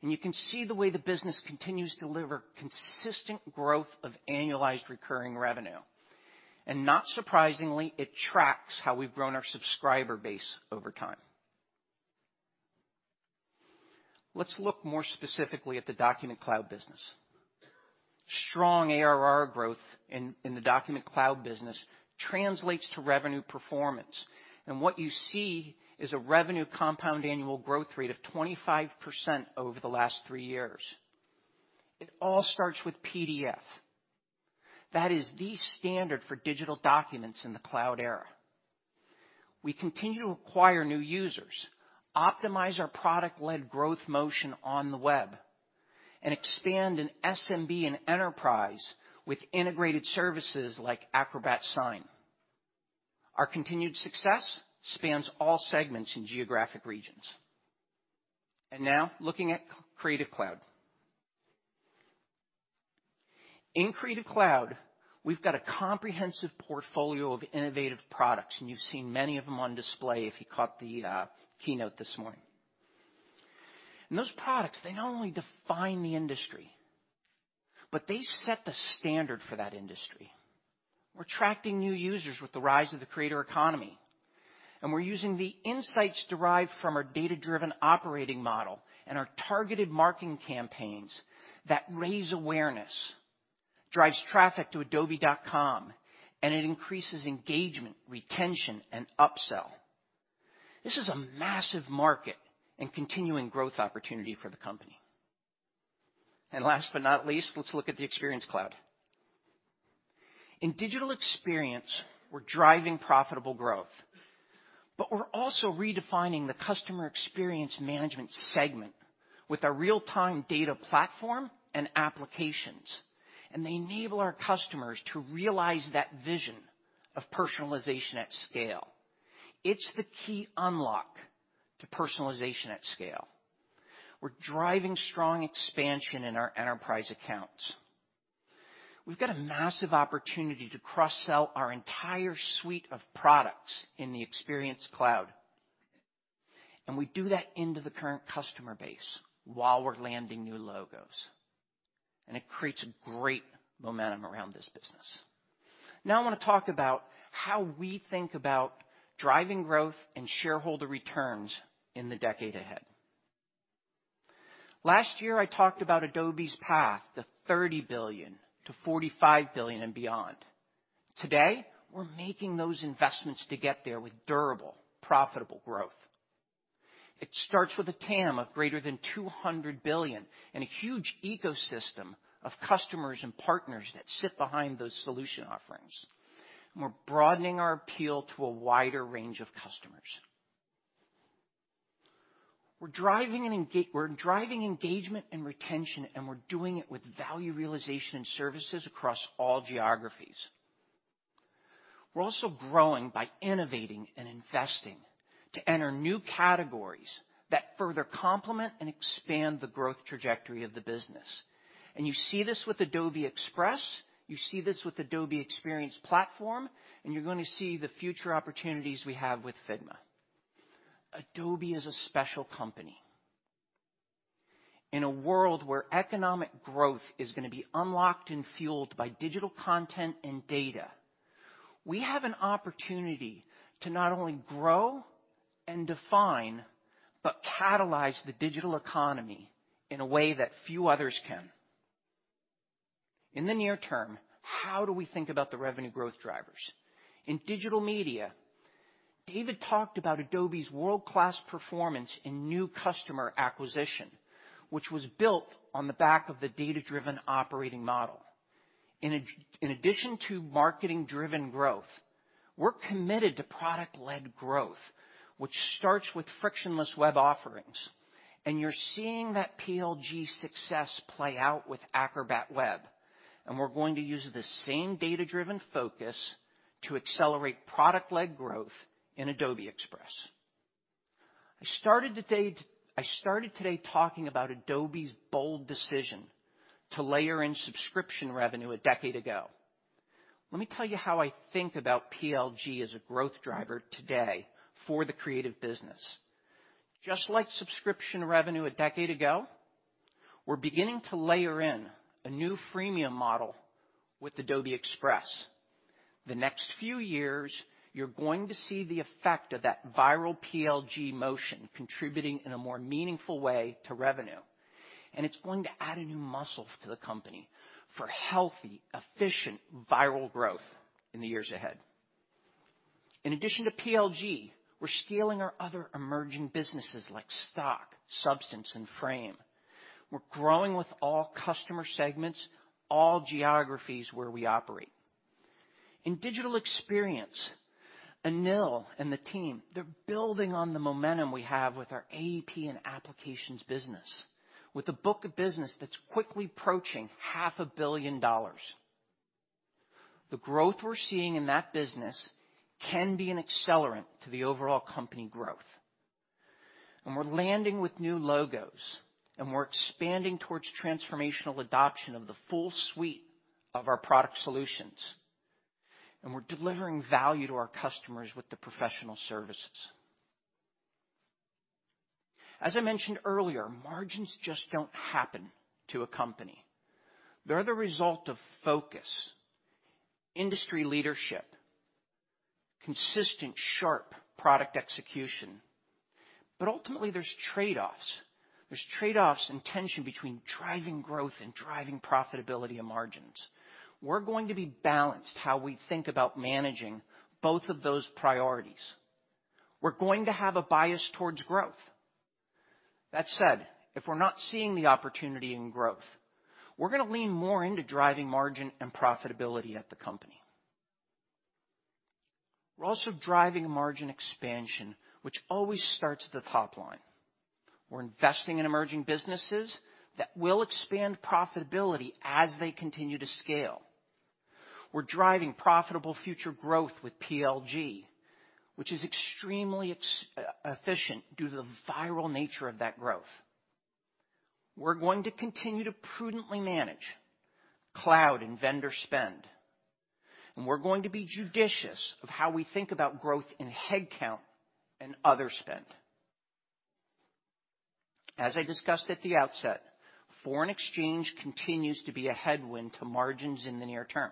and you can see the way the business continues to deliver consistent growth of annualized recurring revenue. Not surprisingly, it tracks how we've grown our subscriber base over time. Let's look more specifically at the Document Cloud business. Strong ARR growth in the Document Cloud business translates to revenue performance, and what you see is a revenue compound annual growth rate of 25% over the last three years. It all starts with PDF. That is the standard for digital documents in the cloud era. We continue to acquire new users, optimize our product-led growth motion on the web, and expand in SMB and enterprise with integrated services like Acrobat Sign. Our continued success spans all segments and geographic regions. Now looking at Creative Cloud. In Creative Cloud, we've got a comprehensive portfolio of innovative products, and you've seen many of them on display if you caught the keynote this morning. Those products, they not only define the industry, but they set the standard for that industry. We're attracting new users with the rise of the creator economy, and we're using the insights derived from our data-driven operating model and our targeted marketing campaigns that raise awareness, drives traffic to adobe.com, and it increases engagement, retention, and upsell. This is a massive market and continuing growth opportunity for the company. Last but not least, let's look at the Experience Cloud. In Digital Experience, we're driving profitable growth, but we're also redefining the Customer Experience Management segment with our real-time data platform and applications, and they enable our customers to realize that vision of personalization at scale. It's the key unlock to personalization at scale. We're driving strong expansion in our enterprise accounts. We've got a massive opportunity to cross-sell our entire suite of products in the Experience Cloud, and we do that into the current customer base while we're landing new logos, and it creates great momentum around this business. Now I want to talk about how we think about driving growth and shareholder returns in the decade ahead. Last year, I talked about Adobe's path to $30 billion-$45 billion and beyond. Today, we're making those investments to get there with durable, profitable growth. It starts with a TAM of greater than $200 billion and a huge ecosystem of customers and partners that sit behind those solution offerings. We're broadening our appeal to a wider range of customers. We're driving engagement and retention, and we're doing it with value realization and services across all geographies. We're also growing by innovating and investing to enter new categories that further complement and expand the growth trajectory of the business. You see this with Adobe Express, you see this with Adobe Experience Platform, and you're gonna see the future opportunities we have with Figma. Adobe is a special company. In a world where economic growth is gonna be unlocked and fueled by digital content and data, we have an opportunity to not only grow and define, but catalyze the digital economy in a way that few others can. In the near term, how do we think about the revenue growth drivers? In digital media, David talked about Adobe's world-class performance in new customer acquisition, which was built on the back of the data-driven operating model. In addition to marketing-driven growth, we're committed to product-led growth, which starts with frictionless web offerings, and you're seeing that PLG success play out with Acrobat Web, and we're going to use the same data-driven focus to accelerate product-led growth in Adobe Express. I started today talking about Adobe's bold decision to layer in subscription revenue a decade ago. Let me tell you how I think about PLG as a growth driver today for the creative business. Just like subscription revenue a decade ago, we're beginning to layer in a new freemium model with Adobe Express. The next few years, you're going to see the effect of that viral PLG motion contributing in a more meaningful way to revenue, and it's going to add a new muscle to the company for healthy, efficient, viral growth in the years ahead. In addition to PLG, we're scaling our other emerging businesses like Stock, Substance, and Frame. We're growing with all customer segments, all geographies where we operate. In digital experience, Anil and the team, they're building on the momentum we have with our AEP and applications business, with a book of business that's quickly approaching half a billion dollars. The growth we're seeing in that business can be an accelerant to the overall company growth. We're landing with new logos, and we're expanding towards transformational adoption of the full suite of our product solutions, and we're delivering value to our customers with the professional services. As I mentioned earlier, margins just don't happen to a company. They're the result of focus, industry leadership, consistent, sharp product execution, but ultimately, there's trade-offs. There's trade-offs and tension between driving growth and driving profitability and margins. We're going to be balanced in how we think about managing both of those priorities. We're going to have a bias towards growth. That said, if we're not seeing the opportunity in growth, we're gonna lean more into driving margin and profitability at the company. We're also driving margin expansion, which always starts at the top line. We're investing in emerging businesses that will expand profitability as they continue to scale. We're driving profitable future growth with PLG, which is extremely efficient due to the viral nature of that growth. We're going to continue to prudently manage cloud and vendor spend, and we're going to be judicious of how we think about growth in head count and other spend. As I discussed at the outset, foreign exchange continues to be a headwind to margins in the near term.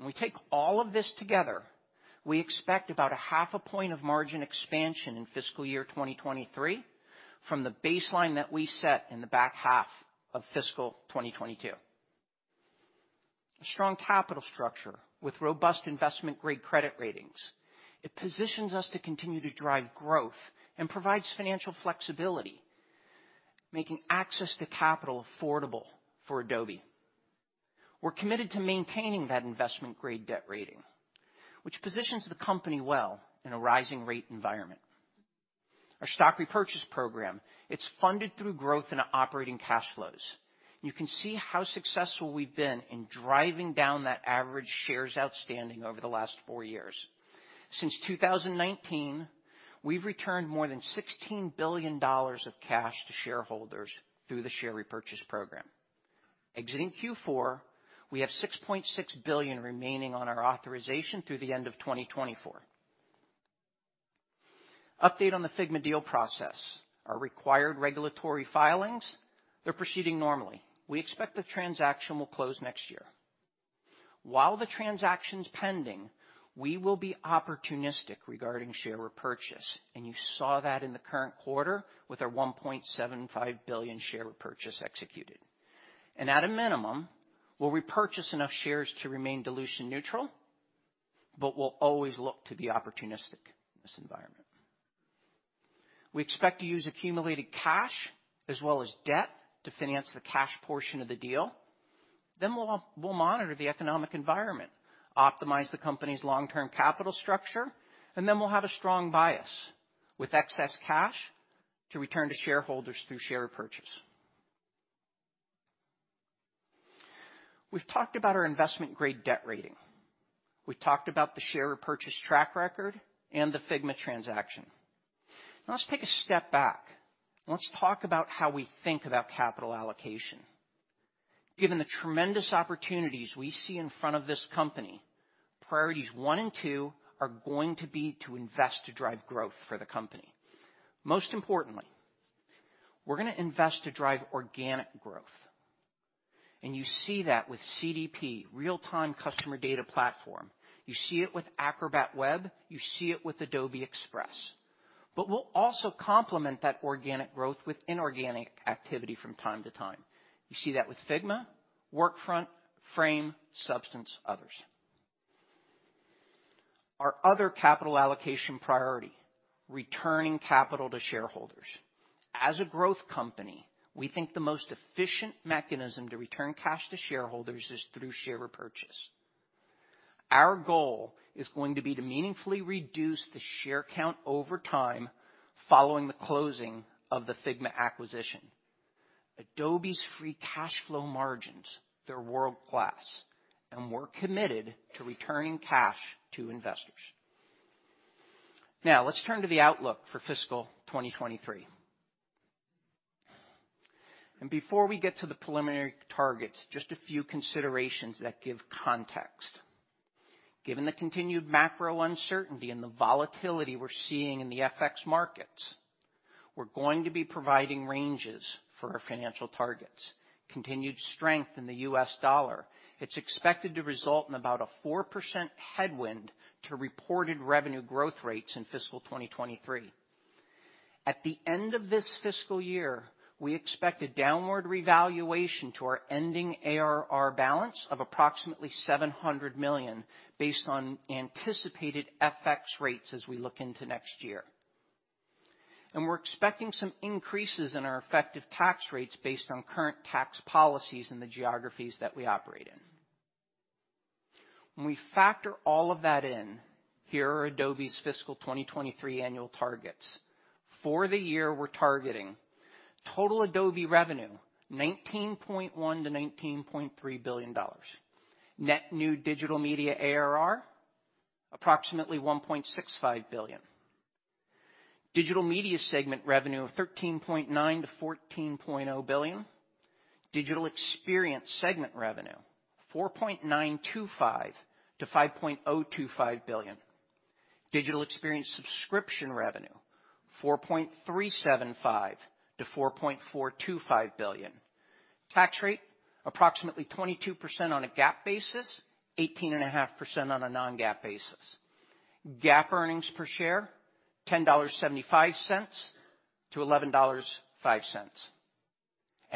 When we take all of this together, we expect about a half a point of margin expansion in fiscal year 2023 from the baseline that we set in the back half of fiscal 2022. A strong capital structure with robust investment-grade credit ratings, it positions us to continue to drive growth and provides financial flexibility, making access to capital affordable for Adobe. We're committed to maintaining that investment-grade debt rating, which positions the company well in a rising rate environment. Our stock repurchase program, it's funded through growth in operating cash flows. You can see how successful we've been in driving down that average shares outstanding over the last four years. Since 2019, we've returned more than $16 billion of cash to shareholders through the share repurchase program. Exiting Q4, we have $6.6 billion remaining on our authorization through the end of 2024. Update on the Figma deal process. Our required regulatory filings, they're proceeding normally. We expect the transaction will close next year. While the transaction's pending, we will be opportunistic regarding share repurchase, and you saw that in the current quarter with our $1.75 billion share repurchase executed. At a minimum, we'll repurchase enough shares to remain dilution neutral, but we'll always look to be opportunistic in this environment. We expect to use accumulated cash as well as debt to finance the cash portion of the deal. We'll monitor the economic environment, optimize the company's long-term capital structure, and we'll have a strong bias with excess cash to return to shareholders through share purchase. We've talked about our investment-grade debt rating. We've talked about the share repurchase track record and the Figma transaction. Now let's take a step back. Let's talk about how we think about capital allocation. Given the tremendous opportunities we see in front of this company, priorities one and two are going to be to invest to drive growth for the company. Most importantly, we're gonna invest to drive organic growth, and you see that with CDP, Real-Time Customer Data Platform. You see it with Acrobat for web. You see it with Adobe Express. We'll also complement that organic growth with inorganic activity from time to time. You see that with Figma, Workfront, Frame.io, Substance 3D, others. Our other capital allocation priority, returning capital to shareholders. As a growth company, we think the most efficient mechanism to return cash to shareholders is through share repurchase. Our goal is going to be to meaningfully reduce the share count over time following the closing of the Figma acquisition. Adobe's free cash flow margins, they're world-class, and we're committed to returning cash to investors. Now, let's turn to the outlook for fiscal 2023. Before we get to the preliminary targets, just a few considerations that give context. Given the continued macro uncertainty and the volatility we're seeing in the FX markets, we're going to be providing ranges for our financial targets. Continued strength in the U.S. dollar, it's expected to result in about a 4% headwind to reported revenue growth rates in fiscal 2023. At the end of this fiscal year, we expect a downward revaluation to our ending ARR balance of approximately $700 million based on anticipated FX rates as we look into next year. We're expecting some increases in our effective tax rates based on current tax policies in the geographies that we operate in. When we factor all of that in, here are Adobe's fiscal 2023 annual targets. For the year, we're targeting total Adobe revenue, $19.1 billion-$19.3 billion. Net new Digital Media ARR, approximately $1.65 billion. Digital Media segment revenue of $13.9 billion-$14.0 billion. Digital Experience segment revenue, $4.925 billion-$5.025 billion. Digital Experience subscription revenue, $4.375 billion-$4.425 billion. Tax rate, approximately 22% on a GAAP basis, 18.5% on a Non-GAAP basis. GAAP earnings per share, $10.75-$11.05.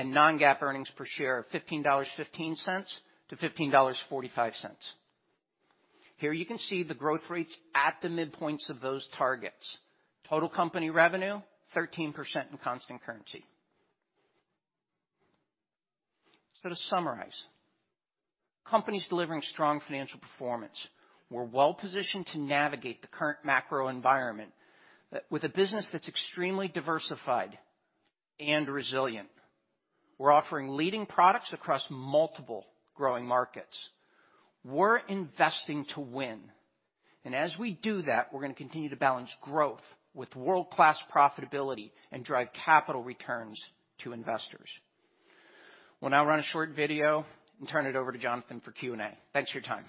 Non-GAAP earnings per share of $15.15-$15.45. Here you can see the growth rates at the midpoints of those targets. Total company revenue, 13% in constant currency. To summarize, company's delivering strong financial performance. We're well-positioned to navigate the current macro environment, with a business that's extremely diversified and resilient. We're offering leading products across multiple growing markets. We're investing to win, and as we do that, we're gonna continue to balance growth with world-class profitability and drive capital returns to investors. We'll now run a short video and turn it over to Jonathan for Q&A. Thanks for your time.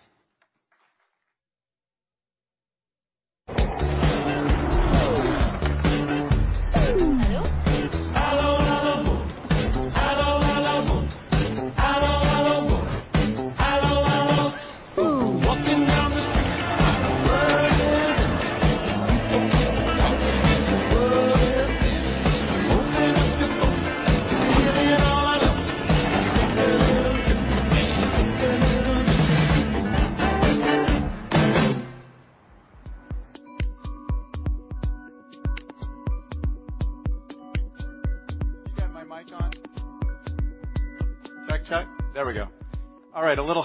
Do you have my mic on? Check, check. There we go. All right, a little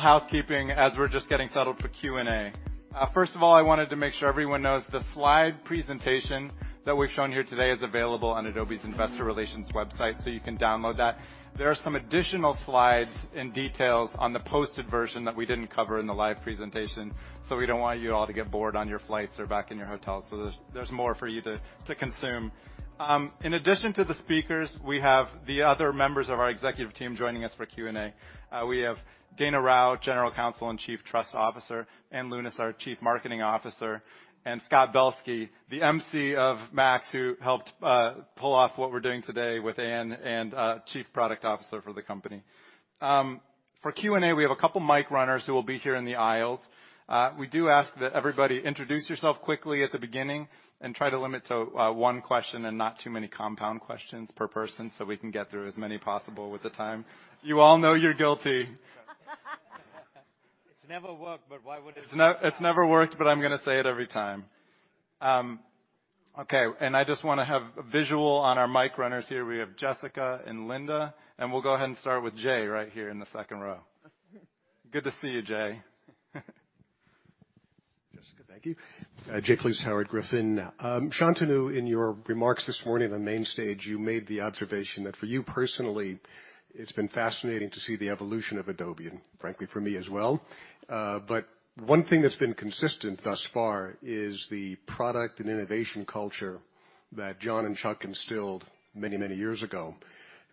housekeeping as we're just getting settled for Q&A. First of all, I wanted to make sure everyone knows the slide presentation that we've shown here today is available on Adobe's Investor Relations website, so you can download that. There are some additional slides and details on the posted version that we didn't cover in the live presentation, so we don't want you all to get bored on your flights or back in your hotels. There's more for you to consume. In addition to the speakers, we have the other members of our executive team joining us for Q&A. We have Dana Rao, General Counsel and Chief Trust Officer, Ann Lewnes, our Chief Marketing Officer, and Scott Belsky, the MC of MAX, who helped pull off what we're doing today with Ann, and chief product officer for the company. For Q&A, we have a couple mic runners who will be here in the aisles. We do ask that everybody introduce yourself quickly at the beginning and try to limit to one question and not too many compound questions per person, so we can get through as many possible with the time. You all know you're guilty. It's never worked, but why would it. It's never worked, but I'm gonna say it every time. Okay, I just wanna have visual on our mic runners here. We have Jessica and Linda, and we'll go ahead and start with Jay right here in the second row. Good to see you, Jay. Jessica, thank you. Jay Vleeschhouwer. Shantanu Narayen, in your remarks this morning on main stage, you made the observation that for you personally, it's been fascinating to see the evolution of Adobe, and frankly, for me as well. One thing that's been consistent thus far is the product and innovation culture that John and Chuck instilled many, many years ago.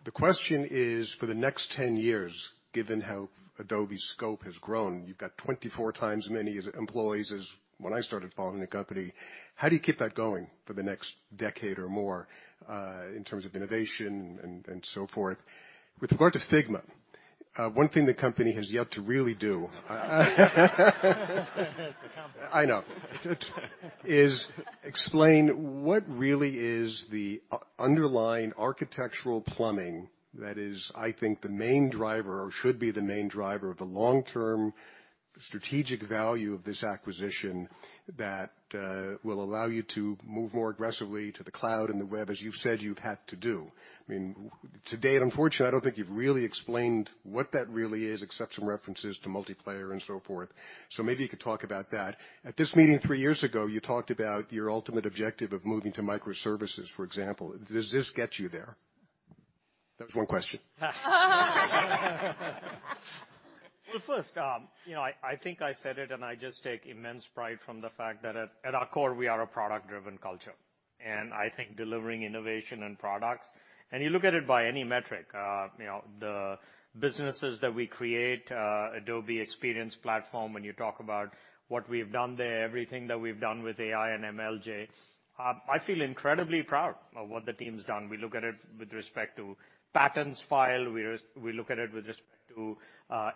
The question is, for the next 10 years, given how Adobe's scope has grown, you've got 24 times as many employees as when I started following the company. How do you keep that going for the next decade or more, in terms of innovation and so forth? With regard to Figma, one thing the company has yet to really do, It has to come. I know. Just explain what really is the underlying architectural plumbing that is, I think, the main driver or should be the main driver of the long-term strategic value of this acquisition that will allow you to move more aggressively to the cloud and the web as you've said you've had to do. I mean, to date, unfortunately, I don't think you've really explained what that really is, except some references to multiplayer and so forth. So maybe you could talk about that. At this meeting three years ago, you talked about your ultimate objective of moving to microservices, for example. Does this get you there? That's one question. Well, first, you know, I think I said it, and I just take immense pride from the fact that at our core, we are a product-driven culture. I think delivering innovation and products, and you look at it by any metric, you know, the businesses that we create, Adobe Experience Platform, when you talk about what we've done there, everything that we've done with AI and ML, I feel incredibly proud of what the team's done. We look at it with respect to patents filed. We look at it with respect to,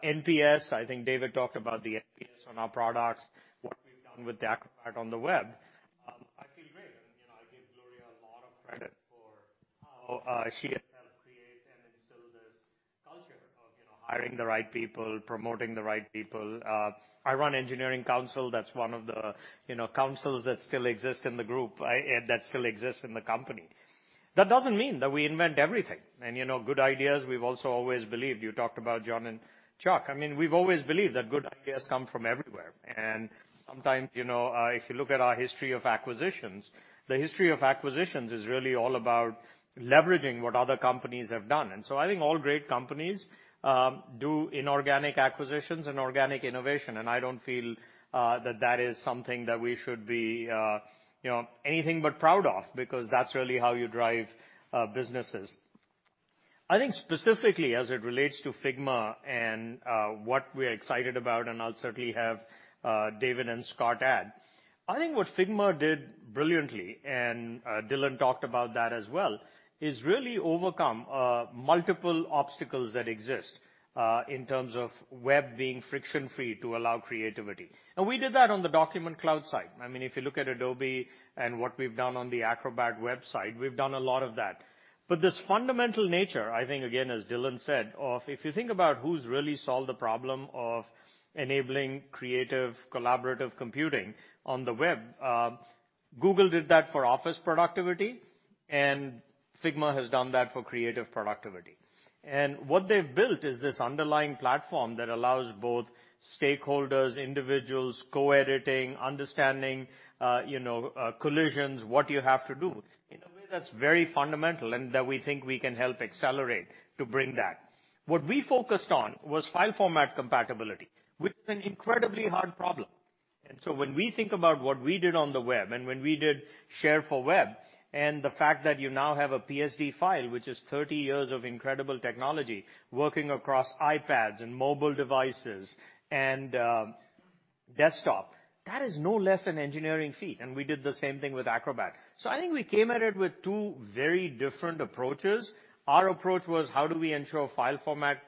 NPS. I think David talked about the NPS on our products, what we've done with Acrobat on the web. I feel great. I give Gloria a lot of credit for how she has helped create and instill this culture of, you know, hiring the right people, promoting the right people. I run engineering council, that's one of the, you know, councils that still exist in the group. That still exists in the company. That doesn't mean that we invent everything and, you know, good ideas. We've also always believed. You talked about John and Chuck. I mean, we've always believed that good ideas come from everywhere. Sometimes, you know, if you look at our history of acquisitions, the history of acquisitions is really all about leveraging what other companies have done. I think all great companies do inorganic acquisitions and organic innovation, and I don't feel that that is something that we should be, you know, anything but proud of because that's really how you drive businesses. I think specifically as it relates to Figma and what we're excited about, and I'll certainly have David and Scott add, I think what Figma did brilliantly, and Dylan talked about that as well, is really overcome multiple obstacles that exist in terms of web being friction-free to allow creativity. We did that on the Document Cloud side. I mean, if you look at Adobe and what we've done on the Acrobat website, we've done a lot of that. This fundamental nature, I think, again, as Dylan said, of if you think about who's really solved the problem of enabling creative collaborative computing on the web, Google did that for office productivity, and Figma has done that for creative productivity. What they've built is this underlying platform that allows both stakeholders, individuals, co-editing, understanding, you know, collisions, what you have to do in a way that's very fundamental and that we think we can help accelerate to bring that. What we focused on was file format compatibility, which is an incredibly hard problem. When we think about what we did on the web and when we did Share for Review, and the fact that you now have a PSD file, which is 30 years of incredible technology working across iPads and mobile devices and desktop, that is no less an engineering feat. We did the same thing with Acrobat. I think we came at it with two very different approaches. Our approach was how do we ensure file format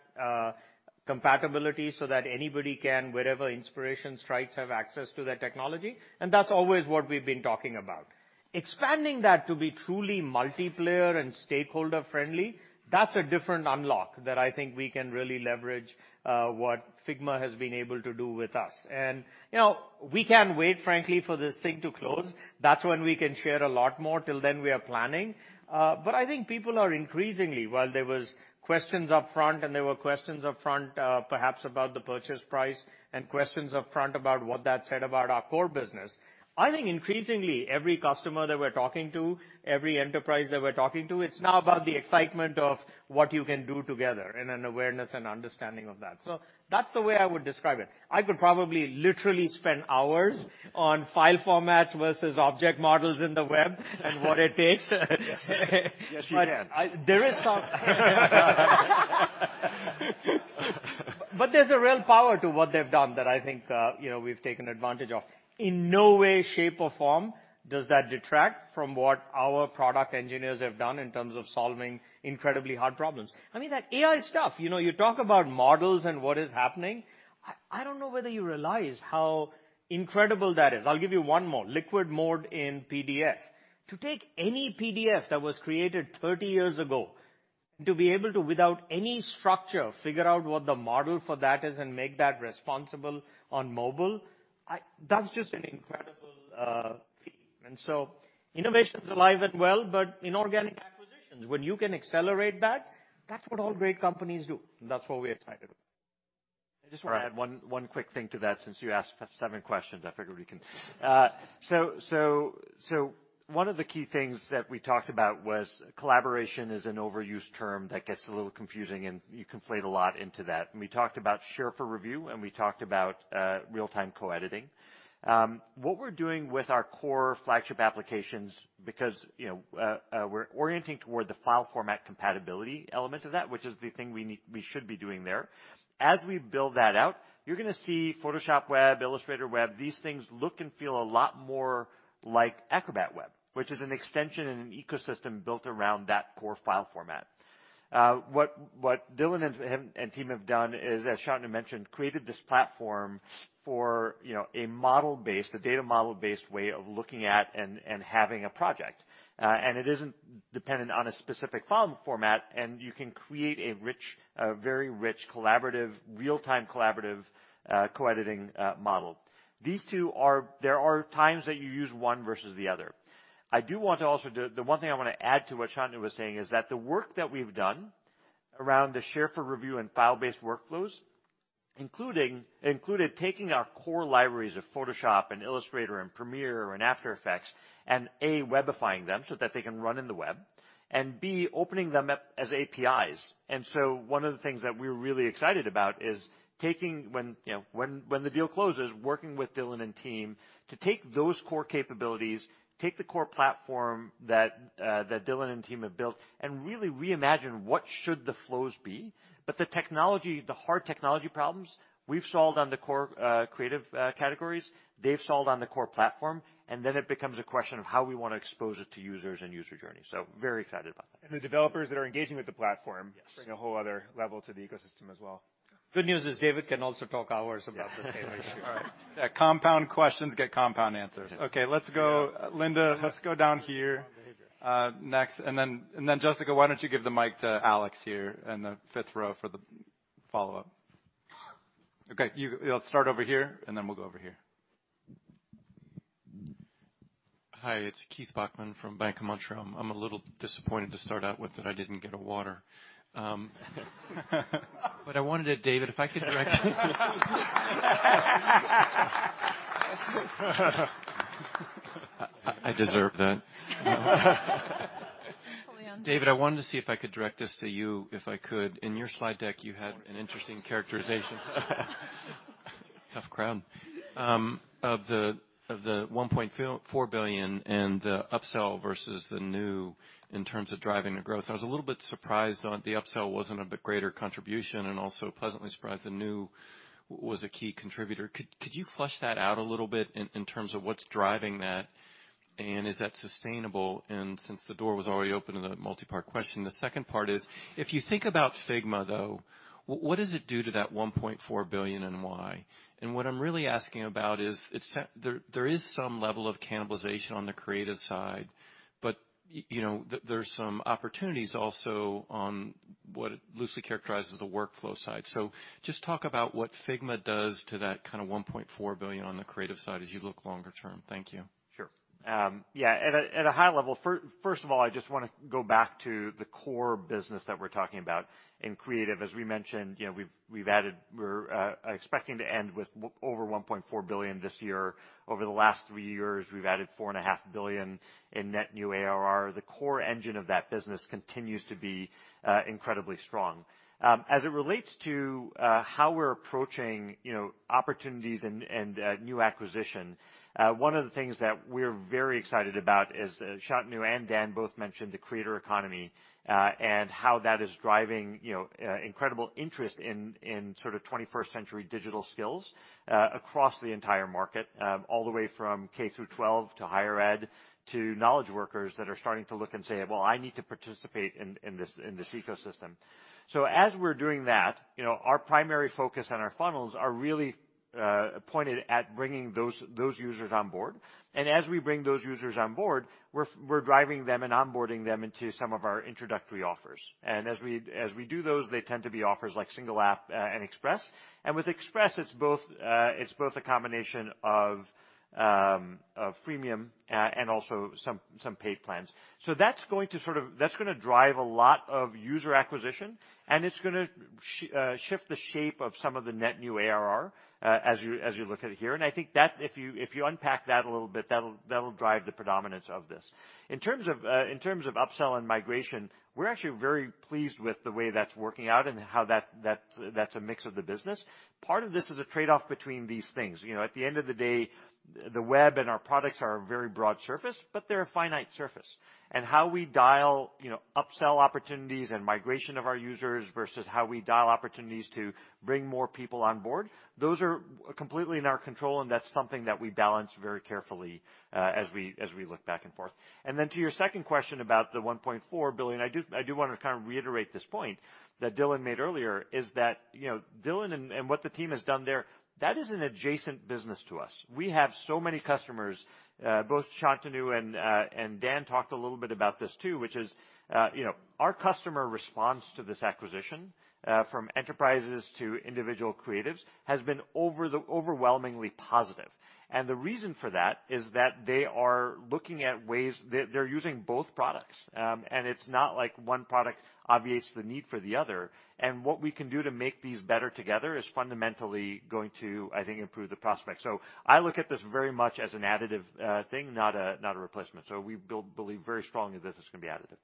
compatibility so that anybody can, wherever inspiration strikes, have access to that technology? That's always what we've been talking about. Expanding that to be truly multiplayer and stakeholder-friendly, that's a different unlock that I think we can really leverage what Figma has been able to do with us. You know, we can't wait, frankly, for this thing to close. That's when we can share a lot more. Till then we are planning. I think people are increasingly while there was questions up front, and there were questions up front, perhaps about the purchase price and questions up front about what that said about our core business. I think increasingly every customer that we're talking to, every enterprise that we're talking to, it's now about the excitement of what you can do together and an awareness and understanding of that. That's the way I would describe it. I could probably literally spend hours on file formats versus object models in the web and what it takes. Yes, you can. There is some- There's a real power to what they've done that I think, you know, we've taken advantage of. In no way, shape, or form does that detract from what our product engineers have done in terms of solving incredibly hard problems. I mean, that AI stuff, you know, you talk about models and what is happening. I don't know whether you realize how incredible that is. I'll give you one more. Liquid Mode in PDF. To take any PDF that was created 30 years ago- To be able to, without any structure, figure out what the model for that is and make that responsible on mobile, that's just an incredible feat. Innovation is alive and well, but inorganic acquisitions, when you can accelerate that's what all great companies do, and that's what we're excited with. I just want to add one quick thing to that since you asked seven questions, I figured we can. One of the key things that we talked about was collaboration is an overused term that gets a little confusing, and you conflate a lot into that. We talked about Share for Review, and we talked about real-time co-editing. What we're doing with our core flagship applications because we're orienting toward the file format compatibility element of that, which is the thing we should be doing there. As we build that out, you're gonna see Photoshop on the web, Illustrator on the web, these things look and feel a lot more like Acrobat for web, which is an extension and an ecosystem built around that core file format. What Dylan and his team have done is, as Shantanu mentioned, created this platform for, you know, a model-based, data model-based way of looking at and having a project. It isn't dependent on a specific file format, and you can create a very rich, collaborative, real-time collaborative co-editing model. These two are. There are times that you use one versus the other. I do want to also. The one thing I want to add to what Shantanu was saying is that the work that we've done around the Share for Review and file-based workflows, included taking our core libraries of Photoshop and Illustrator and Premiere and After Effects and A, webifying them so that they can run in the web, and B, opening them up as APIs. One of the things that we're really excited about is taking, you know, when the deal closes, working with Dylan and team to take those core capabilities, take the core platform that Dylan and team have built, and really reimagine what should the flows be. The technology, the hard technology problems we've solved on the core creative categories, they've solved on the core platform, and then it becomes a question of how we wanna expose it to users and user journeys. Very excited about that. The developers that are engaging with the platform. Yes. bring a whole other level to the ecosystem as well. Good news is David can also talk hours about the same issue. All right. Compound questions get compound answers. Okay, let's go. Linda, let's go down here, next. Jessica, why don't you give the mic to Alex here in the fifth row for the follow-up? Okay. Let's start over here, and then we'll go over here. Hi, it's Keith Bachman from BMO. I'm a little disappointed to start out with that I didn't get a water. I wanted to, David, I deserve that. Fully understand. David, I wanted to see if I could direct this to you if I could. In your slide deck, you had an interesting characterization. Tough crowd. Of the $1.4 billion and the upsell versus the new in terms of driving the growth. I was a little bit surprised on the upsell wasn't a bit greater contribution and also pleasantly surprised the new was a key contributor. Could you flesh that out a little bit in terms of what's driving that? Is that sustainable? Since the door was already open to the multi-part question, the second part is, if you think about Figma, though, what does it do to that $1.4 billion and why? What I'm really asking about is there some level of cannibalization on the creative side, but you know, there's some opportunities also on what it loosely characterizes the workflow side. Just talk about what Figma does to that kind of $1.4 billion on the creative side as you look longer term. Thank you. Sure. Yeah. At a high level, first of all, I just wanna go back to the core business that we're talking about in creative. As we mentioned, you know, we've added. We're expecting to end with over $1.4 billion this year. Over the last 3 years, we've added $4.5 billion in net new ARR. The core engine of that business continues to be incredibly strong. As it relates to how we're approaching, you know, opportunities and new acquisition, one of the things that we're very excited about is, Shantanu and Dan both mentioned the creator economy and how that is driving, you know, incredible interest in sort of 21st century digital skills across the entire market, all the way from K through twelve to higher ed to knowledge workers that are starting to look and say, "Well, I need to participate in this ecosystem." As we're doing that, you know, our primary focus on our funnels are really pointed at bringing those users on board. As we bring those users on board, we're driving them and onboarding them into some of our introductory offers. As we do those, they tend to be offers like Single App and Express. With Express, it's both a combination of freemium and also some paid plans. That's going to sort of that's gonna drive a lot of user acquisition, and it's gonna shift the shape of some of the net new ARR as you look at it here. I think that if you unpack that a little bit, that'll drive the predominance of this. In terms of upsell and migration, we're actually very pleased with the way that's working out and how that's a mix of the business. Part of this is a trade-off between these things. You know, at the end of the day, the web and our products are a very broad surface, but they're a finite surface. How we dial, you know, upsell opportunities and migration of our users versus how we dial opportunities to bring more people on board, those are completely in our control, and that's something that we balance very carefully as we look back and forth. Then to your second question about the $1.4 billion, I do wanna kind of reiterate this point that Dylan made earlier, is that, you know, Dylan and what the team has done there, that is an adjacent business to us. We have so many customers, both Shantanu and Dan talked a little bit about this too, which is, you know, our customer response to this acquisition, from enterprises to individual creatives, has been overwhelmingly positive. The reason for that is that they are looking at ways. They, they're using both products, and it's not like one product obviates the need for the other. What we can do to make these better together is fundamentally going to, I think, improve the prospects. I look at this very much as an additive thing, not a replacement. We believe very strongly this is gonna be additive.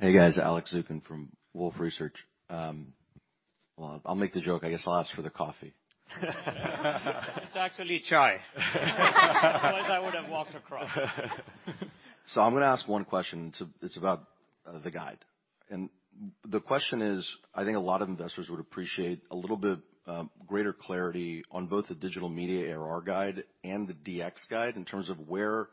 Hey guys, Alex Zukin from Wolfe Research. Well, I'll make the joke. I guess I'll ask for the coffee. It's actually chai. Otherwise, I would have walked across. I'm gonna ask one question. It's about the guide. The question is, I think a lot of investors would appreciate a little bit greater clarity on both the digital media ARR guide and the DX guide in terms of where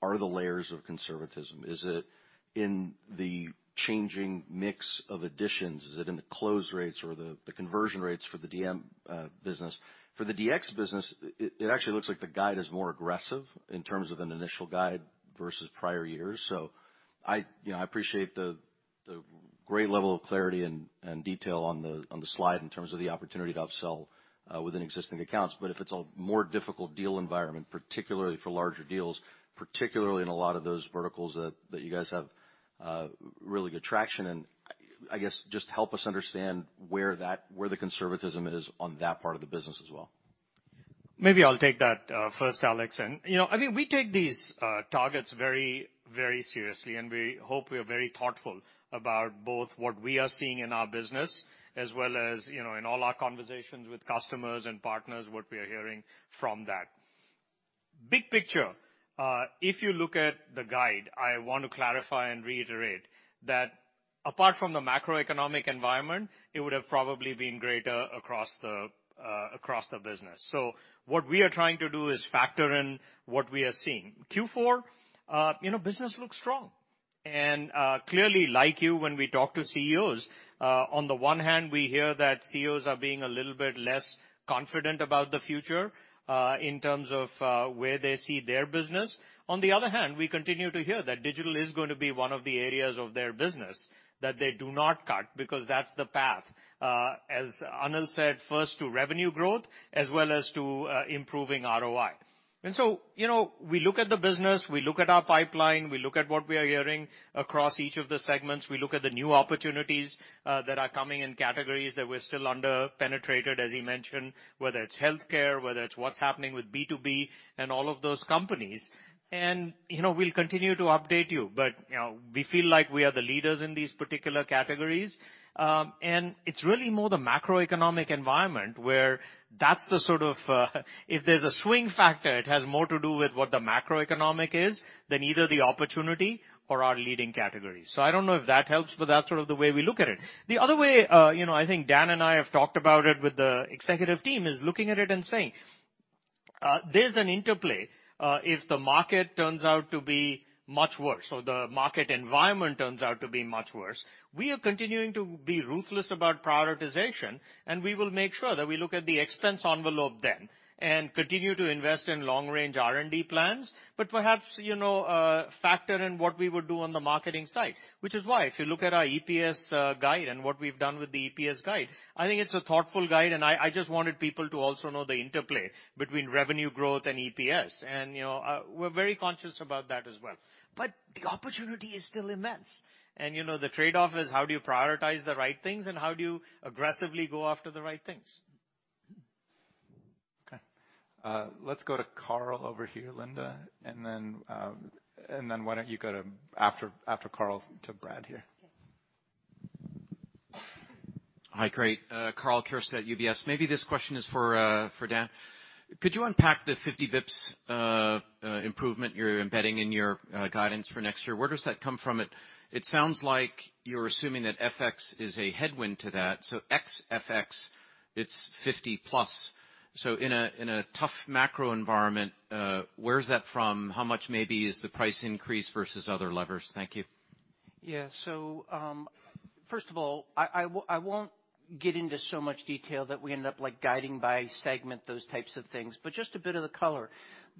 are the layers of conservatism. Is it in the changing mix of additions? Is it in the close rates or the conversion rates for the DM business? For the DX business, it actually looks like the guide is more aggressive in terms of an initial guide versus prior years. I, you know, I appreciate the great level of clarity and detail on the slide in terms of the opportunity to upsell within existing accounts, but if it's a more difficult deal environment, particularly for larger deals, particularly in a lot of those verticals that you guys have really good traction in. I guess just help us understand where the conservatism is on that part of the business as well. Maybe I'll take that first, Alex. You know, I think we take these targets very, very seriously, and we hope we are very thoughtful about both what we are seeing in our business as well as, you know, in all our conversations with customers and partners, what we are hearing from that. Big picture, if you look at the guide, I want to clarify and reiterate that apart from the macroeconomic environment, it would have probably been greater across the business. What we are trying to do is factor in what we are seeing. Q4, you know, business looks strong. Clearly, like you, when we talk to CEOs, on the one hand, we hear that CEOs are being a little bit less confident about the future, in terms of where they see their business. On the other hand, we continue to hear that digital is going to be one of the areas of their business that they do not cut because that's the path, as Anil said, first to revenue growth as well as to improving ROI. You know, we look at the business, we look at our pipeline, we look at what we are hearing across each of the segments. We look at the new opportunities that are coming in categories that we're still under-penetrated, as he mentioned, whether it's healthcare, whether it's what's happening with B2B and all of those companies. You know, we'll continue to update you, but you know, we feel like we are the leaders in these particular categories. It's really more the macroeconomic environment where that's the sort of, if there's a swing factor, it has more to do with what the macroeconomic is than either the opportunity or our leading category. So I don't know if that helps, but that's sort of the way we look at it. The other way, you know, I think Dan and I have talked about it with the executive team, is looking at it and saying, there's an interplay, if the market turns out to be much worse or the market environment turns out to be much worse, we are continuing to be ruthless about prioritization, and we will make sure that we look at the expense envelope then and continue to invest in long-range R&D plans, but perhaps, you know, factor in what we would do on the marketing side. Which is why if you look at our EPS guide and what we've done with the EPS guide, I think it's a thoughtful guide, and I just wanted people to also know the interplay between revenue growth and EPS. You know, we're very conscious about that as well. The opportunity is still immense. You know, the trade-off is how do you prioritize the right things and how do you aggressively go after the right things? Okay. Let's go to Karl over here, Linda. Why don't you go, after Karl, to Brad here. Okay. Hi. Great. Karl Keirstead at UBS. Maybe this question is for Dan. Could you unpack the 50 basis points improvement you're embedding in your guidance for next year? Where does that come from? It sounds like you're assuming that FX is a headwind to that, so ex FX, it's 50+. In a tough macro environment, where is that from? How much maybe is the price increase versus other levers? Thank you. Yeah. First of all, I won't get into so much detail that we end up, like, guiding by segment those types of things, but just a bit of the color.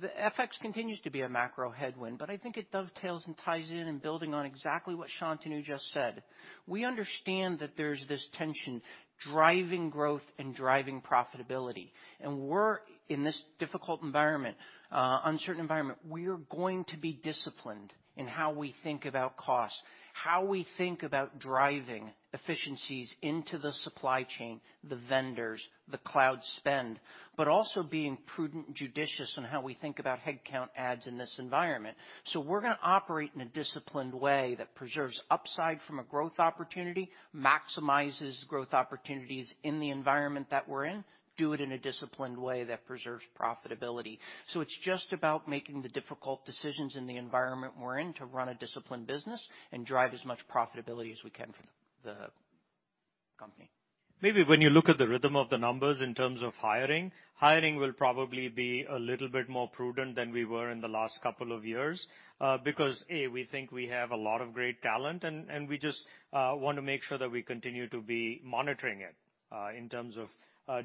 The FX continues to be a macro headwind, but I think it dovetails and ties in and building on exactly what Shantanu just said. We understand that there's this tension driving growth and driving profitability. We're in this difficult environment, uncertain environment. We're going to be disciplined in how we think about cost, how we think about driving efficiencies into the supply chain, the vendors, the cloud spend, but also being prudent and judicious on how we think about headcount adds in this environment. We're gonna operate in a disciplined way that preserves upside from a growth opportunity, maximizes growth opportunities in the environment that we're in, do it in a disciplined way that preserves profitability. It's just about making the difficult decisions in the environment we're in to run a disciplined business and drive as much profitability as we can for the company. Maybe when you look at the rhythm of the numbers in terms of hiring will probably be a little bit more prudent than we were in the last couple of years, because, A, we think we have a lot of great talent, and we just wanna make sure that we continue to be monitoring it, in terms of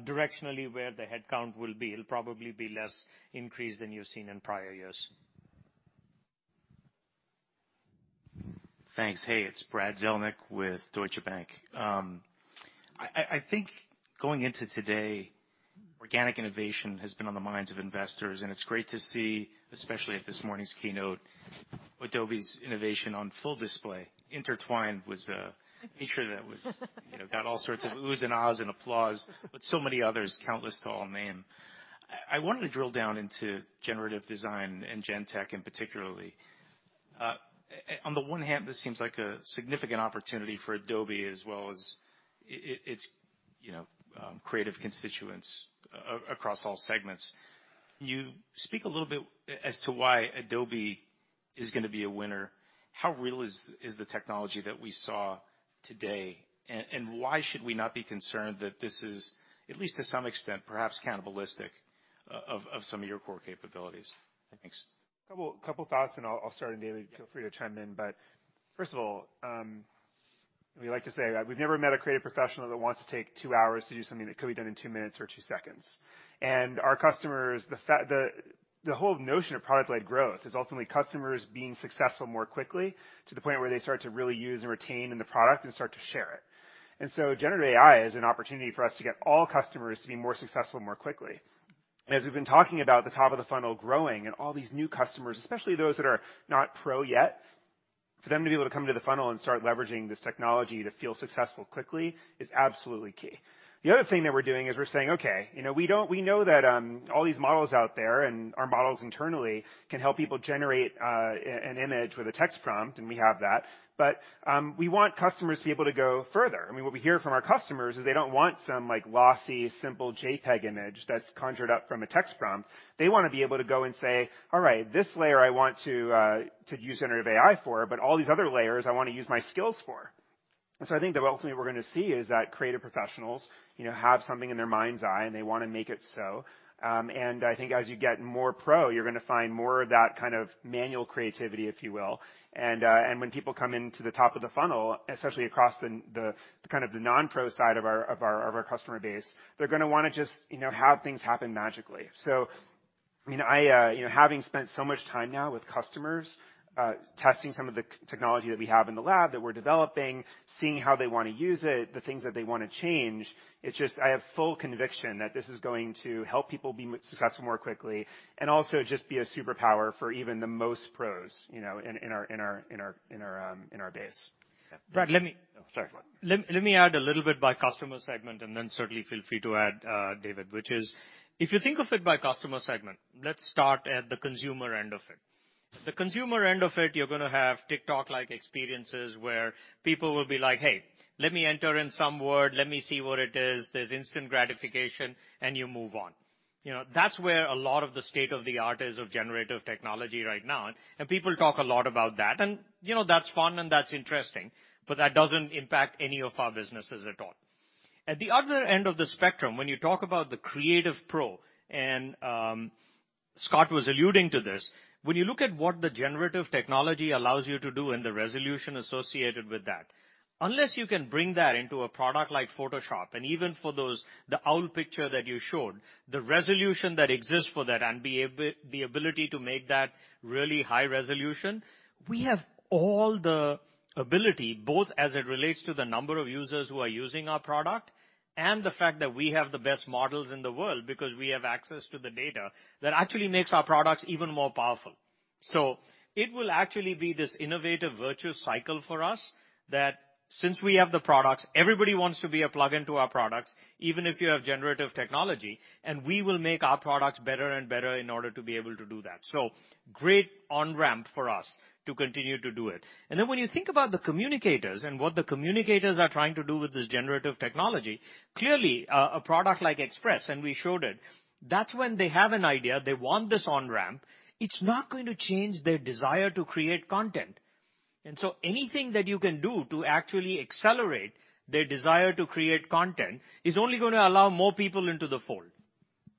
directionally where the headcount will be. It'll probably be less increase than you've seen in prior years. Thanks. Hey, it's Brad Zelnick with Deutsche Bank. I think going into today, organic innovation has been on the minds of investors, and it's great to see, especially at this morning's keynote, Adobe's innovation on full display. Firefly was a feature that got all sorts of oohs and ahhs and applause, but so many others, too many to name. I wanted to drill down into generative design and GenTech in particular. On the one hand, this seems like a significant opportunity for Adobe as well as its, you know, creative constituents across all segments. Can you speak a little bit as to why Adobe is gonna be a winner? How real is the technology that we saw today? Why should we not be concerned that this is, at least to some extent, perhaps cannibalistic of some of your core capabilities? Thanks. Couple thoughts, and I'll start. David, feel free to chime in. First of all, we like to say we've never met a creative professional that wants to take 2 hours to do something that could be done in 2 minutes or 2 seconds. Our customers, the whole notion of product-led growth is ultimately customers being successful more quickly to the point where they start to really use and retain in the product and start to share it. Generative AI is an opportunity for us to get all customers to be more successful more quickly. As we've been talking about the top of the funnel growing and all these new customers, especially those that are not pro yet, for them to be able to come to the funnel and start leveraging this technology to feel successful quickly is absolutely key. The other thing that we're doing is we're saying, okay, you know, we don't. We know that, all these models out there and our models internally can help people generate, an image with a text prompt, and we have that. We want customers to be able to go further. I mean, what we hear from our customers is they don't want some, like, lossy simple JPEG image that's conjured up from a text prompt. They wanna be able to go and say, "All right, this layer I want to use generative AI for, but all these other layers I wanna use my skills for." I think that ultimately what we're gonna see is that creative professionals, you know, have something in their mind's eye, and they wanna make it so. I think as you get more pro, you're gonna find more of that kind of manual creativity, if you will. When people come into the top of the funnel, especially across the kind of the non-pro side of our customer base, they're gonna wanna just, you know, have things happen magically. I mean, you know, having spent so much time now with customers, testing some of the technology that we have in the lab that we're developing, seeing how they wanna use it, the things that they wanna change, it's just I have full conviction that this is going to help people be successful more quickly and also just be a superpower for even the most pros, you know, in our base. Yeah. Brad, let me- Oh, sorry. Let me add a little bit by customer segment, and then certainly feel free to add, David, which is if you think of it by customer segment, let's start at the consumer end of it. The consumer end of it, you're gonna have TikTok-like experiences, where people will be like, "Hey, let me enter in some word. Let me see what it is." There's instant gratification, and you move on. You know, that's where a lot of the state-of-the-art is of generative technology right now, and people talk a lot about that. You know, that's fun, and that's interesting, but that doesn't impact any of our businesses at all. At the other end of the spectrum, when you talk about the creative pro, and Scott was alluding to this. When you look at what the generative technology allows you to do and the resolution associated with that, unless you can bring that into a product like Photoshop, and even for those, the owl picture that you showed, the resolution that exists for that and the ability to make that really high resolution, we have all the ability, both as it relates to the number of users who are using our product and the fact that we have the best models in the world because we have access to the data that actually makes our products even more powerful. It will actually be this innovative virtuous cycle for us that since we have the products, everybody wants to be a plugin to our products, even if you have generative technology, and we will make our products better and better in order to be able to do that. Great on-ramp for us to continue to do it. Then when you think about the communicators and what the communicators are trying to do with this generative technology, clearly a product like Express, and we showed it, that's when they have an idea. They want this on-ramp. It's not going to change their desire to create content. Anything that you can do to actually accelerate their desire to create content is only gonna allow more people into the fold.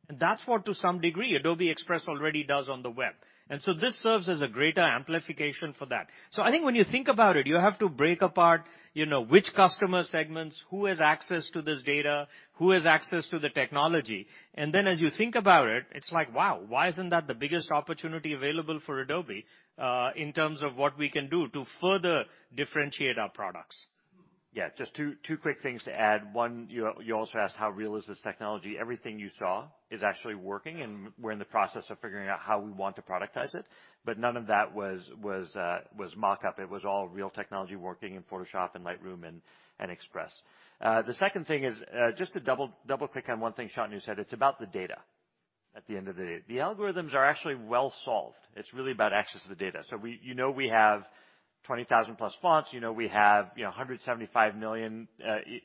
That's what, to some degree, Adobe Express already does on the web. This serves as a greater amplification for that. I think when you think about it, you have to break apart, you know, which customer segments, who has access to this data, who has access to the technology. as you think about it's like, wow, why isn't that the biggest opportunity available for Adobe, in terms of what we can do to further differentiate our products? Yeah. Just two quick things to add. One, you also asked how real is this technology. Everything you saw is actually working, and we're in the process of figuring out how we want to productize it. But none of that was mock-up. It was all real technology working in Photoshop and Lightroom and Express. The second thing is just to double-click on one thing Shantanu said, it's about the data at the end of the day. The algorithms are actually well solved. It's really about access to the data. So we, you know, we have 20,000+ fonts. You know, we have, you know, 175 million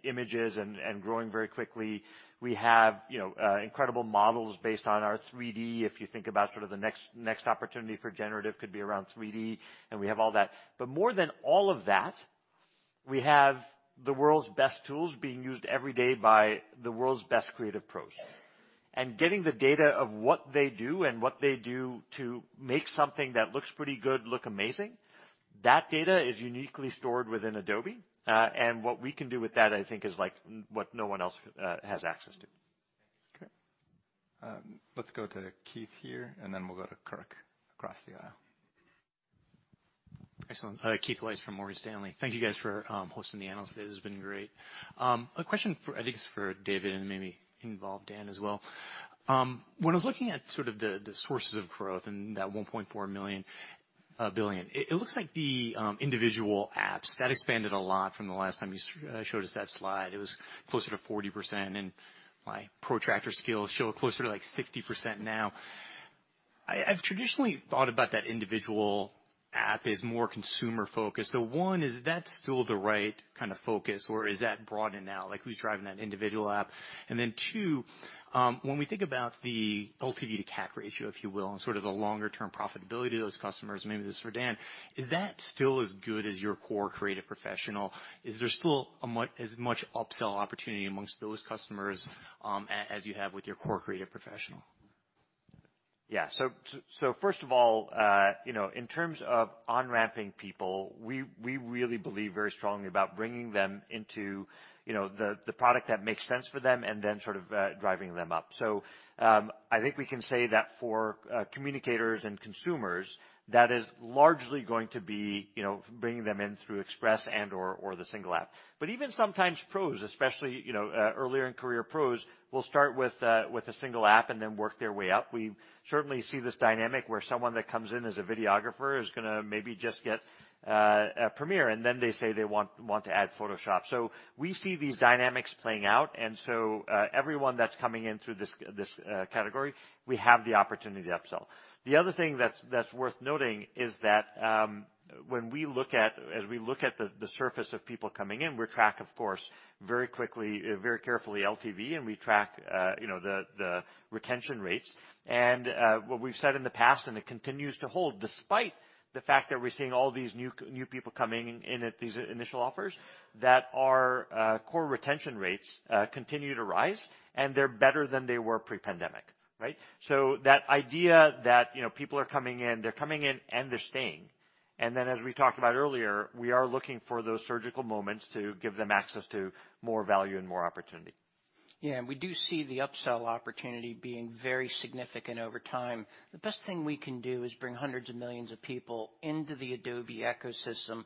images and growing very quickly. We have, you know, incredible models based on our 3D. If you think about sort of the next opportunity for generative could be around 3D, and we have all that. More than all of that, we have the world's best tools being used every day by the world's best creative pros. Getting the data of what they do and what they do to make something that looks pretty good look amazing, that data is uniquely stored within Adobe. What we can do with that, I think, is like what no one else has access to. Okay. Let's go to Keith here, and then we'll go to Kirk across the aisle. Excellent. Keith Weiss from Morgan Stanley. Thank you guys for hosting the analyst today. This has been great. A question for, I think it's for David and maybe involve Dan as well. When I was looking at sort of the sources of growth and that 1.4 million to a billion. It looks like the individual apps that expanded a lot from the last time you showed us that slide. It was closer to 40%, and my protractor skills show closer to, like, 60% now. I've traditionally thought about that individual app as more consumer focused. One, is that still the right kind of focus or is that broadened now? Like, who's driving that individual app? Two, when we think about the LTV to CAC ratio, if you will, and sort of the longer term profitability to those customers, maybe this is for Dan, is that still as good as your core creative professional? Is there still as much upsell opportunity among those customers, as you have with your core creative professional? Yeah. First of all, you know, in terms of on-ramping people, we really believe very strongly about bringing them into, you know, the product that makes sense for them and then sort of driving them up. I think we can say that for communicators and consumers, that is largely going to be, you know, bringing them in through Express or the Single App. But even sometimes pros, especially, you know, earlier in career pros, will start with a Single App and then work their way up. We certainly see this dynamic where someone that comes in as a videographer is gonna maybe just get a Premiere, and then they say they want to add Photoshop. We see these dynamics playing out. everyone that's coming in through this category, we have the opportunity to upsell. The other thing that's worth noting is that, when we look at the surface of people coming in, we track, of course, very quickly, very carefully LTV, and we track, you know, the retention rates. what we've said in the past, and it continues to hold, despite the fact that we're seeing all these new people coming in at these initial offers, that our core retention rates continue to rise, and they're better than they were pre-pandemic, right? that idea that, you know, people are coming in, they're coming in and they're staying. as we talked about earlier, we are looking for those surgical moments to give them access to more value and more opportunity. Yeah. We do see the upsell opportunity being very significant over time. The best thing we can do is bring hundreds of millions of people into the Adobe ecosystem,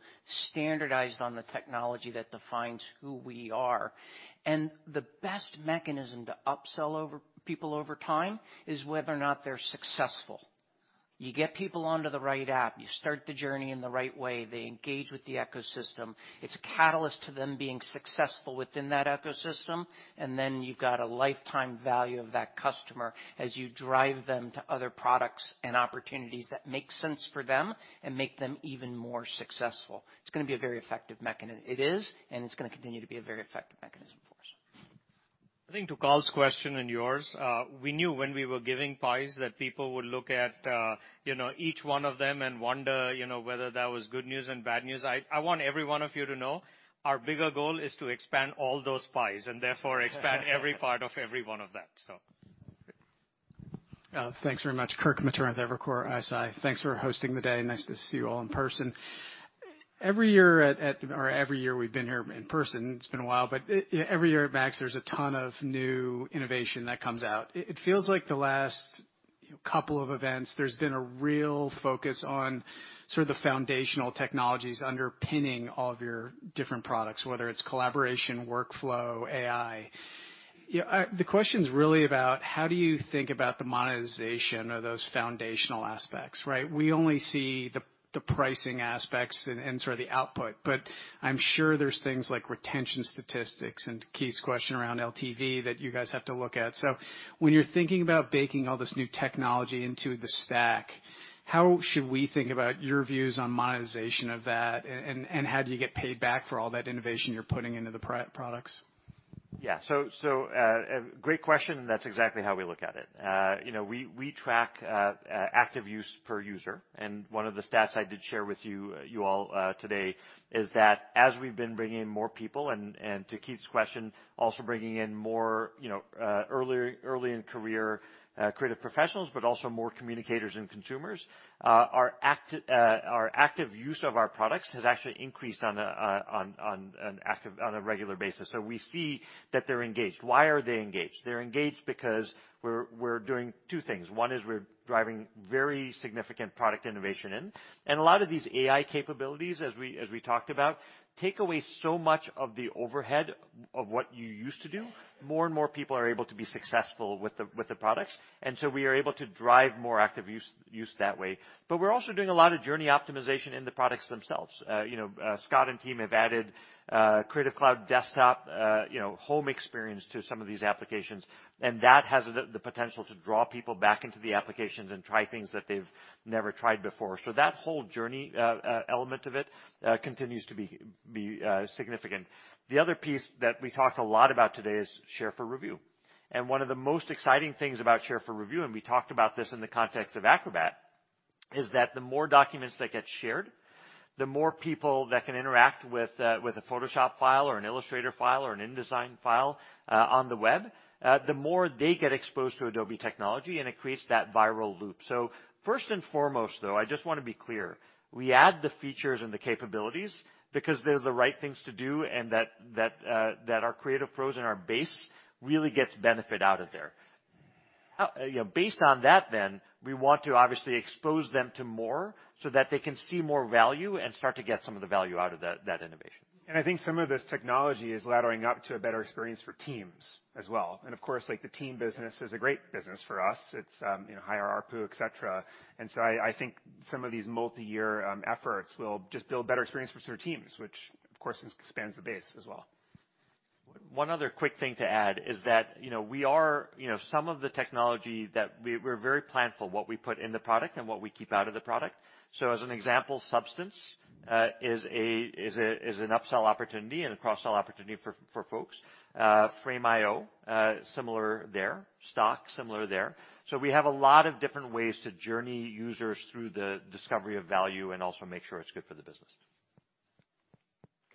standardized on the technology that defines who we are. The best mechanism to upsell people over time is whether or not they're successful. You get people onto the right app, you start the journey in the right way, they engage with the ecosystem, it's a catalyst to them being successful within that ecosystem, and then you've got a lifetime value of that customer as you drive them to other products and opportunities that make sense for them and make them even more successful. It's gonna be a very effective mechanism. It is, and it's gonna continue to be a very effective mechanism for us. I think to Carl's question and yours, we knew when we were giving pies that people would look at, you know, each one of them and wonder, you know, whether that was good news and bad news. I want every one of you to know our bigger goal is to expand all those pies and therefore expand every part of every one of them. Great. Thanks very much. Kirk Materne with Evercore ISI. Thanks for hosting the day. Nice to see you all in person. Every year we've been here in person, it's been a while, but every year at MAX, there's a ton of new innovation that comes out. It feels like the last, you know, couple of events, there's been a real focus on sort of the foundational technologies underpinning all of your different products, whether it's collaboration, workflow, AI. You know, the question's really about how do you think about the monetization of those foundational aspects, right? We only see the pricing aspects and sort of the output, but I'm sure there's things like retention statistics and Keith's question around LTV that you guys have to look at. When you're thinking about baking all this new technology into the stack, how should we think about your views on monetization of that, and how do you get paid back for all that innovation you're putting into the products? Yeah. Great question, and that's exactly how we look at it. You know, we track active use per user, and one of the stats I did share with you all today is that as we've been bringing in more people, and to Keith's question, also bringing in more, you know, early in career creative professionals, but also more communicators and consumers, our active use of our products has actually increased on a regular basis. We see that they're engaged. Why are they engaged? They're engaged because we're doing two things. One is we're driving very significant product innovation in and a lot of these AI capabilities, as we talked about, take away so much of the overhead of what you used to do. More and more people are able to be successful with the products, and so we are able to drive more active use that way. But we're also doing a lot of journey optimization in the products themselves. Scott and team have added Creative Cloud desktop home experience to some of these applications, and that has the potential to draw people back into the applications and try things that they've never tried before. That whole journey element of it continues to be significant. The other piece that we talked a lot about today is Share for Review. One of the most exciting things about Share for Review, and we talked about this in the context of Acrobat, is that the more documents that get shared, the more people that can interact with a Photoshop file or an Illustrator file or an InDesign file on the web, the more they get exposed to Adobe technology, and it creates that viral loop. First and foremost, though, I just wanna be clear, we add the features and the capabilities because they're the right things to do and that our creative pros and our base really gets benefit out of there. You know, based on that, we want to obviously expose them to more so that they can see more value and start to get some of the value out of that innovation. I think some of this technology is laddering up to a better experience for teams as well. Of course, like, the team business is a great business for us. It's, you know, higher ARPU, et cetera. I think some of these multi-year efforts will just build better experiences for teams, which of course expands the base as well. One other quick thing to add is that, you know, we have some of the technology that we're very planful what we put in the product and what we keep out of the product. As an example, Substance is an upsell opportunity and a cross-sell opportunity for folks. Frame.io, similar there. Stock, similar there. We have a lot of different ways to journey users through the discovery of value and also make sure it's good for the business.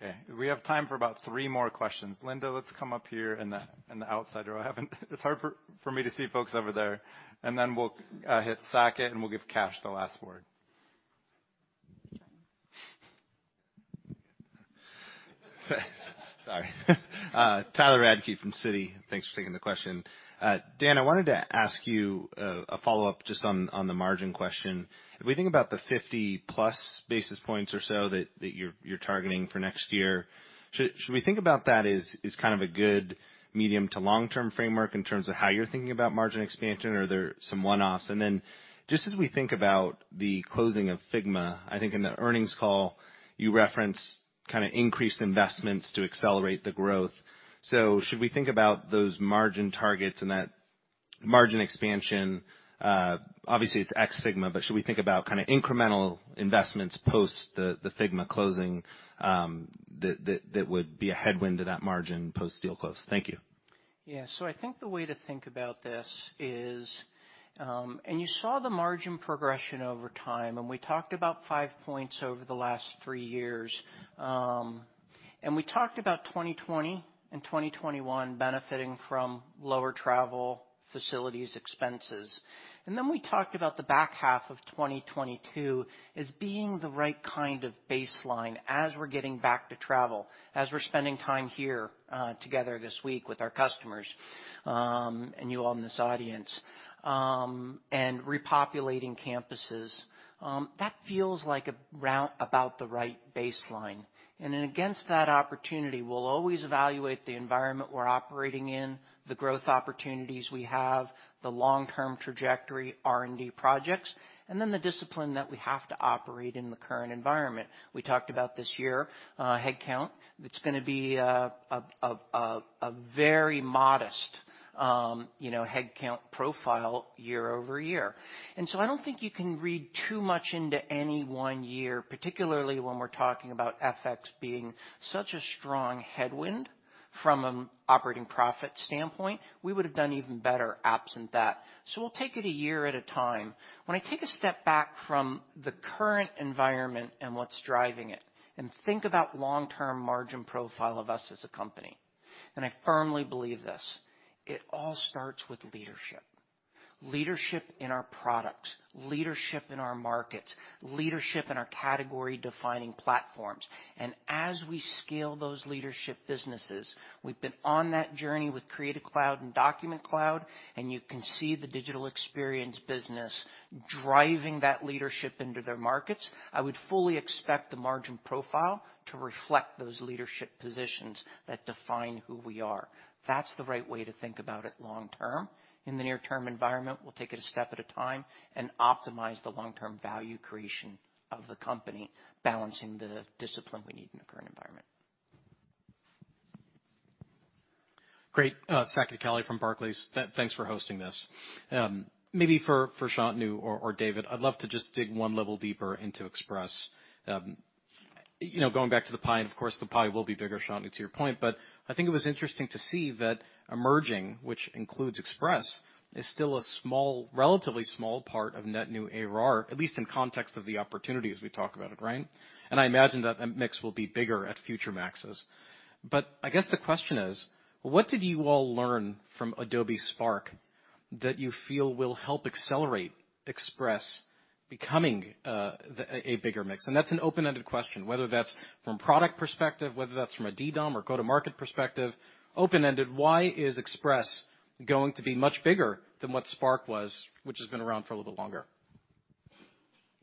Okay. We have time for about three more questions. Linda, let's come up here in the outside row. It's hard for me to see folks over there. Then we'll hit Saket, and we'll give Kash the last word. Sorry. Tyler Radke from Citi. Thanks for taking the question. Dan, I wanted to ask you a follow-up just on the margin question. If we think about the 50-plus basis points or so that you're targeting for next year, should we think about that as kind of a good medium to long-term framework in terms of how you're thinking about margin expansion, or are there some one-offs? Just as we think about the closing of Figma, I think in the earnings call you referenced kinda increased investments to accelerate the growth. Should we think about those margin targets and that margin expansion, obviously it's ex-Figma, but should we think about kinda incremental investments post the Figma closing, that would be a headwind to that margin post-deal close? Thank you. Yeah. I think the way to think about this is, and you saw the margin progression over time, and we talked about 5 points over the last 3 years. We talked about 2020 and 2021 benefiting from lower travel and facilities expenses. We talked about the back half of 2022 as being the right kind of baseline as we're getting back to travel, as we're spending time here, together this week with our customers, and you all in this audience, and repopulating campuses. That feels like about the right baseline. Against that opportunity, we'll always evaluate the environment we're operating in, the growth opportunities we have, the long-term trajectory R&D projects, and then the discipline that we have to operate in the current environment. We talked about this year, headcount. It's gonna be a very modest, you know, headcount profile year-over-year. I don't think you can read too much into any one year, particularly when we're talking about FX being such a strong headwind from an operating profit standpoint. We would've done even better absent that. We'll take it a year at a time. When I take a step back from the current environment and what's driving it and think about long-term margin profile of us as a company, and I firmly believe this, it all starts with leadership. Leadership in our products, leadership in our markets, leadership in our category-defining platforms. As we scale those leadership businesses, we've been on that journey with Creative Cloud and Document Cloud, and you can see the digital experience business driving that leadership into their markets. I would fully expect the margin profile to reflect those leadership positions that define who we are. That's the right way to think about it long term. In the near-term environment, we'll take it a step at a time and optimize the long-term value creation of the company, balancing the discipline we need in the current environment. Great. Saket Kalia from Barclays. Thanks for hosting this. Maybe for Shantanu or David, I'd love to just dig one level deeper into Express. You know, going back to the pie, and of course the pie will be bigger, Shantanu, to your point, but I think it was interesting to see that emerging, which includes Express, is still a small, relatively small part of net new ARR, at least in context of the opportunities we talk about it, right? I imagine that mix will be bigger at future MAXes. I guess the question is, what did you all learn from Adobe Spark that you feel will help accelerate Express becoming a bigger mix? That's an open-ended question. Whether that's from product perspective, whether that's from a DDOM or go-to-market perspective, open-ended, why is Express going to be much bigger than what Spark was, which has been around for a little bit longer?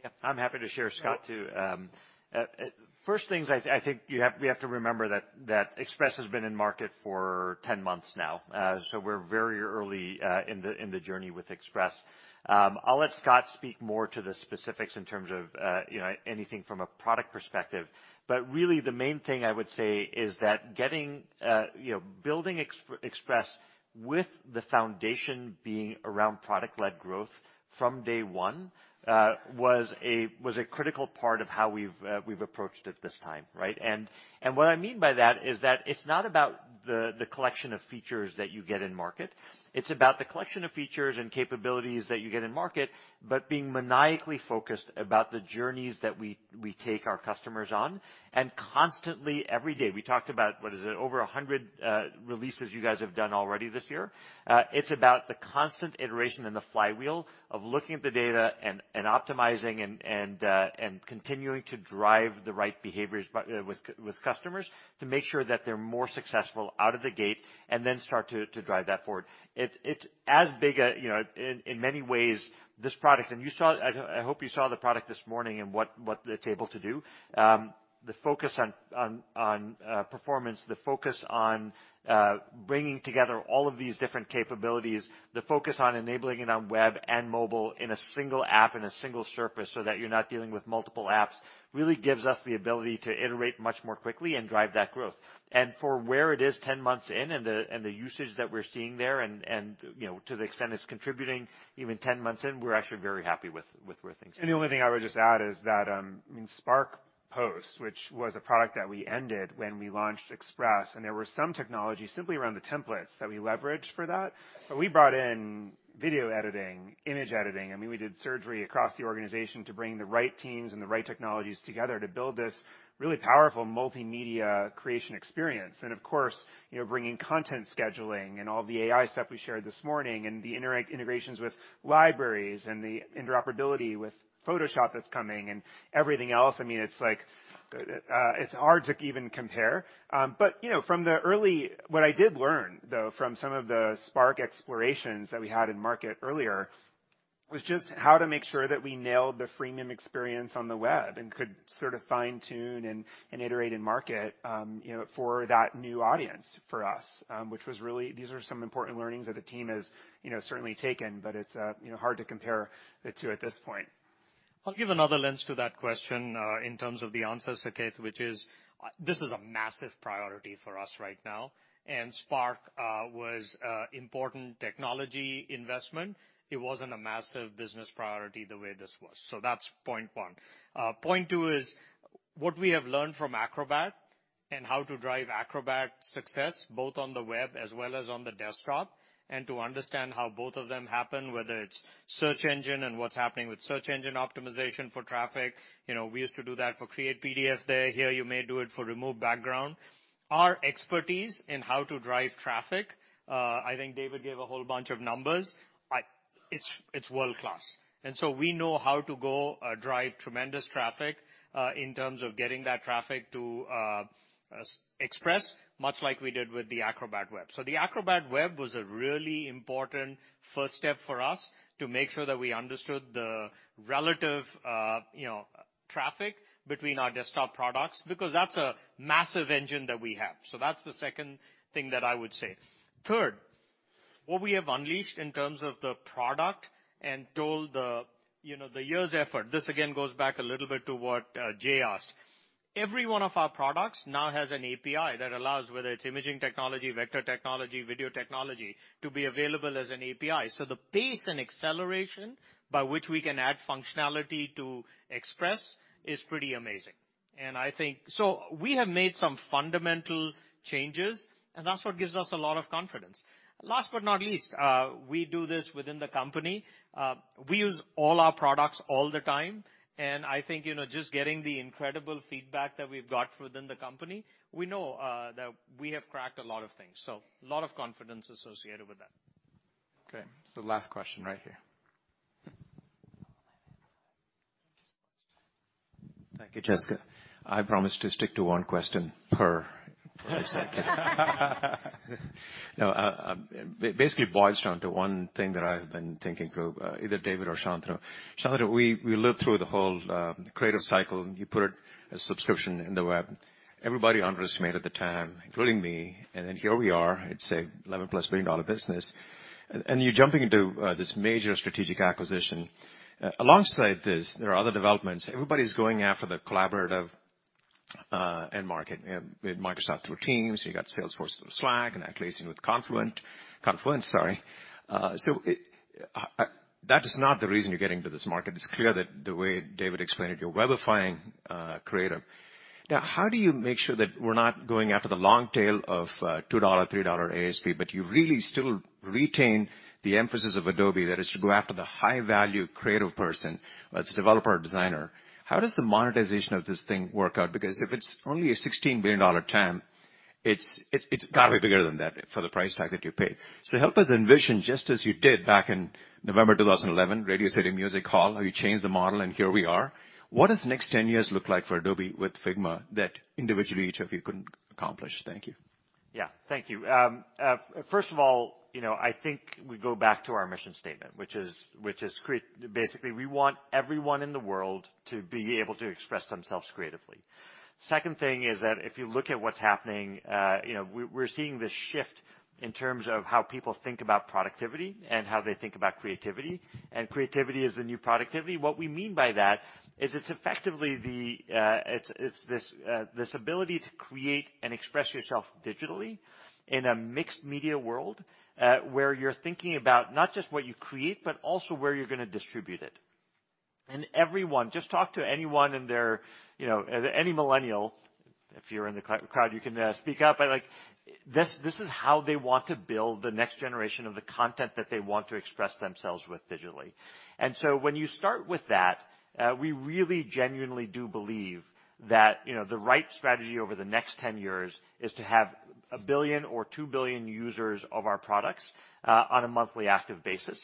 Yeah, I'm happy to share, Scott, too. First, I think we have to remember that Express has been in market for 10 months now. We're very early in the journey with Express. I'll let Scott speak more to the specifics in terms of anything from a product perspective. Really the main thing I would say is that building Express with the foundation being around product-led growth from day one was a critical part of how we've approached it this time, right? What I mean by that is that it's not about the collection of features that you get in market. It's about the collection of features and capabilities that you get in market, but being maniacally focused about the journeys that we take our customers on. Constantly, every day, we talked about, what is it, over 100 releases you guys have done already this year. It's about the constant iteration in the flywheel of looking at the data and optimizing and continuing to drive the right behaviors with customers to make sure that they're more successful out of the gate and then start to drive that forward. It's as big a, you know, in many ways this product. I hope you saw the product this morning and what it's able to do. The focus on performance, the focus on bringing together all of these different capabilities, the focus on enabling it on web and mobile in a single app, in a single surface so that you're not dealing with multiple apps, really gives us the ability to iterate much more quickly and drive that growth. For where it is 10 months in and the usage that we're seeing there and, you know, to the extent it's contributing even 10 months in, we're actually very happy with where things are. The only thing I would just add is that, I mean, Spark Post, which was a product that we ended when we launched Express, and there were some technologies simply around the templates that we leveraged for that. We brought in video editing, image editing. I mean, we did surgery across the organization to bring the right teams and the right technologies together to build this really powerful multimedia creation experience. Of course, you know, bringing content scheduling and all the AI stuff we shared this morning, and the integrations with libraries and the interoperability with Photoshop that's coming and everything else. I mean, it's like, it's hard to even compare. What I did learn, though, from some of the Spark explorations that we had in market earlier, was just how to make sure that we nailed the freemium experience on the web and could sort of fine-tune and iterate and market, you know, for that new audience for us, which was really. These are some important learnings that the team has, you know, certainly taken, but it's, you know, hard to compare the two at this point. I'll give another lens to that question in terms of the answer, Saket, which is, this is a massive priority for us right now. Spark was an important technology investment. It wasn't a massive business priority the way this was. That's point one. Point two is what we have learned from Acrobat and how to drive Acrobat's success, both on the web as well as on the desktop, and to understand how both of them happen, whether it's search engine and what's happening with search engine optimization for traffic. You know, we used to do that for create PDF there. Here, you may do it for remove background. Our expertise in how to drive traffic, I think David gave a whole bunch of numbers. It's world-class. We know how to go drive tremendous traffic in terms of getting that traffic to Express, much like we did with the Acrobat for web. The Acrobat for web was a really important first step for us to make sure that we understood the relative, you know, traffic between our desktop products, because that's a massive engine that we have. That's the second thing that I would say. Third, what we have unleashed in terms of the product and the toil of the, you know, years of effort, this again goes back a little bit to what Jay asked. Every one of our products now has an API that allows, whether it's imaging technology, vector technology, video technology, to be available as an API. The pace and acceleration by which we can add functionality to Express is pretty amazing. I think we have made some fundamental changes, and that's what gives us a lot of confidence. Last but not least, we do this within the company. We use all our products all the time, and I think, you know, just getting the incredible feedback that we've got within the company, we know that we have cracked a lot of things. A lot of confidence associated with that. Okay, the last question right here. Thank you, Jessica. I promise to stick to one question per executive. No, it basically boils down to one thing that I've been thinking through, either David or Shantanu. Shantanu, we lived through the whole creative cycle, and you put it as subscription in the web. Everybody underestimated the TAM, including me, and then here we are, I'd say $11+ billion business. You're jumping into this major strategic acquisition. Alongside this, there are other developments. Everybody's going after the collaborative end market. You have Microsoft through Teams, you got Salesforce through Slack, and Atlassian with Confluence, sorry. That is not the reason you're getting to this market. It's clear that the way David explained it, you're webifying creative. Now, how do you make sure that we're not going after the long tail of $2, $3 ASP, but you really still retain the emphasis of Adobe, that is to go after the high-value creative person, whether it's a developer or designer? How does the monetization of this thing work out? Because if it's only a $16 billion TAM, it's gotta be bigger than that for the price tag that you paid. Help us envision, just as you did back in November 2011, Radio City Music Hall, how you changed the model and here we are. What does the next 10 years look like for Adobe with Figma that individually each of you couldn't accomplish? Thank you. Yeah. Thank you. First of all, you know, I think we go back to our mission statement, which is basically, we want everyone in the world to be able to express themselves creatively. Second thing is that if you look at what's happening, you know, we're seeing this shift in terms of how people think about productivity and how they think about creativity, and creativity is the new productivity. What we mean by that is it's effectively the, it's this ability to create and express yourself digitally in a mixed media world, where you're thinking about not just what you create, but also where you're gonna distribute it. Everyone, just talk to anyone in their, you know, any millennial. If you're in the crowd, you can speak up. Like this is how they want to build the next generation of the content that they want to express themselves with digitally. When you start with that, we really genuinely do believe that, you know, the right strategy over the next 10 years is to have 1 billion or 2 billion users of our products on a monthly active basis.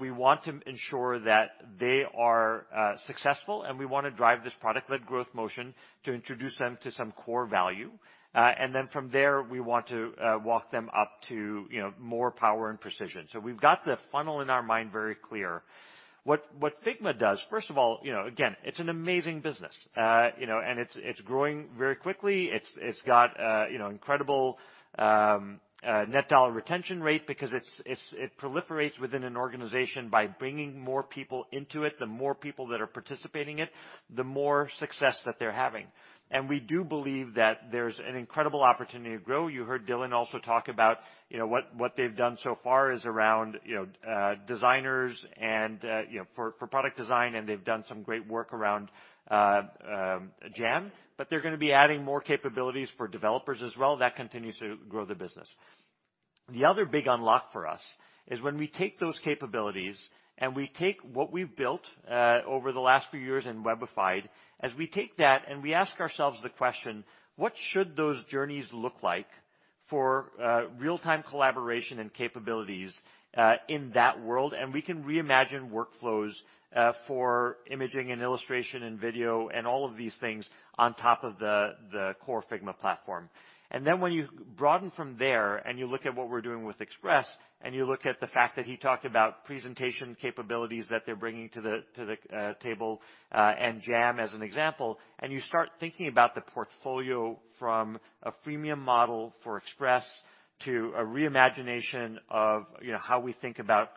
We want to ensure that they are successful, and we wanna drive this product-led growth motion to introduce them to some core value. From there, we want to walk them up to, you know, more power and precision. We've got the funnel in our mind very clear. What Figma does, first of all, you know, again, it's an amazing business. You know, and it's growing very quickly. It's got you know incredible Net Dollar Retention Rate because it proliferates within an organization by bringing more people into it. The more people that are participating in it, the more success that they're having. We do believe that there's an incredible opportunity to grow. You heard Dylan also talk about you know what they've done so far is around you know designers and you know for product design, and they've done some great work around FigJam, but they're gonna be adding more capabilities for developers as well. That continues to grow the business. The other big unlock for us is when we take those capabilities, and we take what we've built over the last few years and webified, as we take that and we ask ourselves the question, "What should those journeys look like for real-time collaboration and capabilities in that world?" We can reimagine workflows for imaging and illustration and video and all of these things on top of the core Figma platform. When you broaden from there and you look at what we're doing with Express, and you look at the fact that he talked about presentation capabilities that they're bringing to the table, and FigJam as an example, and you start thinking about the portfolio from a freemium model for Express to a reimagination of, you know, how we think about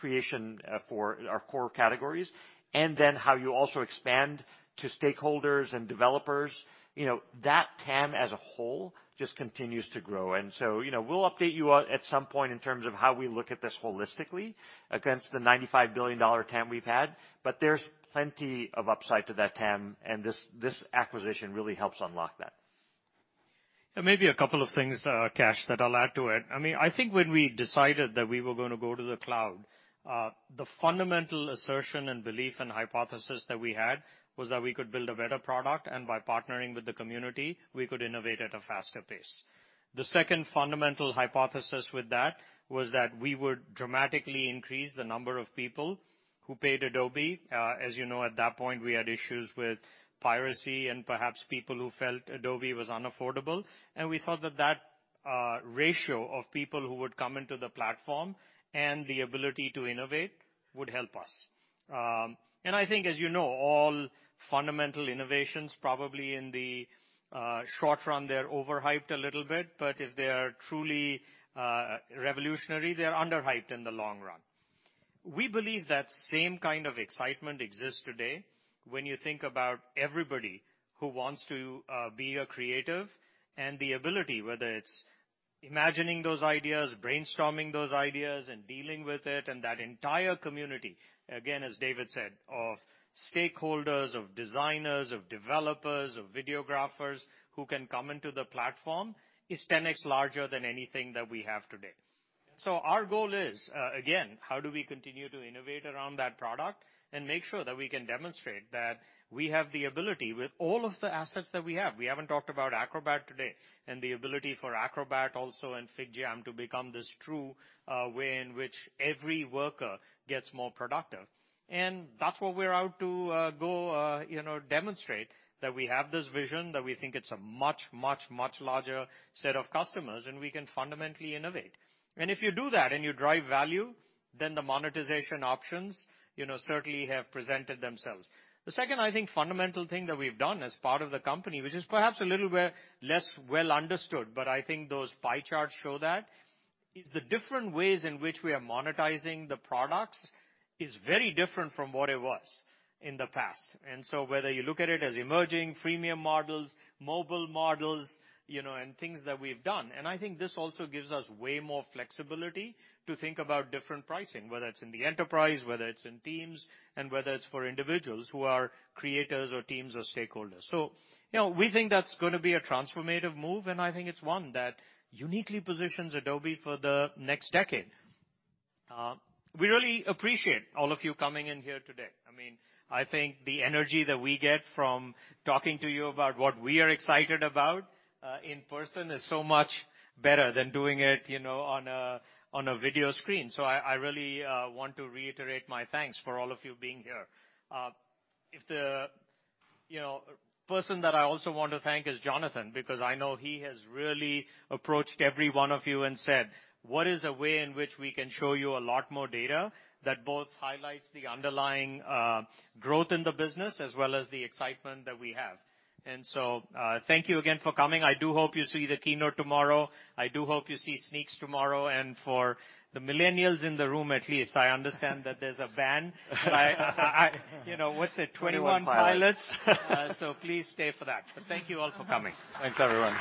creation for our core categories, and then how you also expand to stakeholders and developers, you know, that TAM as a whole just continues to grow. You know, we'll update you all at some point in terms of how we look at this holistically against the $95 billion TAM we've had, but there's plenty of upside to that TAM, and this acquisition really helps unlock that. Maybe a couple of things, Cash, that I'll add to it. I mean, I think when we decided that we were gonna go to the cloud, the fundamental assertion and belief and hypothesis that we had was that we could build a better product, and by partnering with the community, we could innovate at a faster pace. The second fundamental hypothesis with that was that we would dramatically increase the number of people who paid Adobe. As you know, at that point, we had issues with piracy and perhaps people who felt Adobe was unaffordable. We thought that ratio of people who would come into the platform and the ability to innovate would help us. I think, as you know, all fundamental innovations, probably in the short run, they're overhyped a little bit, but if they are truly revolutionary, they're underhyped in the long run. We believe that same kind of excitement exists today when you think about everybody who wants to be a creative and the ability, whether it's imagining those ideas, brainstorming those ideas, and dealing with it, and that entire community, again, as David said, of stakeholders, of designers, of developers, of videographers who can come into the platform is 10x larger than anything that we have today. Our goal is, again, how do we continue to innovate around that product and make sure that we can demonstrate that we have the ability with all of the assets that we have. We haven't talked about Acrobat today and the ability for Acrobat also and FigJam to become this true way in which every worker gets more productive. That's what we're out to go you know demonstrate that we have this vision, that we think it's a much, much, much larger set of customers, and we can fundamentally innovate. If you do that, and you drive value, then the monetization options, you know, certainly have presented themselves. The second, I think, fundamental thing that we've done as part of the company, which is perhaps a little bit less well understood, but I think those pie charts show that, is the different ways in which we are monetizing the products is very different from what it was in the past. Whether you look at it as emerging freemium models, mobile models, you know, and things that we've done, and I think this also gives us way more flexibility to think about different pricing, whether it's in the enterprise, whether it's in teams, and whether it's for individuals who are creators or teams or stakeholders. You know, we think that's gonna be a transformative move, and I think it's one that uniquely positions Adobe for the next decade. We really appreciate all of you coming in here today. I mean, I think the energy that we get from talking to you about what we are excited about, in person is so much better than doing it, you know, on a video screen. I really want to reiterate my thanks for all of you being here. If the person that I also want to thank is Jonathan, because I know he has really approached every one of you and said, "What is a way in which we can show you a lot more data that both highlights the underlying growth in the business as well as the excitement that we have?" Thank you again for coming. I do hope you see the keynote tomorrow. I do hope you see Sneaks tomorrow. For the millennials in the room, at least I understand that there's a band. You know, what's it? Twenty One Pilots. Twenty One Pilots. Please stay for that. Thank you all for coming. Thanks, everyone.